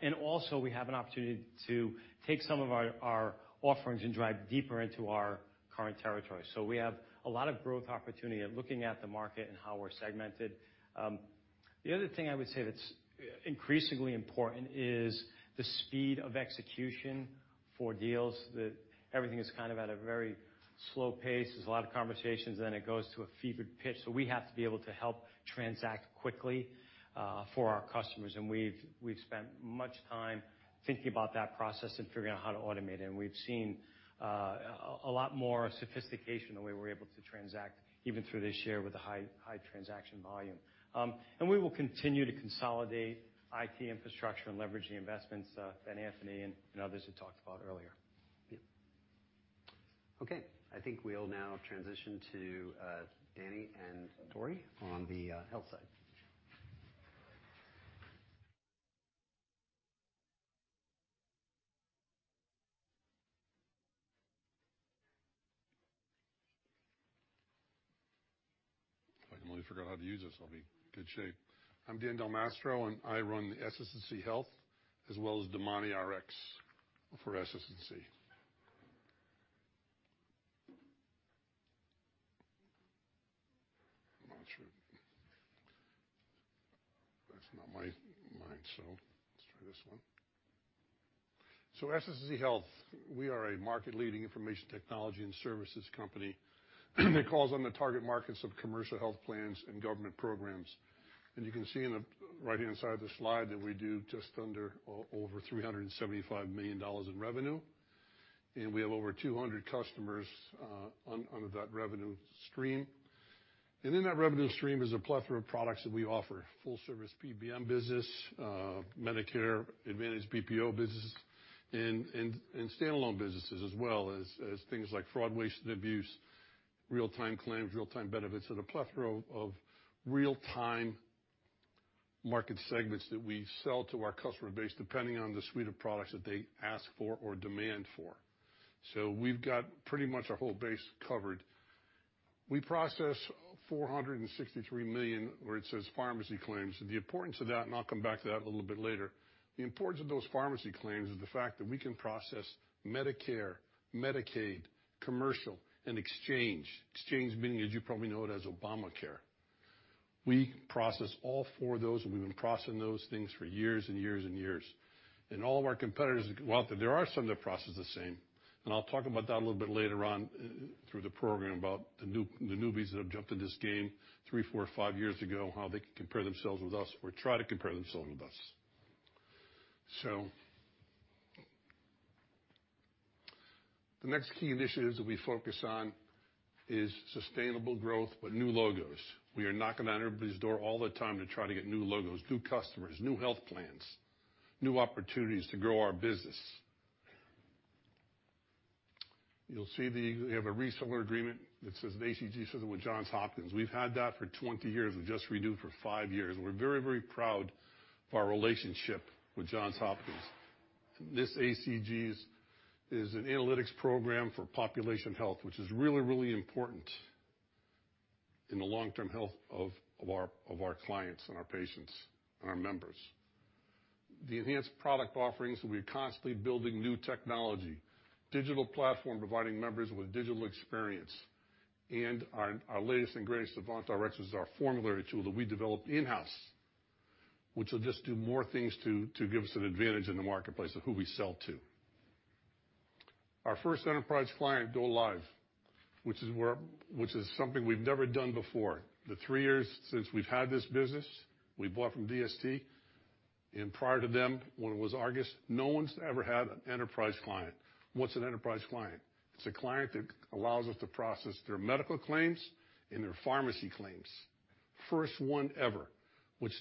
We have an opportunity to take some of our offerings and drive deeper into our current territory. We have a lot of growth opportunity of looking at the market and how we're segmented. The other thing I would say that's increasingly important is the speed of execution for deals that everything is kind of at a very slow pace. There's a lot of conversations, then it goes to a fevered pitch. We have to be able to help transact quickly for our customers. We've spent much time thinking about that process and figuring out how to automate it. We've seen a lot more sophistication the way we're able to transact even through this year with the high transaction volume. We will continue to consolidate IT infrastructure and leverage the investments that Anthony and others had talked about earlier. Okay. I think we'll now transition to Danny and Tori on the health side. If I completely forgot how to use this, I'll be in good shape. I'm Dan Delmastro, and I run SS&C Health as well as DomaniRx for SS&C. Let's try this one. SS&C Health, we are a market-leading information technology and services company that calls on the target markets of commercial health plans and government programs. You can see in the right-hand side of the slide that we do over $375 million in revenue. We have over 200 customers on that revenue stream. In that revenue stream is a plethora of products that we offer. Full service PBM business, Medicare Advantage, PPO business and standalone businesses as well as things like fraud, waste and abuse, real-time claims, real-time benefits, and a plethora of real-time market segments that we sell to our customer base, depending on the suite of products that they ask for or demand for. We've got pretty much our whole base covered. We process 463 million pharmacy claims. The importance of that, and I'll come back to that a little bit later. The importance of those pharmacy claims is the fact that we can process Medicare, Medicaid, commercial, and exchange. Exchange meaning, as you probably know it, as Obamacare. We process all four of those, and we've been processing those things for years and years and years. All of our competitors. Well, there are some that process the same, and I'll talk about that a little bit later on through the program about the newbies that have jumped in this game three, four, five years ago, how they compare themselves with us or try to compare themselves with us. The next key initiatives that we focus on is sustainable growth with new logos. We are knocking on everybody's door all the time to try to get new logos, new customers, new health plans, new opportunities to grow our business. You'll see we have a reseller agreement that says, "ACG System with Johns Hopkins." We've had that for 20 years. We just renewed for 5 years. We're very, very proud of our relationship with Johns Hopkins. This ACG is an analytics program for population health, which is really, really important in the long-term health of our clients and our patients and our members. The enhanced product offerings, we are constantly building new technology. Digital platform, providing members with digital experience. Our latest and greatest, DomaniRx, is our formulary tool that we developed in-house, which will just do more things to give us an advantage in the marketplace of who we sell to. Our first enterprise client go live, which is something we've never done before. The three years since we've had this business, we bought from DST. Prior to them, when it was Argus, no one's ever had an enterprise client. What's an enterprise client? It's a client that allows us to process their medical claims and their pharmacy claims. First one ever, which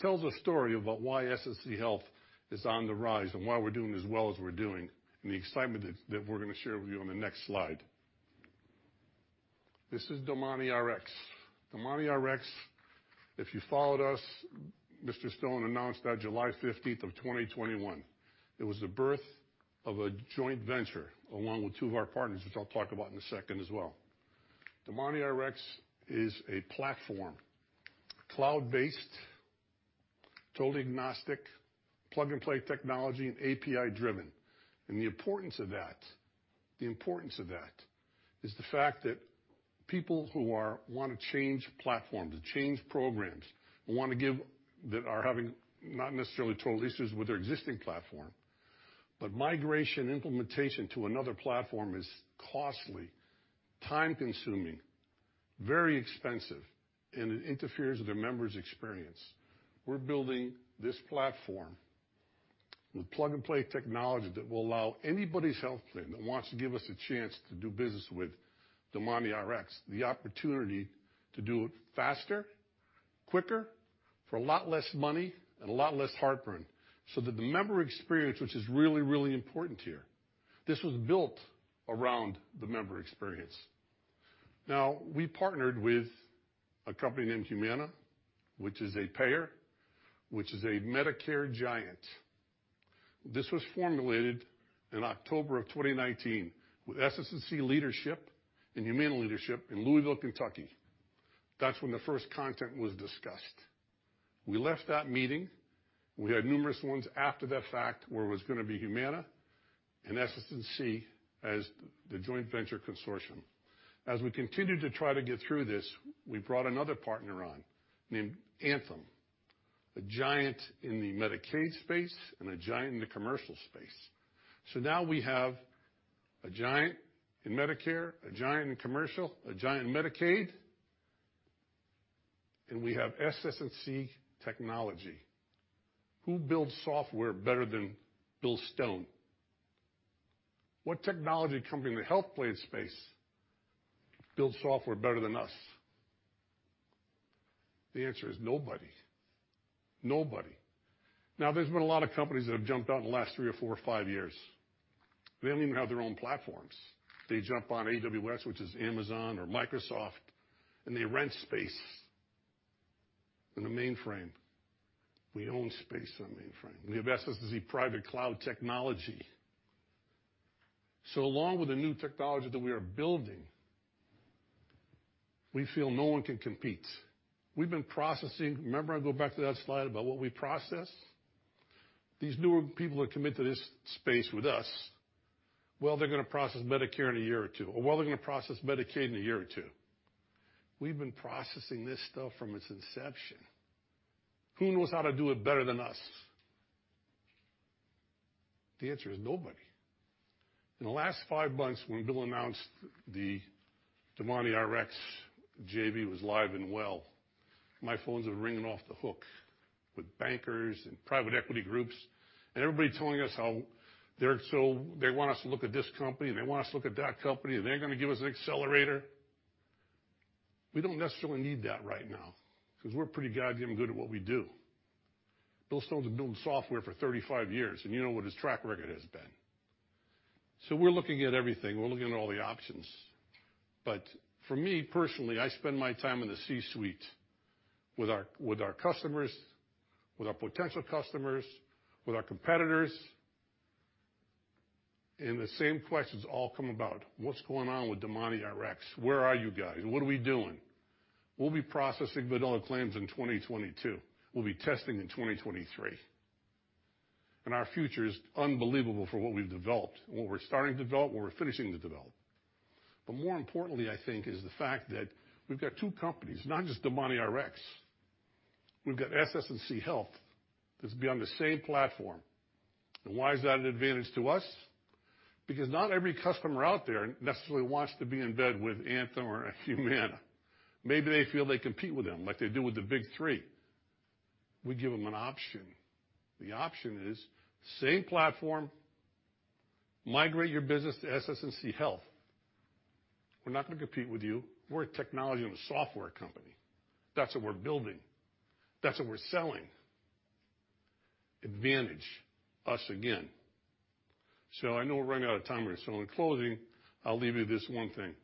tells a story about why SS&C Health is on the rise and why we're doing as well as we're doing, and the excitement that we're gonna share with you on the next slide. This is DomaniRx. DomaniRx, if you followed us, Mr. Stone announced that July 15th of 2021. It was the birth of a joint venture along with two of our partners, which I'll talk about in a second as well. DomaniRx is a platform, cloud-based, totally agnostic, plug-and-play technology and API-driven. The importance of that is the fact that people who wanna change platforms, change programs, who are having not necessarily total issues with their existing platform, but migration implementation to another platform is costly, time-consuming, very expensive, and it interferes with their members' experience. We're building this platform with plug-and-play technology that will allow anybody's health plan that wants to give us a chance to do business with DomaniRx, the opportunity to do it faster, quicker, for a lot less money and a lot less heartburn, so that the member experience, which is really, really important here. This was built around the member experience. Now, we partnered with a company named Humana, which is a payer, which is a Medicare giant. This was formulated in October 2019 with SS&C leadership and Humana leadership in Louisville, Kentucky. That's when the first content was discussed. We left that meeting. We had numerous ones after that fact where it was gonna be Humana and SS&C as the joint venture consortium. As we continued to try to get through this, we brought another partner on named Anthem, a giant in the Medicaid space and a giant in the commercial space. Now we have a giant in Medicare, a giant in commercial, a giant in Medicaid, and we have SS&C technology. Who builds software better than Bill Stone? What technology company in the health plan space builds software better than us? The answer is nobody. Nobody. Now, there's been a lot of companies that have jumped out in the last three or four or five years. They don't even have their own platforms. They jump on AWS, which is Amazon or Microsoft, and they rent space in the mainframe. We own space on the mainframe. We have SS&C private cloud technology. Along with the new technology that we are building, we feel no one can compete. We've been processing Remember, I go back to that slide about what we process? These newer people that come into this space with us, well, they're gonna process Medicare in a year or two, or well, they're gonna process Medicaid in a year or two. We've been processing this stuff from its inception. Who knows how to do it better than us? The answer is nobody. In the last five months, when Bill announced the DomaniRx JV was live and well, my phones were ringing off the hook with bankers and private equity groups, and everybody telling us how they're they want us to look at this company, and they want us to look at that company, and they're gonna give us an accelerator. We don't necessarily need that right now because we're pretty goddamn good at what we do. Bill Stone's been building software for 35 years, and you know what his track record has been. We're looking at everything. We're looking at all the options. For me personally, I spend my time in the C-suite with our customers, with our potential customers, with our competitors. The same questions all come about. What's going on with DomaniRx? Where are you guys? What are we doing? We'll be processing vanilla claims in 2022. We'll be testing in 2023. Our future is unbelievable for what we've developed, what we're starting to develop, what we're finishing to develop. More importantly, I think, is the fact that we've got two companies, not just DomaniRx. We've got SS&C Health that's beyond the same platform. Why is that an advantage to us? Because not every customer out there necessarily wants to be in bed with Anthem or Humana. Maybe they feel they compete with them like they do with the big three. We give them an option. The option is same platform, migrate your business to SS&C Health. We're not gonna compete with you. We're a technology and a software company. That's what we're building. That's what we're selling. Advantage, us again. I know we're running out of time here, so in closing, I'll leave you this one thing.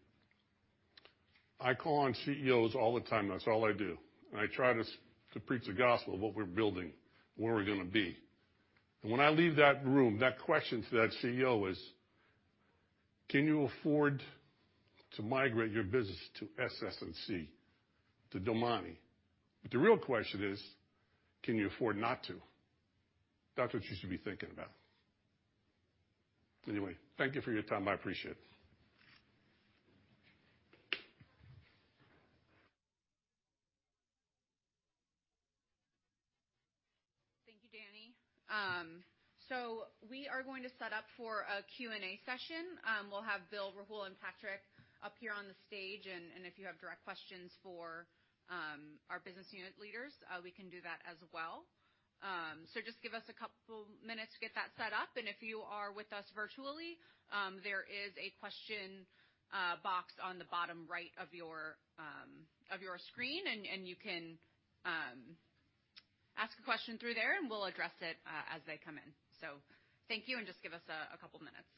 I call on CEOs all the time. That's all I do. I try to preach the gospel of what we're building, where we're gonna be. When I leave that room, that question to that CEO is, can you afford to migrate your business to SS&C, to DomaniRx? But the real question is, can you afford not to? That's what you should be thinking about. Anyway, thank you for your time. I appreciate it. Thank you, Danny. We are going to set up for a Q&A session. We'll have Bill, Rahul, and Patrick up here on the stage. If you have direct questions for our business unit leaders, we can do that as well. Just give us a couple minutes to get that set up. If you are with us virtually, there is a question box on the bottom right of your screen, and you can ask a question through there, and we'll address it as they come in. Thank you, and just give us a couple minutes.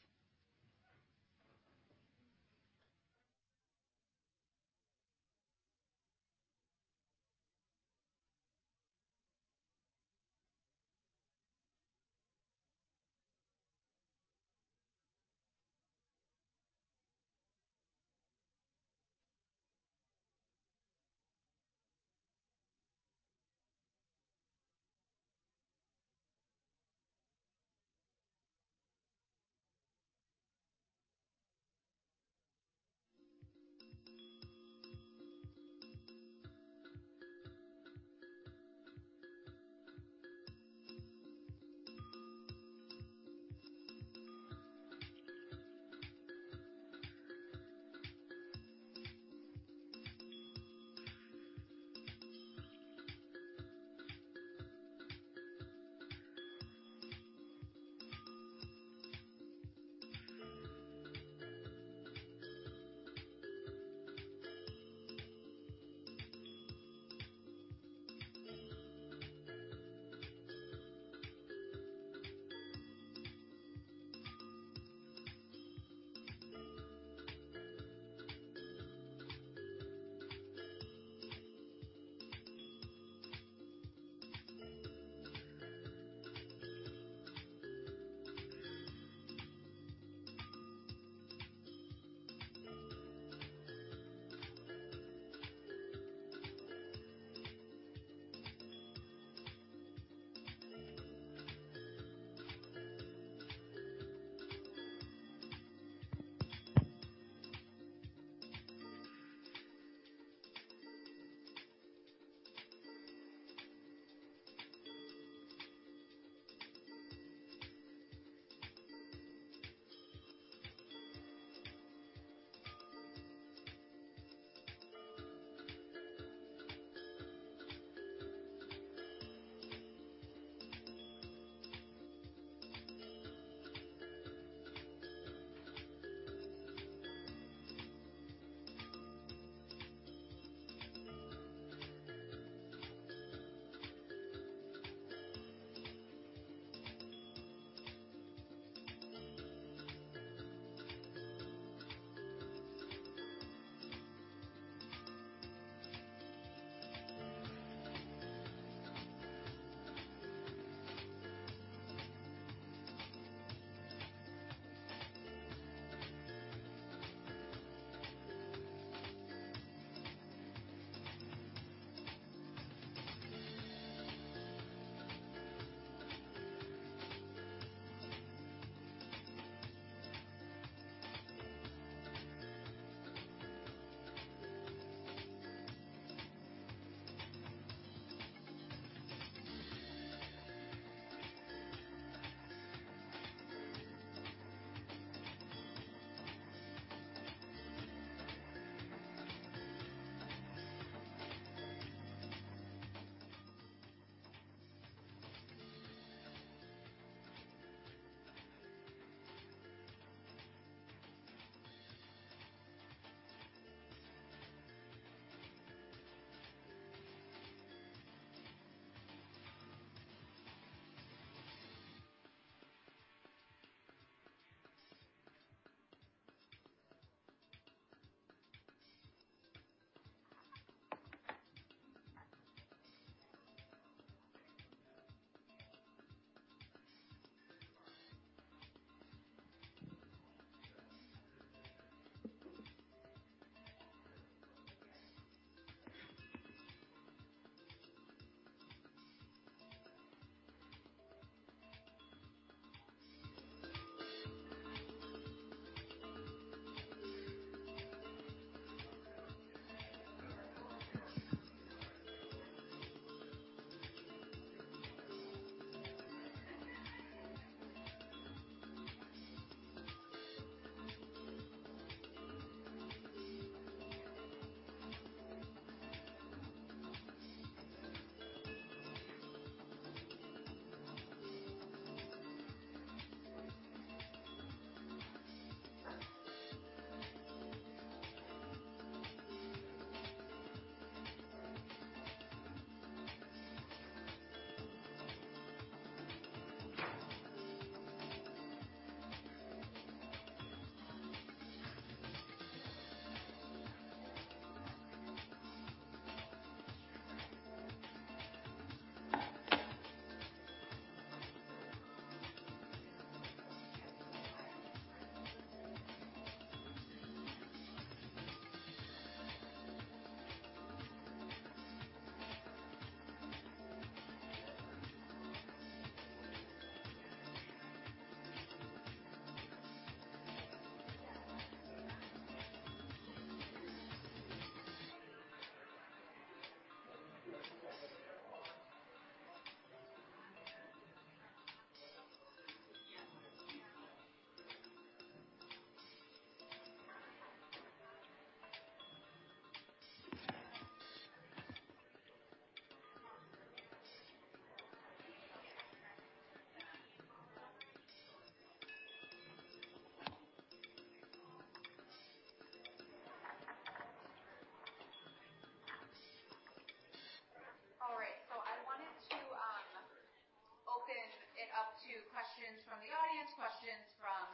All right. I wanted to open it up to questions from the audience, questions from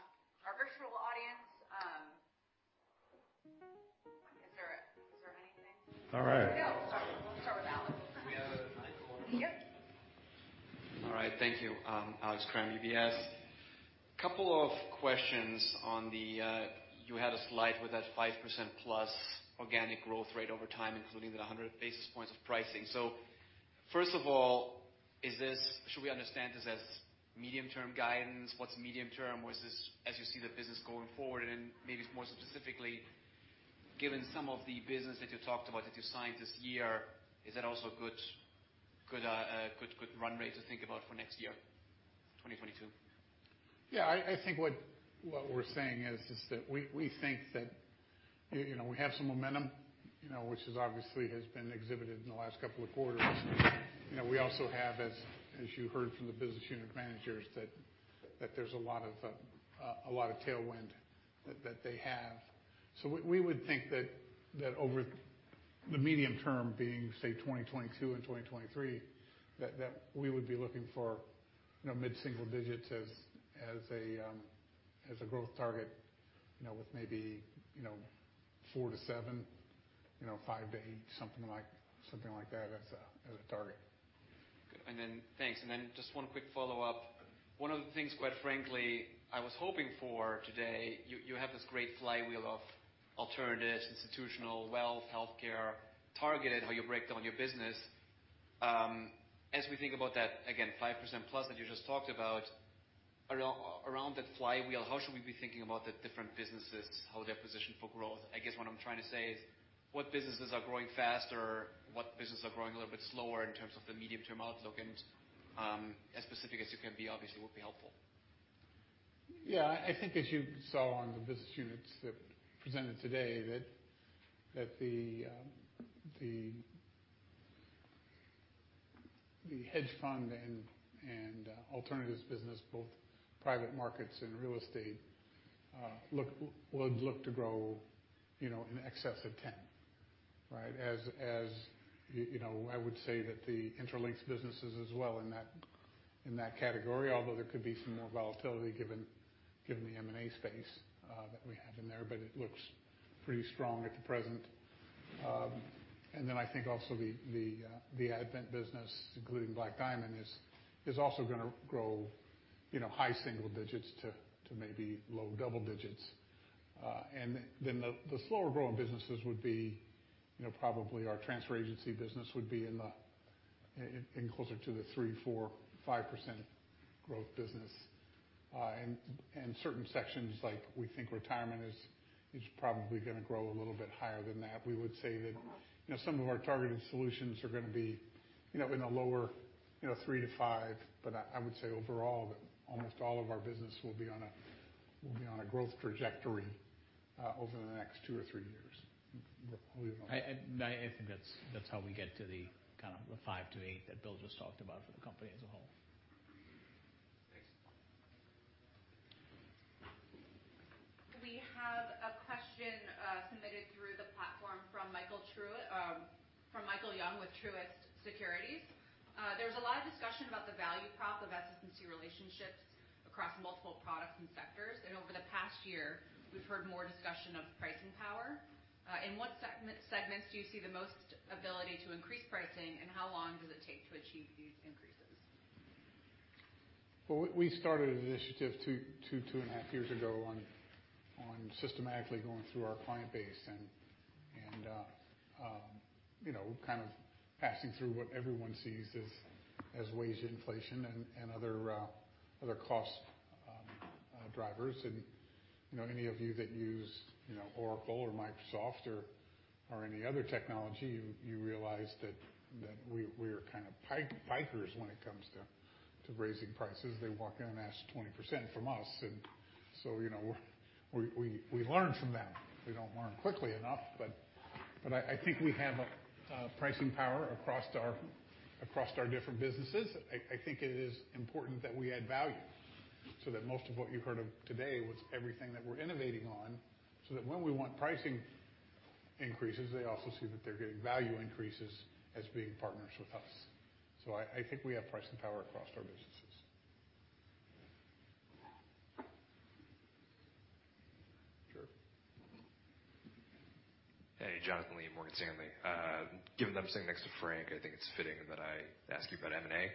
our virtual audience. Is there anything? All right. Here we go. We'll start with Alex. We have time for one more. Yep. All right, thank you. Alex Kramm, UBS. Couple of questions on the. You had a slide with that 5%+ organic growth rate over time, including the 100 basis points of pricing. First of all, is this? Should we understand this as medium-term guidance? What's medium-term? Or is this as you see the business going forward? Maybe more specifically, given some of the business that you talked about that you signed this year, is that also a good run-rate to think about for next year, 2022? Yeah, I think what we're saying is that we think that you know, we have some momentum, you know, which is obviously has been exhibited in the last couple of quarters. You know, we also have, as you heard from the business unit managers that there's a lot of tailwind that they have. We would think that over the medium term, say, 2022 and 2023, that we would be looking for, you know, mid-single-digits as a growth target, you know, with maybe, you know, 4%-7%, you know, 5%-8%, something like that as a target. Good. Thanks. Just one quick follow-up. One of the things, quite frankly, I was hoping for today, you have this great flywheel of alternatives, institutional, wealth, healthcare targeted how you break down your business. As we think about that, again, 5%+ that you just talked about, around that flywheel, how should we be thinking about the different businesses, how they're positioned for growth? I guess what I'm trying to say is what businesses are growing faster, what businesses are growing a little bit slower in terms of the medium-term outlook? As specific as you can be, obviously, will be helpful. Yeah. I think as you saw on the business units that presented today, that the hedge fund and alternatives business, both private markets and real estate, would look to grow, you know, in excess of 10%, right? As you know, I would say that the Intralinks businesses as well in that category, although there could be some more volatility given the M&A space that we have in there, but it looks pretty strong at present. I think also the Advent business, including Black Diamond, is also gonna grow, you know, high single-digits to maybe low double-digits. The slower growing businesses would be, you know, probably our transfer agency business would be in closer to the 3%, 4%, 5% growth business. Certain sections, like we think retirement is probably gonna grow a little bit higher than that. We would say that, you know, some of our targeted solutions are gonna be, you know, in the lower 3%-5%. I would say overall that almost all of our business will be on a growth trajectory over the next two or three years. We're hoping. I think that's how we get to the kind of the 5%-8% that Bill just talked about for the company as a whole. Thanks. We have a question submitted through the platform from Michael Young with Truist Securities. There was a lot of discussion about the value prop of SS&C relationships across multiple products and sectors, and over the past year we've heard more discussion of pricing power. In what segment, segments do you see the most ability to increase pricing, and how long does it take to achieve these increases? Well, we started an initiative 2.5 years ago on systematically going through our client base and, you know, kind of passing through what everyone sees as wage inflation and other cost drivers. You know, any of you that use, you know, Oracle or Microsoft or any other technology, you realize that we're kind of pikers when it comes to raising prices. They walk in and ask 20% from us, so, you know, we learn from that. We don't learn quickly enough, but I think we have pricing power across our different businesses. I think it is important that we add value so that most of what you've heard of today was everything that we're innovating on, so that when we want pricing increases, they also see that they're getting value increases as being partners with us. I think we have pricing power across our businesses. Sure. Hey, Jonathan Lee, Morgan Stanley. Given that I'm sitting next to Frank, I think it's fitting that I ask you about M&A.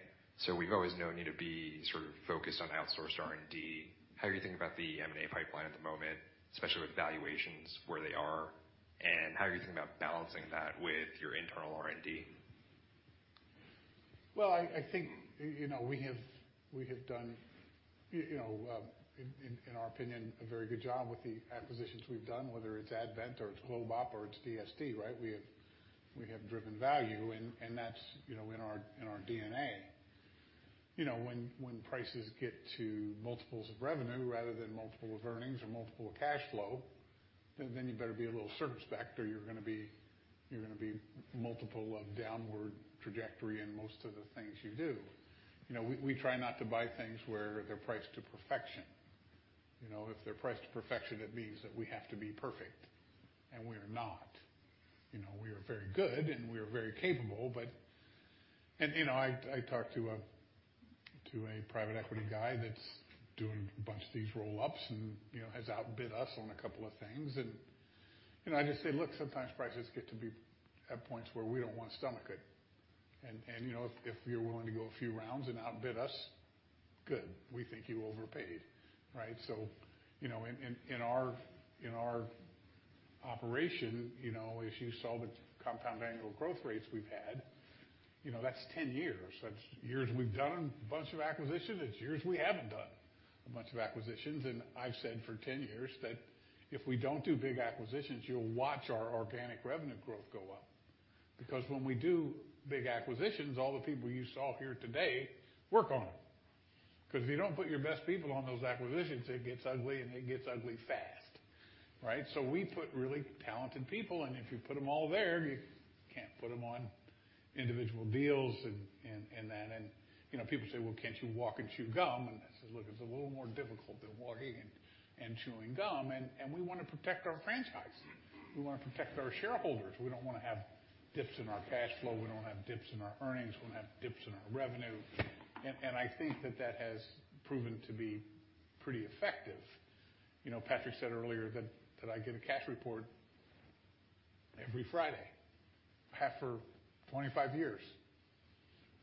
We've always known you to be sort of focused on outsourced R&D. How are you thinking about the M&A pipeline at the moment, especially with valuations where they are, and how are you thinking about balancing that with your internal R&D? Well, I think you know, we have done you know in our opinion a very good job with the acquisitions we've done, whether it's Advent or it's GlobeOp or it's DST, right? We have driven value and that's you know in our DNA. You know, when prices get to multiples of revenue rather than multiple of earnings or multiple of cash flow, then you better be a little circumspect or you're gonna be multiple of downward trajectory in most of the things you do. You know, we try not to buy things where they're priced to perfection. You know, if they're priced to perfection, it means that we have to be perfect, and we're not. You know, we are very good, and we are very capable, but. You know, I talked to a private equity guy that's doing a bunch of these roll-ups and, you know, has outbid us on a couple of things. You know, I just say, "Look, sometimes prices get to be at points where we don't wanna stomach it. You know, if you're willing to go a few rounds and outbid us, good. We think you overpaid." Right? You know, in our operation, you know, as you saw the compound annual growth rates we've had, you know, that's 10 years. That's years we've done a bunch of acquisitions. It's years we haven't done a bunch of acquisitions. I've said for 10 years that if we don't do big acquisitions, you'll watch our organic revenue growth go up. Because when we do big acquisitions, all the people you saw here today work on them. Because if you don't put your best people on those acquisitions, it gets ugly, and it gets ugly fast, right? We put really talented people, and if you put them all there, you can't put them on individual deals and that. You know, people say, "Well, can't you walk and chew gum?" I says, "Look, it's a little more difficult than walking and chewing gum." We wanna protect our franchise. We wanna protect our shareholders. We don't wanna have dips in our cash flow. We don't wanna have dips in our earnings. We don't wanna have dips in our revenue. I think that has proven to be pretty effective. You know, Patrick said earlier that I get a cash report every Friday. I have for 25 years.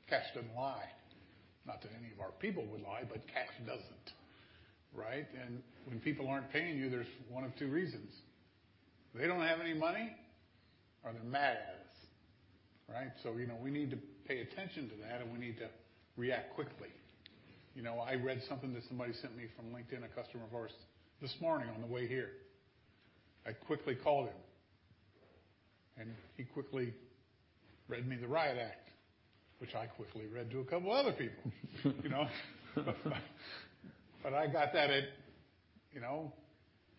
Cash doesn't lie. Not that any of our people would lie, but cash doesn't, right? When people aren't paying you, there's one of two reasons. They don't have any money, or they're mad at us, right? You know, we need to pay attention to that, and we need to react quickly. You know, I read something that somebody sent me from LinkedIn, a customer of ours, this morning on the way here. I quickly called him, and he quickly read me the Riot Act, which I quickly read to a couple other people. You know? I got that at, you know,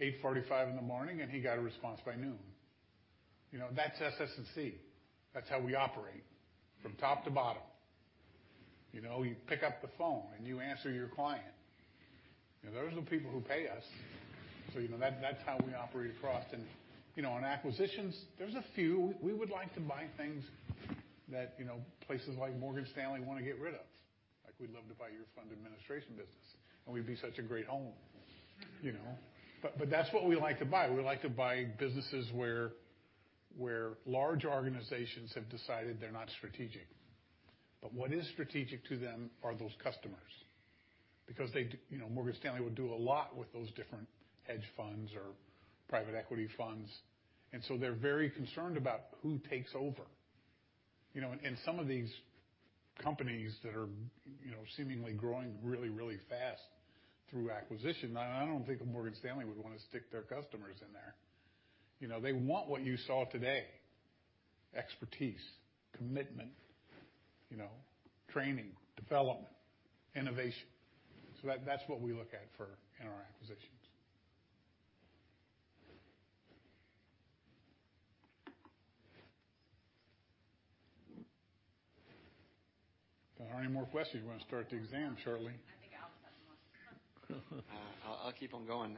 8:45 A.M. in the morning, and he got a response by noon. You know, that's SS&C. That's how we operate from top to bottom. You know, you pick up the phone, and you answer your client. You know, those are the people who pay us, so you know that's how we operate across. You know, on acquisitions, there's a few. We would like to buy things that, you know, places like Morgan Stanley wanna get rid of. Like, we'd love to buy your fund administration business, and we'd be such a great home, you know? But that's what we like to buy. We like to buy businesses where large organizations have decided they're not strategic. But what is strategic to them are those customers, because they do, you know, Morgan Stanley would do a lot with those different hedge funds or private equity funds, and so they're very concerned about who takes over, you know. Some of these companies that are, you know, seemingly growing really, really fast through acquisition, I don't think a Morgan Stanley would wanna stick their customers in there. You know, they want what you saw today, expertise, commitment, you know, training, development, innovation. That's what we look at in our acquisitions. If there aren't any more questions, we're gonna start the Q&A shortly. I think Alex has the most. I'll keep on going.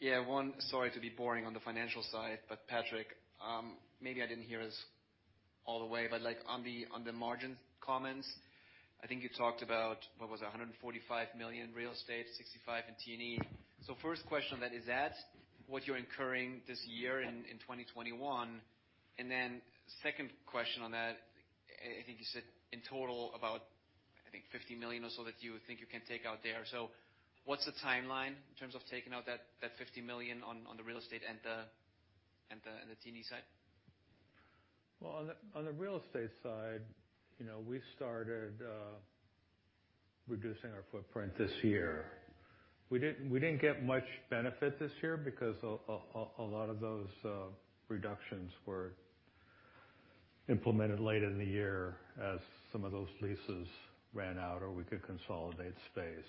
Yeah, sorry to be boring on the financial side, but Patrick, maybe I didn't hear this all the way, but like on the margin comments, I think you talked about, what was it? $145 million in real estate, $65 million in T&E. First question on that, is that what you're incurring this year in 2021? Second question on that, I think you said in total about $50 million or so that you think you can take out there. What's the timeline in terms of taking out that $50 million on the real estate and the T&E side? Well, on the real estate side, you know, we started reducing our footprint this year. We didn't get much benefit this year because a lot of those reductions were implemented later in the year as some of those leases ran out or we could consolidate space.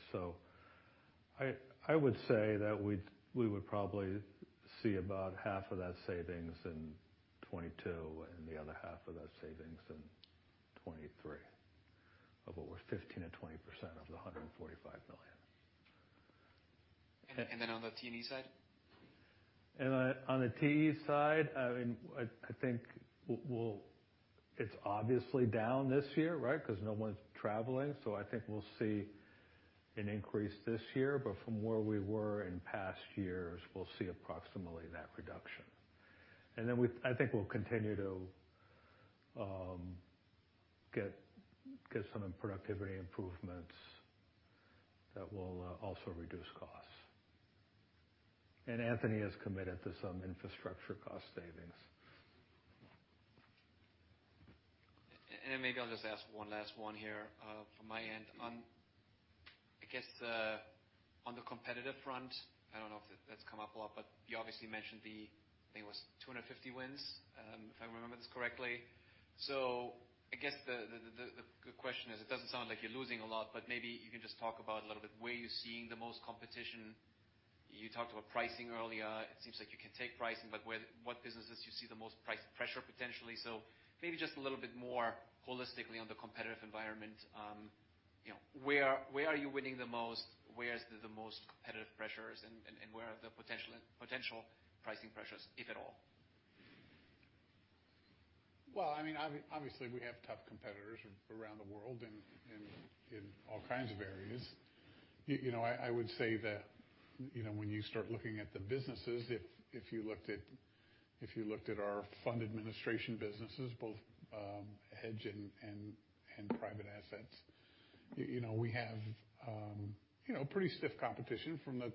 I would say that we would probably see about half of that savings in 2022 and the other half of that savings in 2023, of what we're 15%-20% of the $145 million. on the T&E side? On the T&E side, I mean it's obviously down this year, right? Because no one's traveling, so I think we'll see an increase this year, but from where we were in past years, we'll see approximately that reduction. I think we'll continue to get some productivity improvements that will also reduce costs. Anthony has committed to some infrastructure cost savings. Maybe I'll just ask one last one here from my end. On the competitive front, I don't know if that's come up a lot, but you obviously mentioned the, I think it was 250 wins, if I remember this correctly. I guess the good question is, it doesn't sound like you're losing a lot, but maybe you can just talk about a little bit where you're seeing the most competition. You talked about pricing earlier. It seems like you can take pricing, but what businesses do you see the most price pressure potentially? Maybe just a little bit more holistically on the competitive environment, you know, where are you winning the most? Where is the most competitive pressures? And where are the potential pricing pressures, if at all? Well, I mean, obviously, we have tough competitors around the world in all kinds of areas. You know, I would say that, you know, when you start looking at the businesses, if you looked at our fund administration businesses, both hedge and private assets, you know, we have you know, pretty stiff competition from the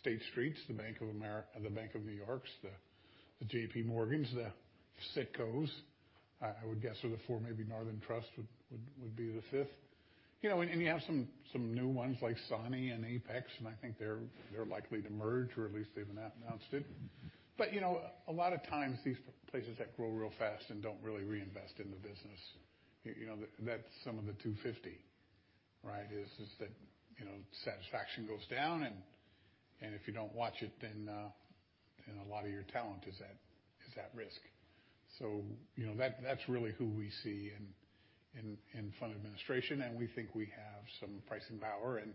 State Streets, the Bank of New York Mellon's, the JPMorgans, the Citcos. I would guess they are the four, maybe Northern Trust would be the fifth. You know, and you have some new ones like Sanne and Apex, and I think they're likely to merge, or at least they've announced it. You know, a lot of times these places that grow real fast and don't really reinvest in the business, you know, that's some of the 250, right? Is that, you know, satisfaction goes down, and if you don't watch it, then a lot of your talent is at risk. You know, that's really who we see in fund administration, and we think we have some pricing power, and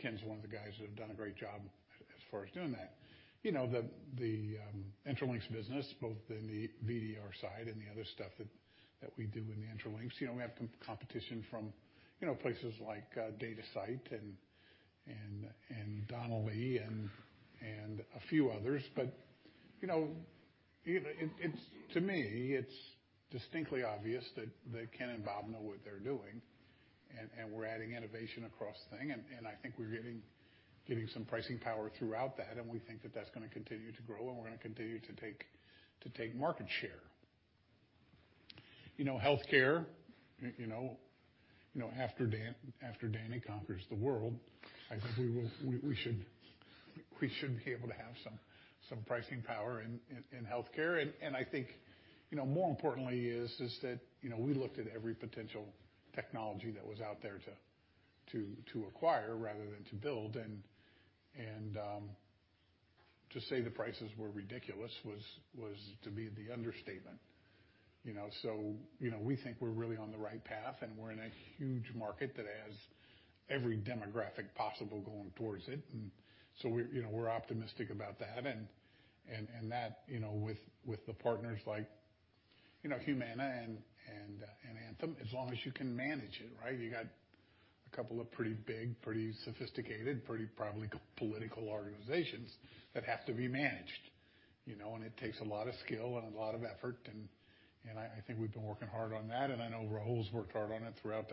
Ken's one of the guys that have done a great job as far as doing that. You know, the Intralinks business, both in the VDR side and the other stuff that we do in the Intralinks, you know, we have competition from, you know, places like Datasite and Donnelley and a few others. You know, to me, it's distinctly obvious that Ken and Bob know what they're doing, and we're adding innovation across the thing. I think we're getting some pricing power throughout that, and we think that's gonna continue to grow, and we're gonna continue to take market share. You know, healthcare, you know, after Dan conquers the world, I think we should be able to have some pricing power in healthcare. I think, you know, more importantly is that, you know, we looked at every potential technology that was out there to acquire rather than to build. To say the prices were ridiculous was to be the understatement. You know? You know, we think we're really on the right path, and we're in a huge market that has every demographic possible going towards it. We're optimistic about that. That, you know, with the partners like, you know, Humana and Anthem, as long as you can manage it, right? You've got a couple of pretty big, pretty sophisticated, pretty probably political organizations that have to be managed, you know? It takes a lot of skill and a lot of effort, and I think we've been working hard on that, and I know Rahul's worked hard on it throughout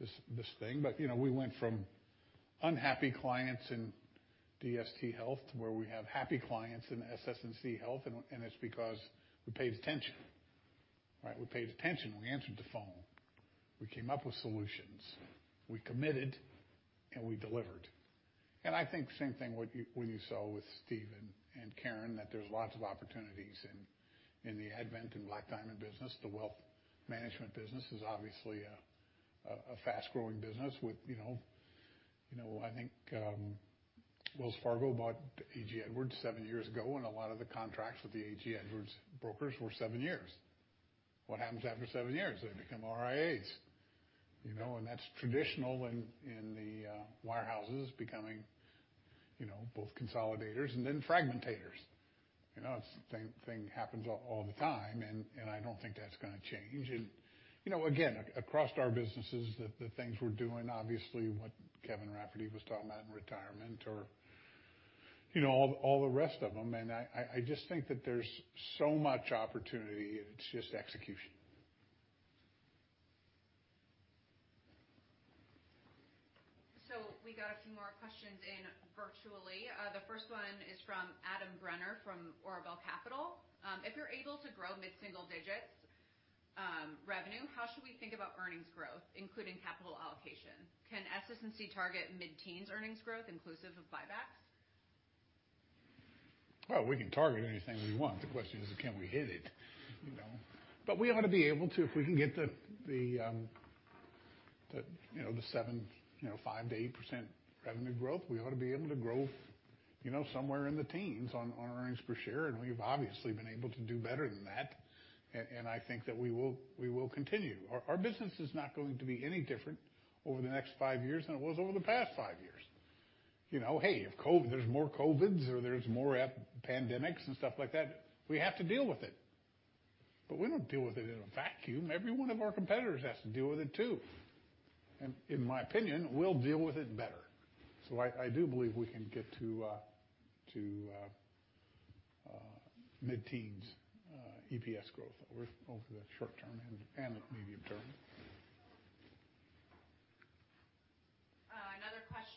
this thing. We went from unhappy clients in DST Health to where we have happy clients in SS&C Health, and it's because we paid attention, right? We paid attention. We answered the phone. We came up with solutions. We committed, and we delivered. I think same thing when you saw with Steve and Karen, that there's lots of opportunities in the Advent and Black Diamond business. The wealth management business is obviously a fast-growing business with, you know. You know, I think, Wells Fargo bought A.G. Edwards seven years ago, and a lot of the contracts with the A.G. Edwards brokers were seven years. What happens after seven years? They become RIAs, you know. That's traditional in the wirehouses becoming, you know, both consolidators and then fragmentators. You know, it's the same thing happens all the time, and I don't think that's gonna change. You know, again, across our businesses, the things we're doing, obviously what Kevin Rafferty was talking about in retirement or, you know, all the rest of them. I just think that there's so much opportunity, it's just execution. We got a few more questions in virtually. The first one is from Adam Brenner from Orville Capital. If you're able to grow mid-single digits revenue, how should we think about earnings growth, including capital allocation? Can SS&C target mid-teens earnings growth inclusive of buybacks? Well, we can target anything we want. The question is, can we hit it, you know? We ought to be able to. If we can get the five to 8% revenue growth, we ought to be able to grow, you know, somewhere in the teens on earnings per share, and we've obviously been able to do better than that. I think that we will continue. Our business is not going to be any different over the next five years than it was over the past five years. You know, hey, if COVID—there's more COVIDs or there's more epidemics and stuff like that, we have to deal with it. We don't deal with it in a vacuum. Every one of our competitors has to deal with it too. In my opinion, we'll deal with it better. I do believe we can get to mid-teens EPS growth over the short term and the medium term.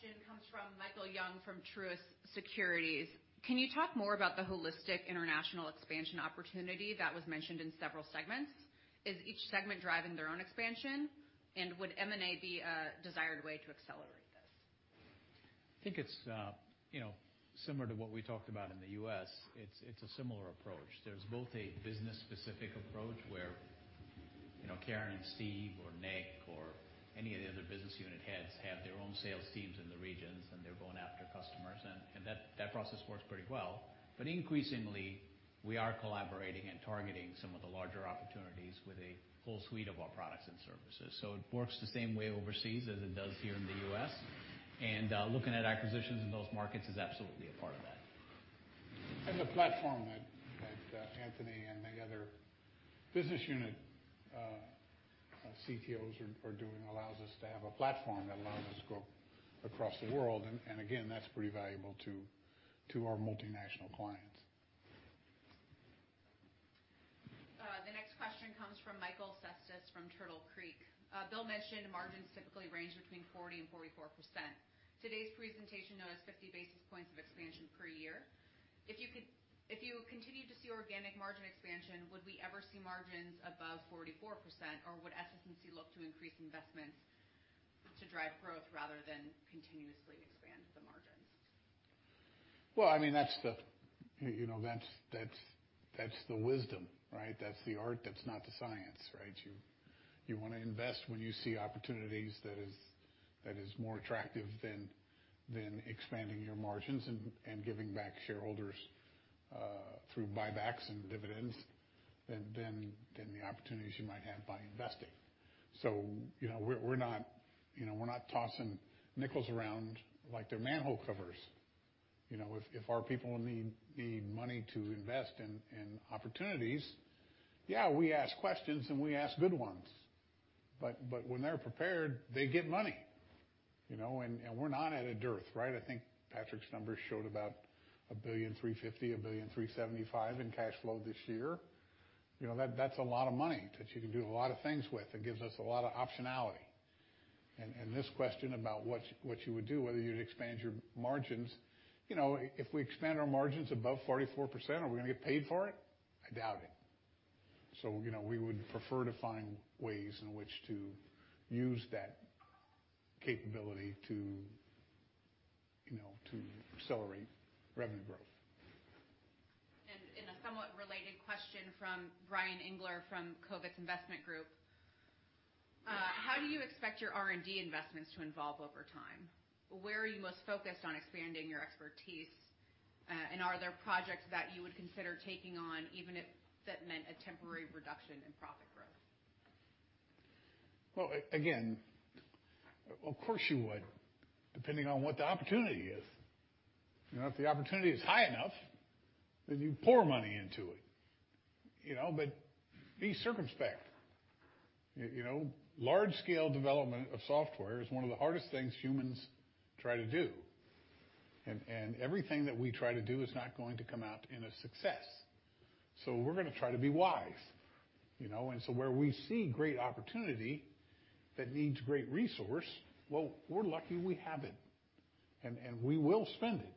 Another question comes from Michael Young from Truist Securities. Can you talk more about the holistic international expansion opportunity that was mentioned in several segments? Is each segment driving their own expansion? Would M&A be a desired way to accelerate this? I think it's, you know, similar to what we talked about in the U.S. It's a similar approach. There's both a business-specific approach where, you know, Karen and Steve or Nick or any of the other business unit heads have their own sales teams in the regions, and they're going after customers, and that process works pretty well. But increasingly, we are collaborating and targeting some of the larger opportunities with a full suite of our products and services. It works the same way overseas as it does here in the U.S., and looking at acquisitions in those markets is absolutely a part of that. The platform that Anthony and the other business unit CTOs are doing allows us to have a platform that allows us to go across the world. Again, that's pretty valuable to our multinational clients. The next question comes from Michael Cestas from Turtle Creek. Bill mentioned margins typically range between 40%-44%. Today's presentation noted 50 basis points of expansion per year. If you continue to see organic margin expansion, would we ever see margins above 44%, or would SS&C look to increase investments to drive growth rather than continuously expand the margins? Well, I mean, that's the, you know, that's the wisdom, right? That's not the science, right? You wanna invest when you see opportunities that is more attractive than expanding your margins and giving back shareholders through buybacks and dividends than the opportunities you might have by investing. You know, we're not tossing nickels around like they're manhole covers. You know, if our people need money to invest in opportunities, yeah, we ask questions, and we ask good ones. But when they're prepared, they get money, you know? We're not at a dearth, right? I think Patrick's numbers showed about $1.035 billion, $1.037 billion in cash flow this year. You know, that's a lot of money that you can do a lot of things with. It gives us a lot of optionality. This question about what you would do, whether you'd expand your margins, you know, if we expand our margins above 44%, are we gonna get paid for it? I doubt it. You know, we would prefer to find ways in which to use that capability to, you know, to accelerate revenue growth. In a somewhat related question from Bryan Engler from Covis Investment Group, how do you expect your R&D investments to evolve over time? Where are you most focused on expanding your expertise, and are there projects that you would consider taking on even if that meant a temporary reduction in profit growth? Well, again, of course you would, depending on what the opportunity is. You know, if the opportunity is high enough, then you pour money into it. You know, but be circumspect. You know, large-scale development of software is one of the hardest things humans try to do. And everything that we try to do is not going to come out a success. We're gonna try to be wise, you know? Where we see great opportunity that needs great resource, well, we're lucky we have it and we will spend it.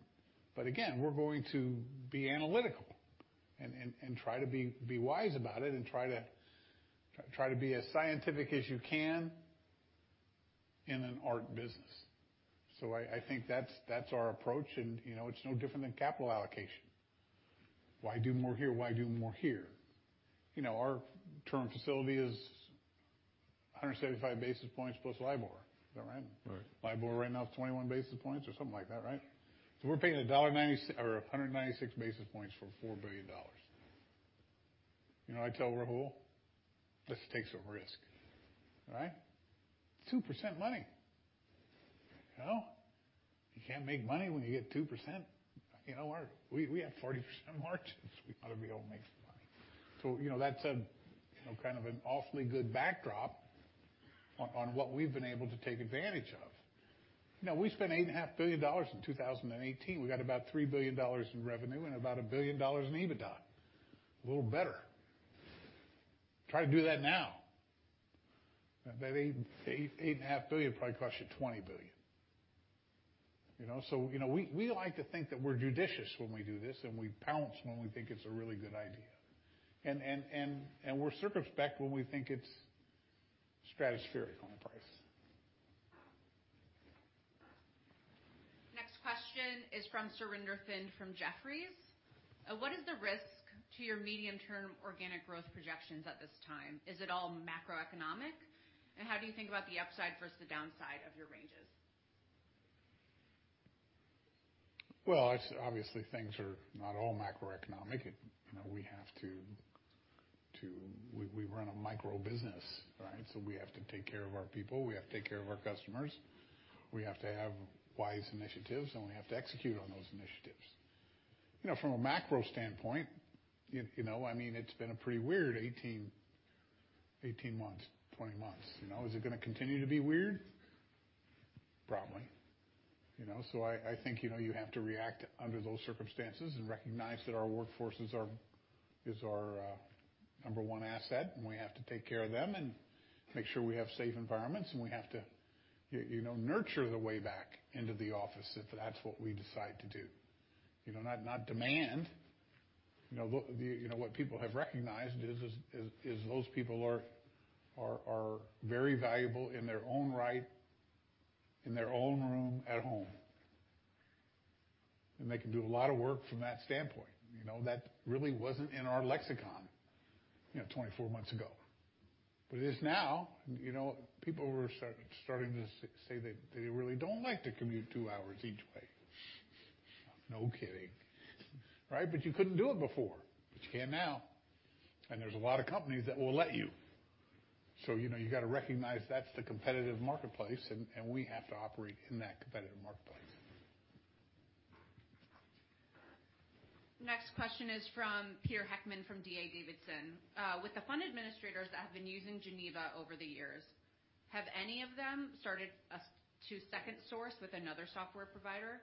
But again, we're going to be analytical and try to be wise about it and try to be as scientific as you can in an art business. I think that's our approach and, you know, it's no different than capital allocation. Why do more here? Why do more here? You know, our term facility is 175 basis points plus LIBOR. Is that right? Right. LIBOR right now is 21 basis points or something like that, right? We're paying 196 basis points for $4 billion. You know, I tell Rahul, "Let's take some risk." All right? 2% money. You know? You can't make money when you get 2%. You know, we have 40% margins. We ought to be able to make some money. You know, that's a, you know, kind of an awfully good backdrop on what we've been able to take advantage of. You know, we spent $8.5 billion in 2018. We got about $3 billion in revenue and about $1 billion in EBITDA. A little better. Try to do that now. That $8.5 billion will probably cost you $20 billion. You know? You know, we like to think that we're judicious when we do this, and we pounce when we think it's a really good idea. We're circumspect when we think it's stratospheric on the price. Next question is from Surinder Thind from Jefferies. What is the risk to your medium-term organic growth projections at this time? Is it all macroeconomic? How do you think about the upside versus the downside of your ranges? Well, obviously, things are not all macroeconomic. You know, we have to. We run a micro business, right? So we have to take care of our people, we have to take care of our customers, we have to have wise initiatives, and we have to execute on those initiatives. You know, from a macro standpoint, you know, I mean, it's been a pretty weird 18 months, 20 months. You know, is it gonna continue to be weird? Probably. You know? So I think, you know, you have to react under those circumstances and recognize that our workforce is our number one asset, and we have to take care of them and make sure we have safe environments, and we have to, you know, nurture the way back into the office if that's what we decide to do. You know, not demand. You know, what people have recognized is those people are very valuable in their own right, in their own room at home, and they can do a lot of work from that standpoint. You know? That really wasn't in our lexicon, you know, 24 months ago. It is now. You know, people were starting to say they really don't like to commute two hours each way. No kidding. Right? You couldn't do it before, but you can now. There's a lot of companies that will let you. You know, you gotta recognize that's the competitive marketplace, and we have to operate in that competitive marketplace. Next question is from Peter Heckmann from D.A. Davidson. With the fund administrators that have been using Geneva over the years, have any of them started to second source with another software provider,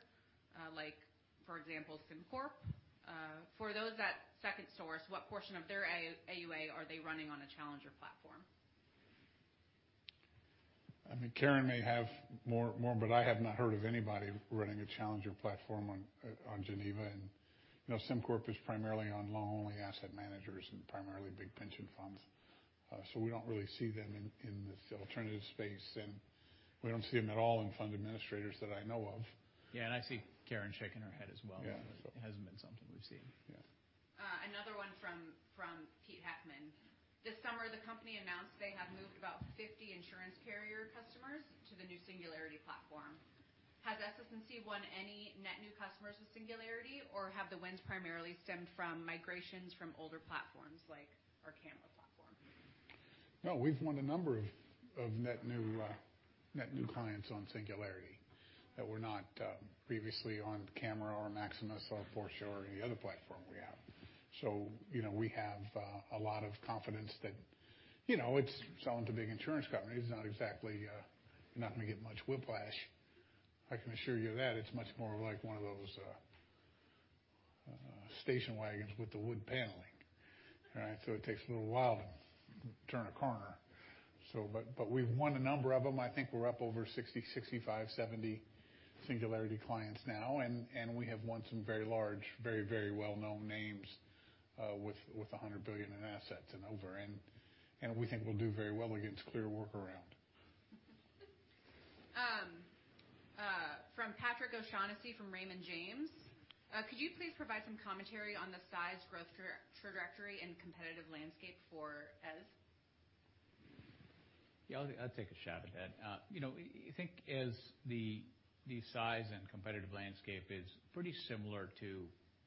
like for example, SimCorp? For those that second source, what portion of their AUA are they running on a challenger platform? I mean, Karen may have more, but I have not heard of anybody running a challenger platform on Geneva. You know, SimCorp is primarily on loan-only asset managers and primarily big pension funds. We don't really see them in this alternative space, and we don't see them at all in fund administrators that I know of. Yeah, I see Karen shaking her head as well. Yeah. It hasn't been something we've seen. Yeah. Another one from Peter Heckmann. This summer, the company announced they have moved about 50 insurance carrier customers to the new Singularity platform. Has SS&C won any net new customers with Singularity, or have the wins primarily stemmed from migrations from older platforms like our CAMRA platform? No, we've won a number of net new clients on Singularity that were not previously on CAMRA or Maximus or Foreshore or any other platform we have. You know, we have a lot of confidence that, you know, it's selling to big insurance companies, not exactly you're not gonna get much whiplash. I can assure you that. It's much more like one of those station wagons with the wood paneling. Right? It takes a little while to turn a corner. We've won a number of them. I think we're up over 60, 65, 70 Singularity clients now, and we have won some very large, very well-known names with $100 billion in assets and over. We think we'll do very well against Clearwater Analytics. From Patrick O'Shaughnessy from Raymond James. Could you please provide some commentary on the size, growth trajectory, and competitive landscape for Eze? Yeah, I'll take a shot at that. You know, I think as the size and competitive landscape is pretty similar to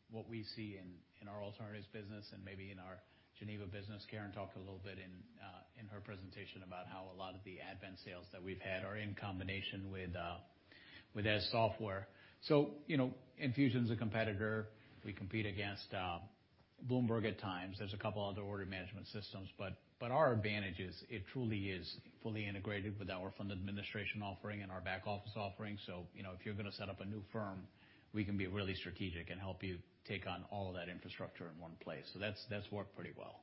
what we see in our alternatives business and maybe in our Geneva business. Karen talked a little bit in her presentation about how a lot of the Advent sales that we've had are in combination with Eze software. You know, Enfusion's a competitor. We compete against Bloomberg at times. There's a couple other order management systems, but our advantage is truly fully integrated with our fund administration offering and our back office offering. You know, if you're gonna set up a new firm, we can be really strategic and help you take on all of that infrastructure in one place. That's worked pretty well.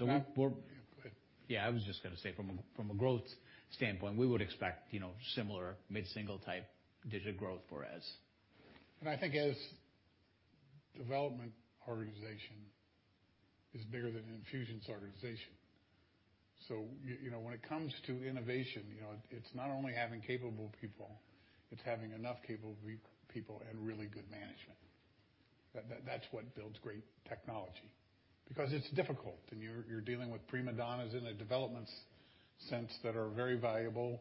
We're Go ahead. Yeah, I was just gonna say from a growth standpoint, we would expect, you know, similar mid-single-digit growth for Eze. I think Eze development organization is bigger than Enfusion's organization. You know, when it comes to innovation, you know, it's not only having capable people, it's having enough capable people and really good management. That's what builds great technology because it's difficult, and you're dealing with prima donnas in a development sense that are very valuable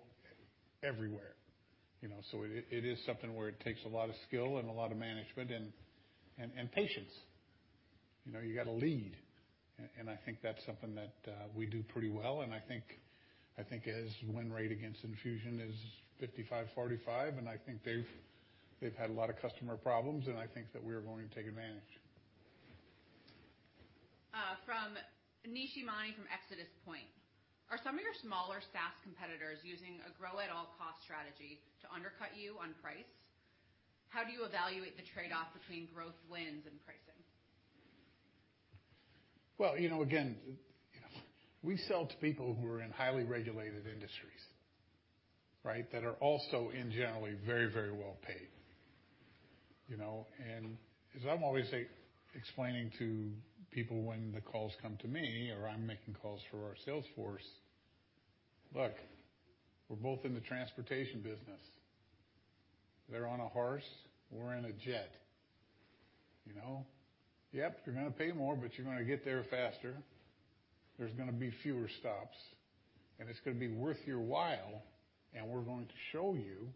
everywhere, you know. It is something where it takes a lot of skill and a lot of management and patience. You know, you gotta lead, and I think that's something that we do pretty well. I think Eze win rate against Enfusion is 55-45, and I think they've had a lot of customer problems, and I think that we're going to take advantage. From Nishi Mani from ExodusPoint, "Are some of your smaller SaaS competitors using a grow-at-all-cost strategy to undercut you on price? How do you evaluate the trade-off between growth wins and pricing? Well, you know, again, we sell to people who are in highly regulated industries, right? That are also in generally very, very well-paid, you know. As I'm always explaining to people when the calls come to me or I'm making calls for our sales force, "Look, we're both in the transportation business. They're on a horse. We're in a jet. You know? Yep, you're gonna pay more, but you're gonna get there faster. There's gonna be fewer stops, and it's gonna be worth your while, and we're going to show you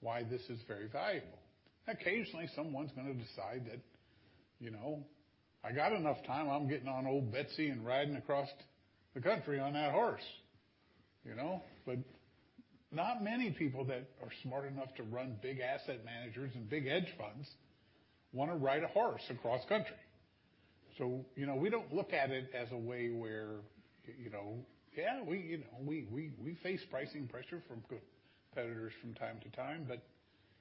why this is very valuable." Occasionally, someone's gonna decide that, you know, "I got enough time. I'm getting on Old Betsy and riding across the country on that horse." You know? Not many people that are smart enough to run big asset managers and big hedge funds wanna ride a horse across country. You know, we don't look at it as a way where, you know. Yeah, we face pricing pressure from competitors from time to time, but,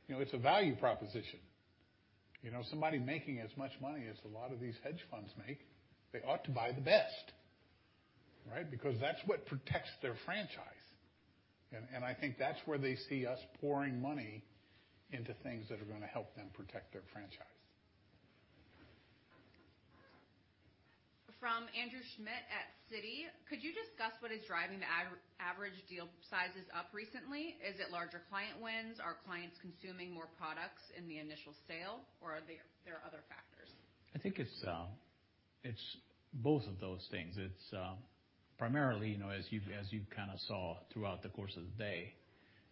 you know, it's a value proposition. You know, somebody making as much money as a lot of these hedge funds make, they ought to buy the best, right? Because that's what protects their franchise. I think that's where they see us pouring money into things that are gonna help them protect their franchise. From Andrew Schmidt at Citi, "Could you discuss what is driving the average deal sizes up recently? Is it larger client wins? Are clients consuming more products in the initial sale, or are there other factors? I think it's both of those things. It's primarily, you know, as you kinda saw throughout the course of the day,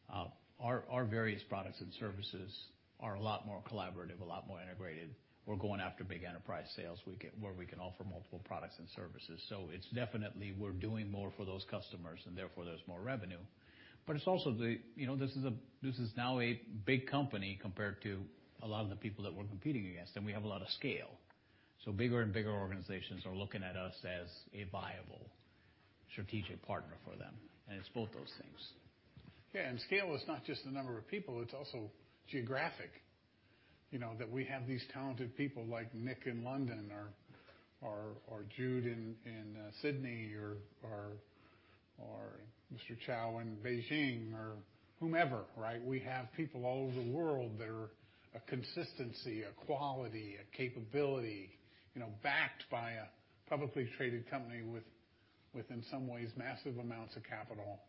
our various products and services are a lot more collaborative, a lot more integrated. We're going after big enterprise sales where we can offer multiple products and services. It's definitely we're doing more for those customers, and therefore, there's more revenue. But it's also, you know, this is now a big company compared to a lot of the people that we're competing against, and we have a lot of scale. Bigger and bigger organizations are looking at us as a viable strategic partner for them. It's both those things. Yeah, scale is not just the number of people, it's also geographic. You know, that we have these talented people like Nick in London or Jude in Sydney or Mr. Chow in Beijing or whomever, right? We have people all over the world that are a consistency, a quality, a capability, you know, backed by a publicly traded company with in some ways massive amounts of capital,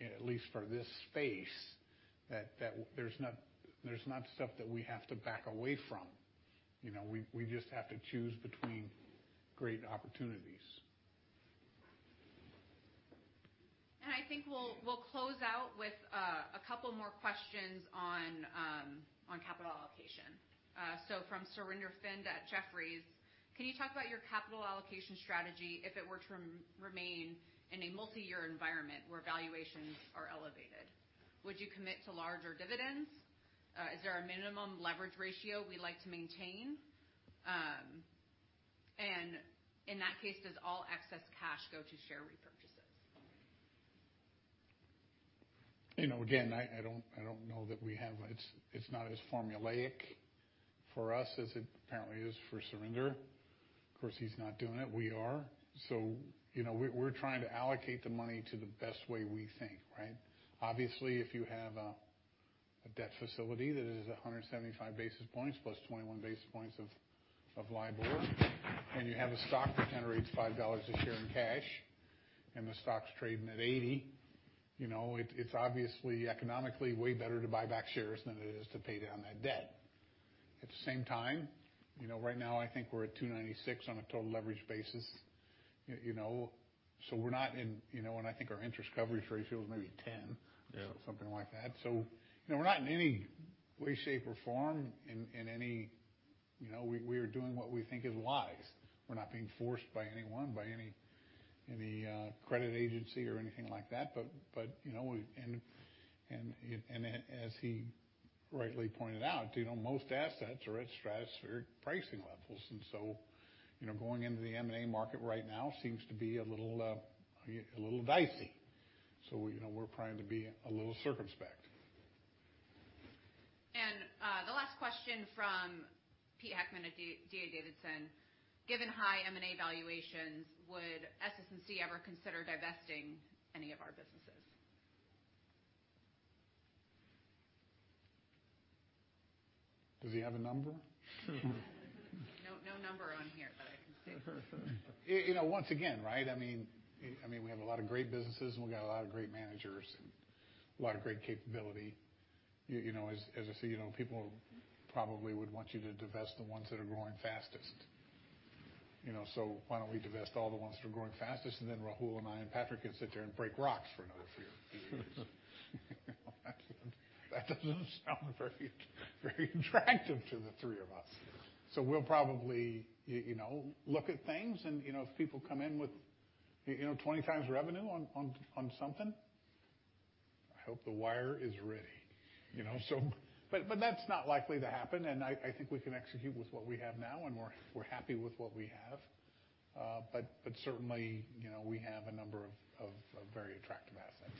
at least for this space, that there's not stuff that we have to back away from. You know, we just have to choose between great opportunities. I think we'll close out with a couple more questions on capital allocation. From Surinder Thind at Jefferies, "Can you talk about your capital allocation strategy if it were to remain in a multi-year environment where valuations are elevated? Would you commit to larger dividends? Is there a minimum leverage ratio we like to maintain? And in that case, does all excess cash go to share repurchases? You know, again, I don't know that we have. It's not as formulaic for us as it apparently is for Surinder. Of course, he's not doing it. We are. You know, we're trying to allocate the money to the best way we think, right? Obviously, if you have a debt facility that is 175 basis points plus 21 basis points of LIBOR, and you have a stock that generates $5 a share in cash, and the stock's trading at 80, you know, it's obviously economically way better to buy back shares than it is to pay down that debt. At the same time, you know, right now I think we're at 2.96 on a total leverage basis. You know, so we're not in. You know, and I think our interest coverage ratio is maybe 10. Yeah. Something like that. You know, we're not in any way, shape, or form. You know, we are doing what we think is wise. We're not being forced by anyone, by any credit agency or anything like that. You know, as he rightly pointed out, most assets are at stratospheric pricing levels. You know, going into the M&A market right now seems to be a little dicey. You know, we're trying to be a little circumspect. The last question from Peter Heckmann at D.A. Davidson, "Given high M&A valuations, would SS&C ever consider divesting any of our businesses? Does he have a number? No, no number on here that I can see. You know, once again, right? I mean, we have a lot of great businesses, and we've got a lot of great managers and a lot of great capability. You know, as I say, you know, people probably would want you to divest the ones that are growing fastest. You know, why don't we divest all the ones that are growing fastest, and then Rahul and I and Patrick can sit there and break rocks for another few years. That doesn't sound very attractive to the three of us. We'll probably, you know, look at things, and, you know, if people come in with, you know, 20x revenue on something, I hope the wire is ready, you know. That's not likely to happen, and I think we can execute with what we have now, and we're happy with what we have. Certainly, you know, we have a number of very attractive assets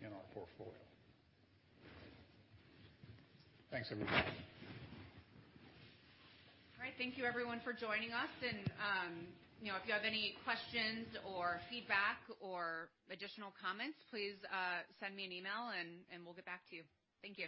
in our portfolio. Thanks, everybody. All right. Thank you everyone for joining us. You know, if you have any questions or feedback or additional comments, please send me an email and we'll get back to you. Thank you.